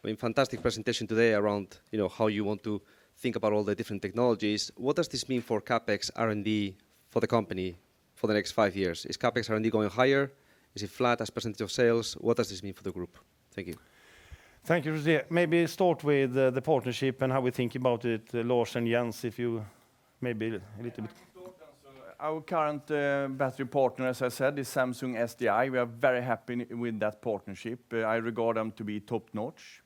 I mean, fantastic presentation today around, you know, how you want to think about all the different technologies. What does this mean for CapEx R&D for the company for the next five years? Is CapEx R&D going higher? Is it flat as percentage of sales? What does this mean for the group? Thank you. Thank you, Jose. Maybe start with the partnership and how we think about it, Lars and Jens, if you maybe a little bit. I can start, also. Our current battery partner, as I said, is Samsung SDI. We are very happy with that partnership. I regard them to be top-notch.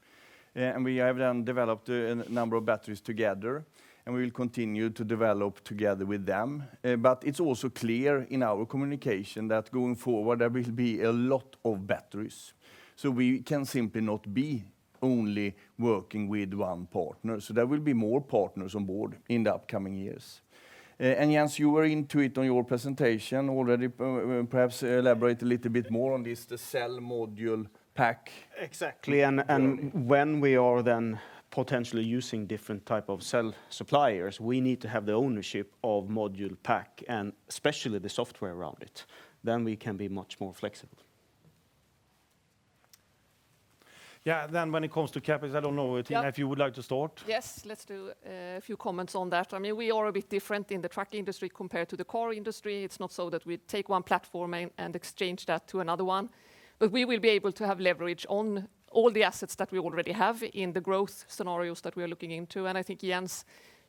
We have then developed a number of batteries together, and we will continue to develop together with them. It's also clear in our communication that going forward there will be a lot of batteries, so we can simply not be only working with one partner. There will be more partners on board in the upcoming years. Jens, you were into it on your presentation already. Perhaps elaborate a little bit more on this, the cell module pack- Exactly. -journey. When we are then potentially using different type of cell suppliers, we need to have the ownership of module pack and especially the software around it, then we can be much more flexible. Yeah. When it comes to CapEx, I don't know. Yeah If you would like to start. Yes, let's do a few comments on that. I mean, we are a bit different in the truck industry compared to the car industry. It's not so that we take one platform and exchange that to another one. We will be able to have leverage on all the assets that we already have in the growth scenarios that we're looking into, and I think, Jens,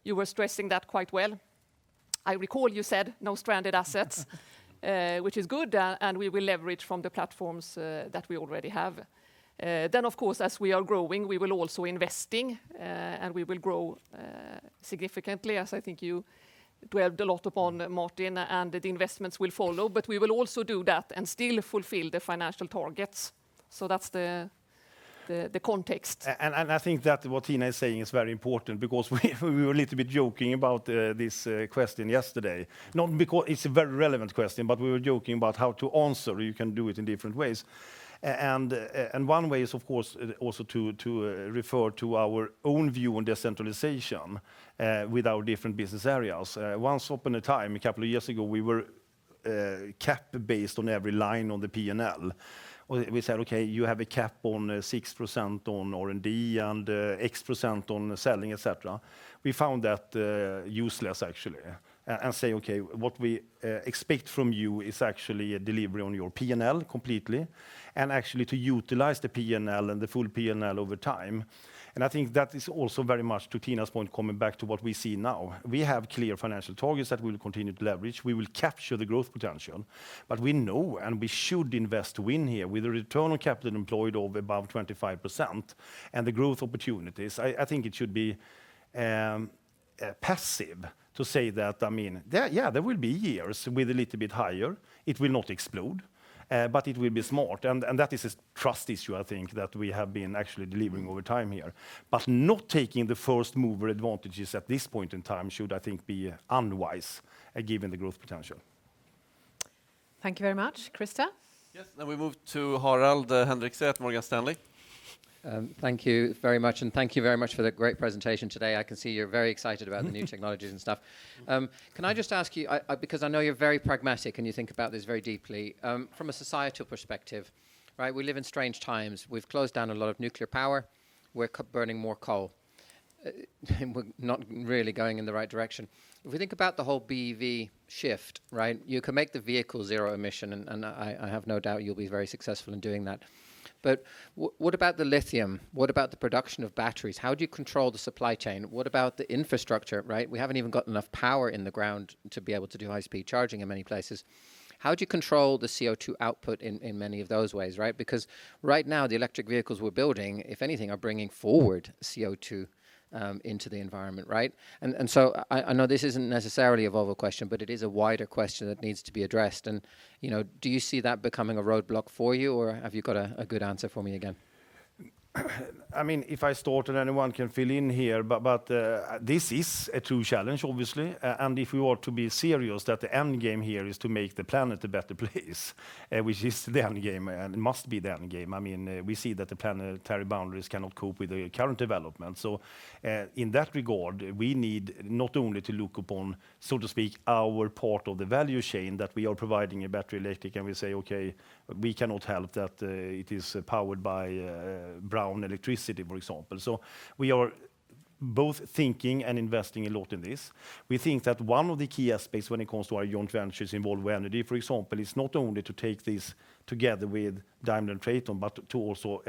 you were stressing that quite well. I recall you said, "No stranded assets," which is good, and we will leverage from the platforms that we already have. Of course, as we are growing, we will also investing, and we will grow significantly, as I think you dwelled a lot upon, Martin, and the investments will follow. We will also do that and still fulfill the financial targets, so that's the context. I think that what Tina is saying is very important because we were a little bit joking about this question yesterday. Not because it's a very relevant question, but we were joking about how to answer. You can do it in different ways. One way is, of course, also to refer to our own view on decentralization with our different business areas. Once upon a time, a couple of years ago, we were capped based on every line on the P&L. We said, "Okay, you have a cap on 6% on R&D and X% on selling," etc. We found that useless, actually, and say, "Okay, what we expect from you is actually a delivery on your P&L completely, and actually to utilize the P&L and the full P&L over time." I think that is also very much, to Tina's point, coming back to what we see now. We have clear financial targets that we'll continue to leverage. We will capture the growth potential. We know and we should invest to win here. With a return on capital employed of above 25% and the growth opportunities, I think it should be passé to say that, I mean, there will be years with a little bit higher. It will not explode, but it will be smart. That is a trust issue, I think, that we have been actually delivering over time here. Not taking the first mover advantages at this point in time should, I think, be unwise, given the growth potential. Thank you very much. Christer? Yes. We move to Harald Hendrikse at Morgan Stanley. Thank you very much, and thank you very much for the great presentation today. I can see you're very excited about the new technologies and stuff. Can I just ask you, because I know you're very pragmatic and you think about this very deeply, from a societal perspective, right, we live in strange times. We've closed down a lot of nuclear power. We're burning more coal. We're not really going in the right direction. If we think about the whole BEV shift, right, you can make the vehicle zero emission, and I have no doubt you'll be very successful in doing that. What about the lithium? What about the production of batteries? How do you control the supply chain? What about the infrastructure, right? We haven't even got enough power in the ground to be able to do high-speed charging in many places. How do you control the CO2 output in many of those ways, right? Because right now, the electric vehicles we're building, if anything, are bringing forward CO2 into the environment, right? I know this isn't necessarily a Volvo question, but it is a wider question that needs to be addressed. You know, do you see that becoming a roadblock for you, or have you got a good answer for me again? I mean, if I start and anyone can fill in here, but this is a true challenge, obviously. And if we are to be serious that the end game here is to make the planet a better place, which is the end game and must be the end game, I mean, we see that the planetary boundaries cannot cope with the current development. In that regard, we need not only to look upon, so to speak, our part of the value chain, that we are providing a battery electric, and we say, "Okay, we cannot help that, it is powered by brown electricity," for example. We are both thinking and investing a lot in this. We think that one of the key aspects when it comes to our joint ventures involved with energy, for example, is not only to take this together with Daimler Truck and Traton Group, but to also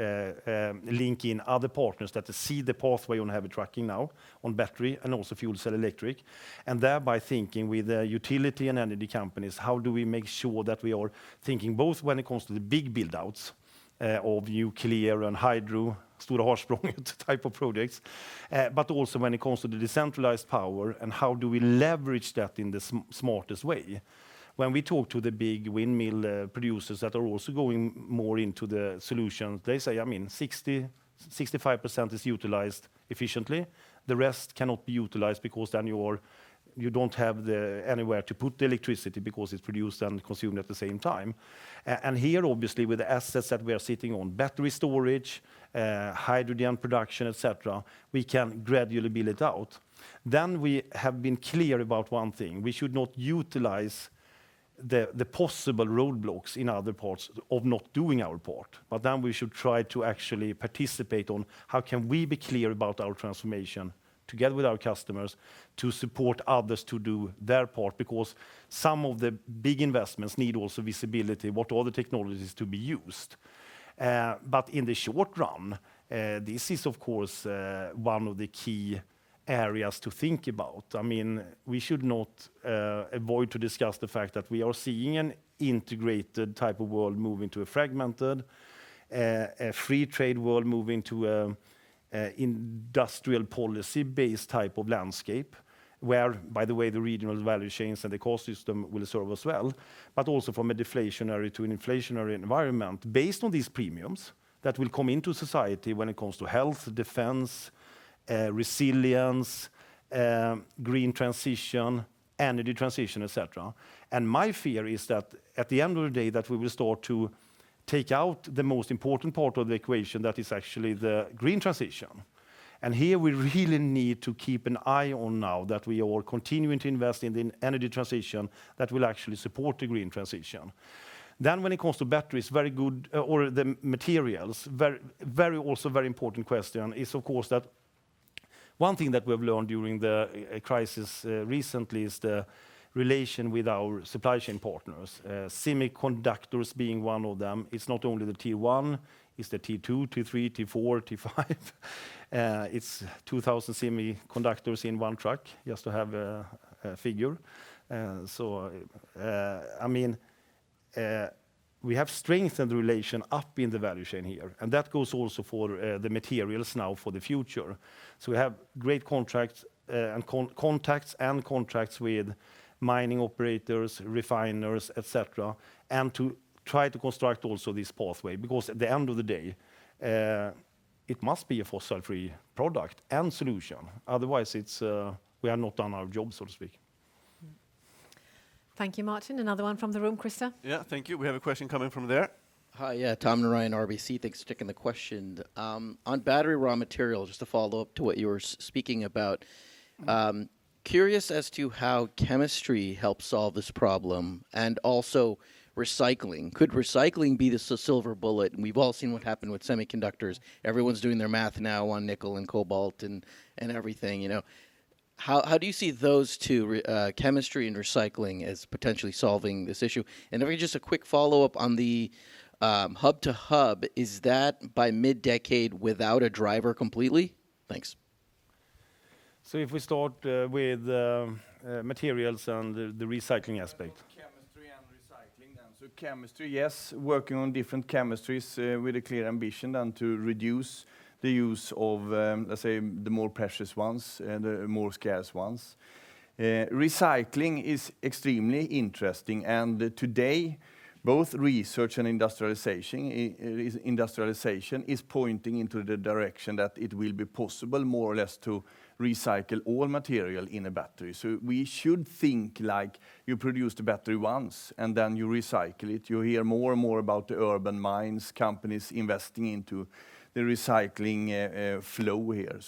link in other partners that see the pathway on heavy trucking now on battery and also fuel cell electric. Thereby thinking with the utility and energy companies, how do we make sure that we are thinking both when it comes to the big build-outs of nuclear and hydro, Stornorrfors type of projects, but also when it comes to the decentralized power and how do we leverage that in the smartest way? When we talk to the big windmill producers that are also going more into the solutions, they say, I mean, 60%-65% is utilized efficiently. The rest cannot be utilized because then you're, you don't have anywhere to put the electricity because it's produced and consumed at the same time. Here, obviously, with the assets that we are sitting on, battery storage, hydrogen production, et cetera, we can gradually build it out. We have been clear about one thing. We should not utilize the possible roadblocks in other parts of not doing our part. We should try to actually participate on how can we be clear about our transformation together with our customers to support others to do their part because some of the big investments need also visibility, what are the technologies to be used. In the short run, this is of course, one of the key areas to think about. I mean, we should not avoid to discuss the fact that we are seeing an integrated type of world moving to a fragmented, a free trade world moving to, an industrial policy-based type of landscape, where, by the way, the regional value chains and the cost system will serve us well, but also from a deflationary to an inflationary environment based on these premiums that will come into society when it comes to health, defense, resilience, green transition, energy transition, etcetera. My fear is that at the end of the day, that we will start to take out the most important part of the equation that is actually the green transition. Here we really need to keep an eye on now that we are continuing to invest in the energy transition that will actually support the green transition. When it comes to batteries, very good, or the materials, very, also very important question is, of course, that one thing that we've learned during the crisis recently is the relation with our supply chain partners, semiconductors being one of them. It's not only the T1, it's the T2, T3, T4, T5. It's 2000 semiconductors in one truck, just to have a figure. I mean, we have strengthened the relation up in the value chain here, and that goes also for the materials now for the future. We have great contracts, and contacts and contracts with mining operators, refiners, etcetera, and to try to construct also this pathway, because at the end of the day, it must be a fossil-free product and solution. Otherwise, it's we have not done our job, so to speak. Thank you, Martin. Another one from the room, Christer. Yeah. Thank you. We have a question coming from there. Hi. Yeah, Tom Narayan, RBC. Thanks for taking the question. On battery raw material, just to follow up to what you were speaking about, curious as to how chemistry helps solve this problem and also recycling. Could recycling be the silver bullet? We've all seen what happened with semiconductors. Everyone's doing their math now on nickel and cobalt and everything, you know. How do you see those two, chemistry and recycling as potentially solving this issue? Then just a quick follow-up on the hub to hub. Is that by mid-decade without a driver completely? Thanks. If we start with the materials and the recycling aspect. Chemistry and recycling then. Chemistry, yes, working on different chemistries with a clear ambition to reduce the use of, let's say, the more precious ones and the more scarce ones. Recycling is extremely interesting, and today, both research and industrialization is pointing into the direction that it will be possible more or less to recycle all material in a battery. We should think like you produce the battery once, and then you recycle it. You hear more and more about the urban mines companies investing into the recycling flow here.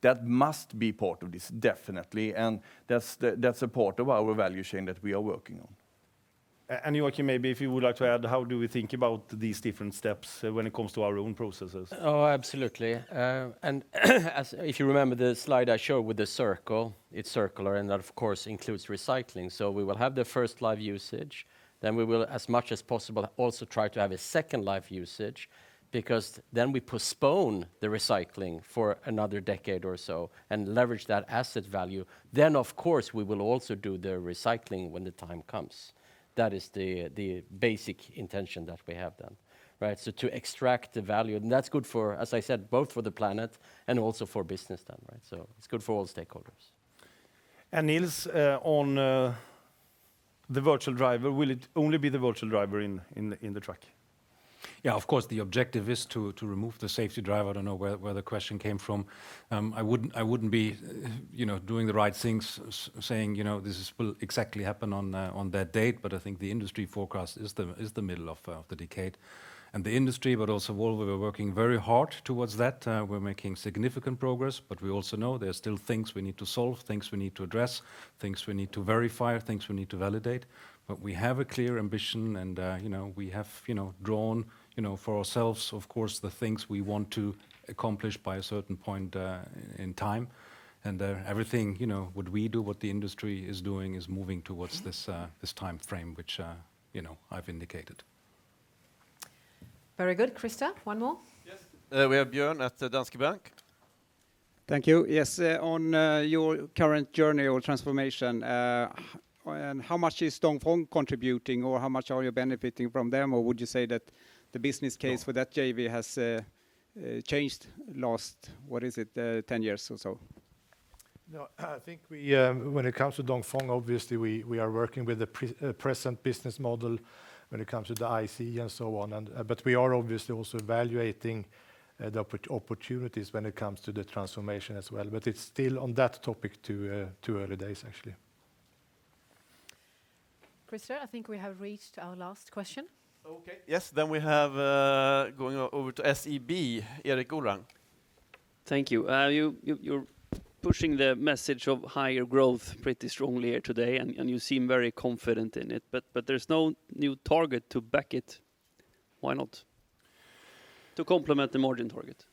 That must be part of this, definitely, and that's a part of our value chain that we are working on. Joachim, maybe if you would like to add, how do we think about these different steps when it comes to our own processes? Oh, absolutely. If you remember the slide I showed with the circle, it's circular, and that of course includes recycling. We will have the first live usage, then we will as much as possible also try to have a second live usage because then we postpone the recycling for another decade or so and leverage that asset value. Of course, we will also do the recycling when the time comes. That is the basic intention that we have then, right? To extract the value, and that's good for, as I said, both for the planet and also for business then, right? It's good for all stakeholders. Nils, on the virtual driver, will it only be the virtual driver in the truck? Yeah, of course, the objective is to remove the safety driver. I don't know where the question came from. I wouldn't be, you know, doing the right things saying, you know, this will exactly happen on that date, but I think the industry forecast is the middle of the decade. The industry, but also Volvo, we're working very hard towards that. We're making significant progress, but we also know there are still things we need to solve, things we need to address, things we need to verify, things we need to validate. We have a clear ambition and, you know, we have, you know, drawn, you know, for ourselves, of course, the things we want to accomplish by a certain point in time. Everything, you know, what we do, what the industry is doing is moving towards this timeframe, which, you know, I've indicated. Very good. Christer, one more? Yes. We have Björn at Danske Bank. Thank you. Yes, on your current journey or transformation, and how much is Dongfeng contributing or how much are you benefiting from them? Would you say that the business case for that JV has changed last, what is it, 10 years or so? No, I think we, when it comes to Dongfeng, obviously we are working with the present business model when it comes to the ICE and so on. We are obviously also evaluating the opportunities when it comes to the transformation as well. It's still too early days, actually. Christer, I think we have reached our last question. Okay. Yes. We have, going over to SEB, Erik Severinson. Thank you. You're pushing the message of higher growth pretty strongly here today, and you seem very confident in it, but there's no new target to back it. Why not? To complement the margin target.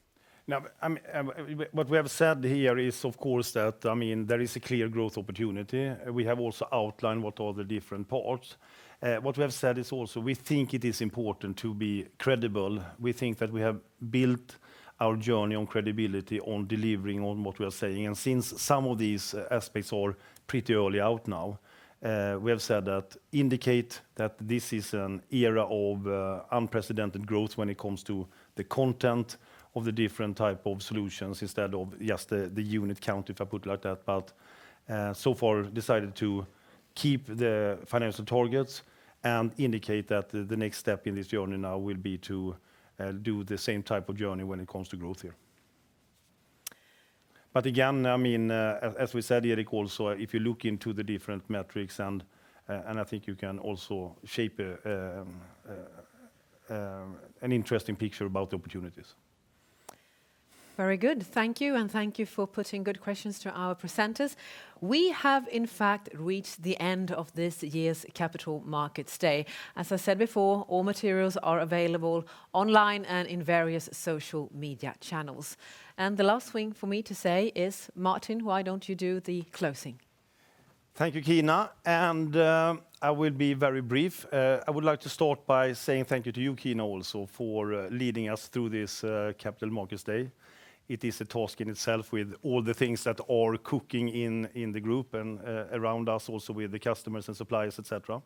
Now, I mean, what we have said here is, of course, that, I mean, there is a clear growth opportunity. We have also outlined what are the different parts. What we have said is also we think it is important to be credible. We think that we have built our journey on credibility, on delivering on what we are saying. Since some of these aspects are pretty early out now, we have said that indicate that this is an era of unprecedented growth when it comes to the content of the different type of solutions instead of just the unit count, if I put it like that. So far decided to keep the financial targets and indicate that the next step in this journey now will be to do the same type of journey when it comes to growth here. Again, I mean, as we said, Erik, also, if you look into the different metrics and I think you can also shape an interesting picture about the opportunities. Very good. Thank you, and thank you for putting good questions to our presenters. We have in fact reached the end of this year's Capital Markets Day. As I said before, all materials are available online and in various social media channels. The last thing for me to say is, Martin, why don't you do the closing? Thank you, Kina. I will be very brief. I would like to start by saying thank you to you, Kina, also for leading us through this Capital Markets Day. It is a task in itself with all the things that are cooking in the group and around us also with the customers and suppliers, etcetera.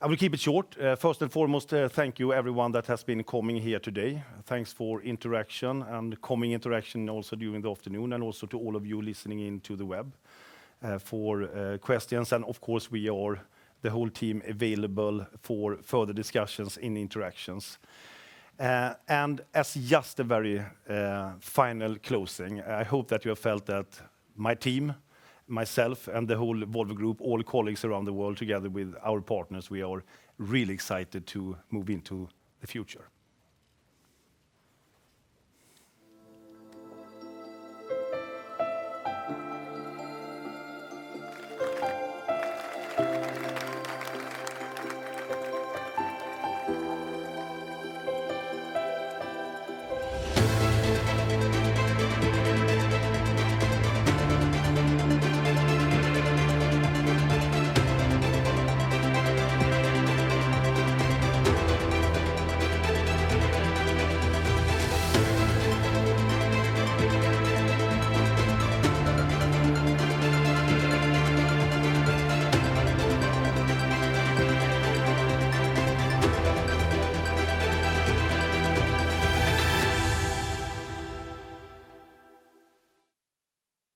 I will keep it short. First and foremost, thank you everyone that has been coming here today. Thanks for interaction and coming interaction also during the afternoon and also to all of you listening in to the web for questions. Of course we are, the whole team, available for further discussions and interactions. As just a very final closing, I hope that you have felt that my team, myself, and the whole Volvo Group, all colleagues around the world, together with our partners, we are really excited to move into the future.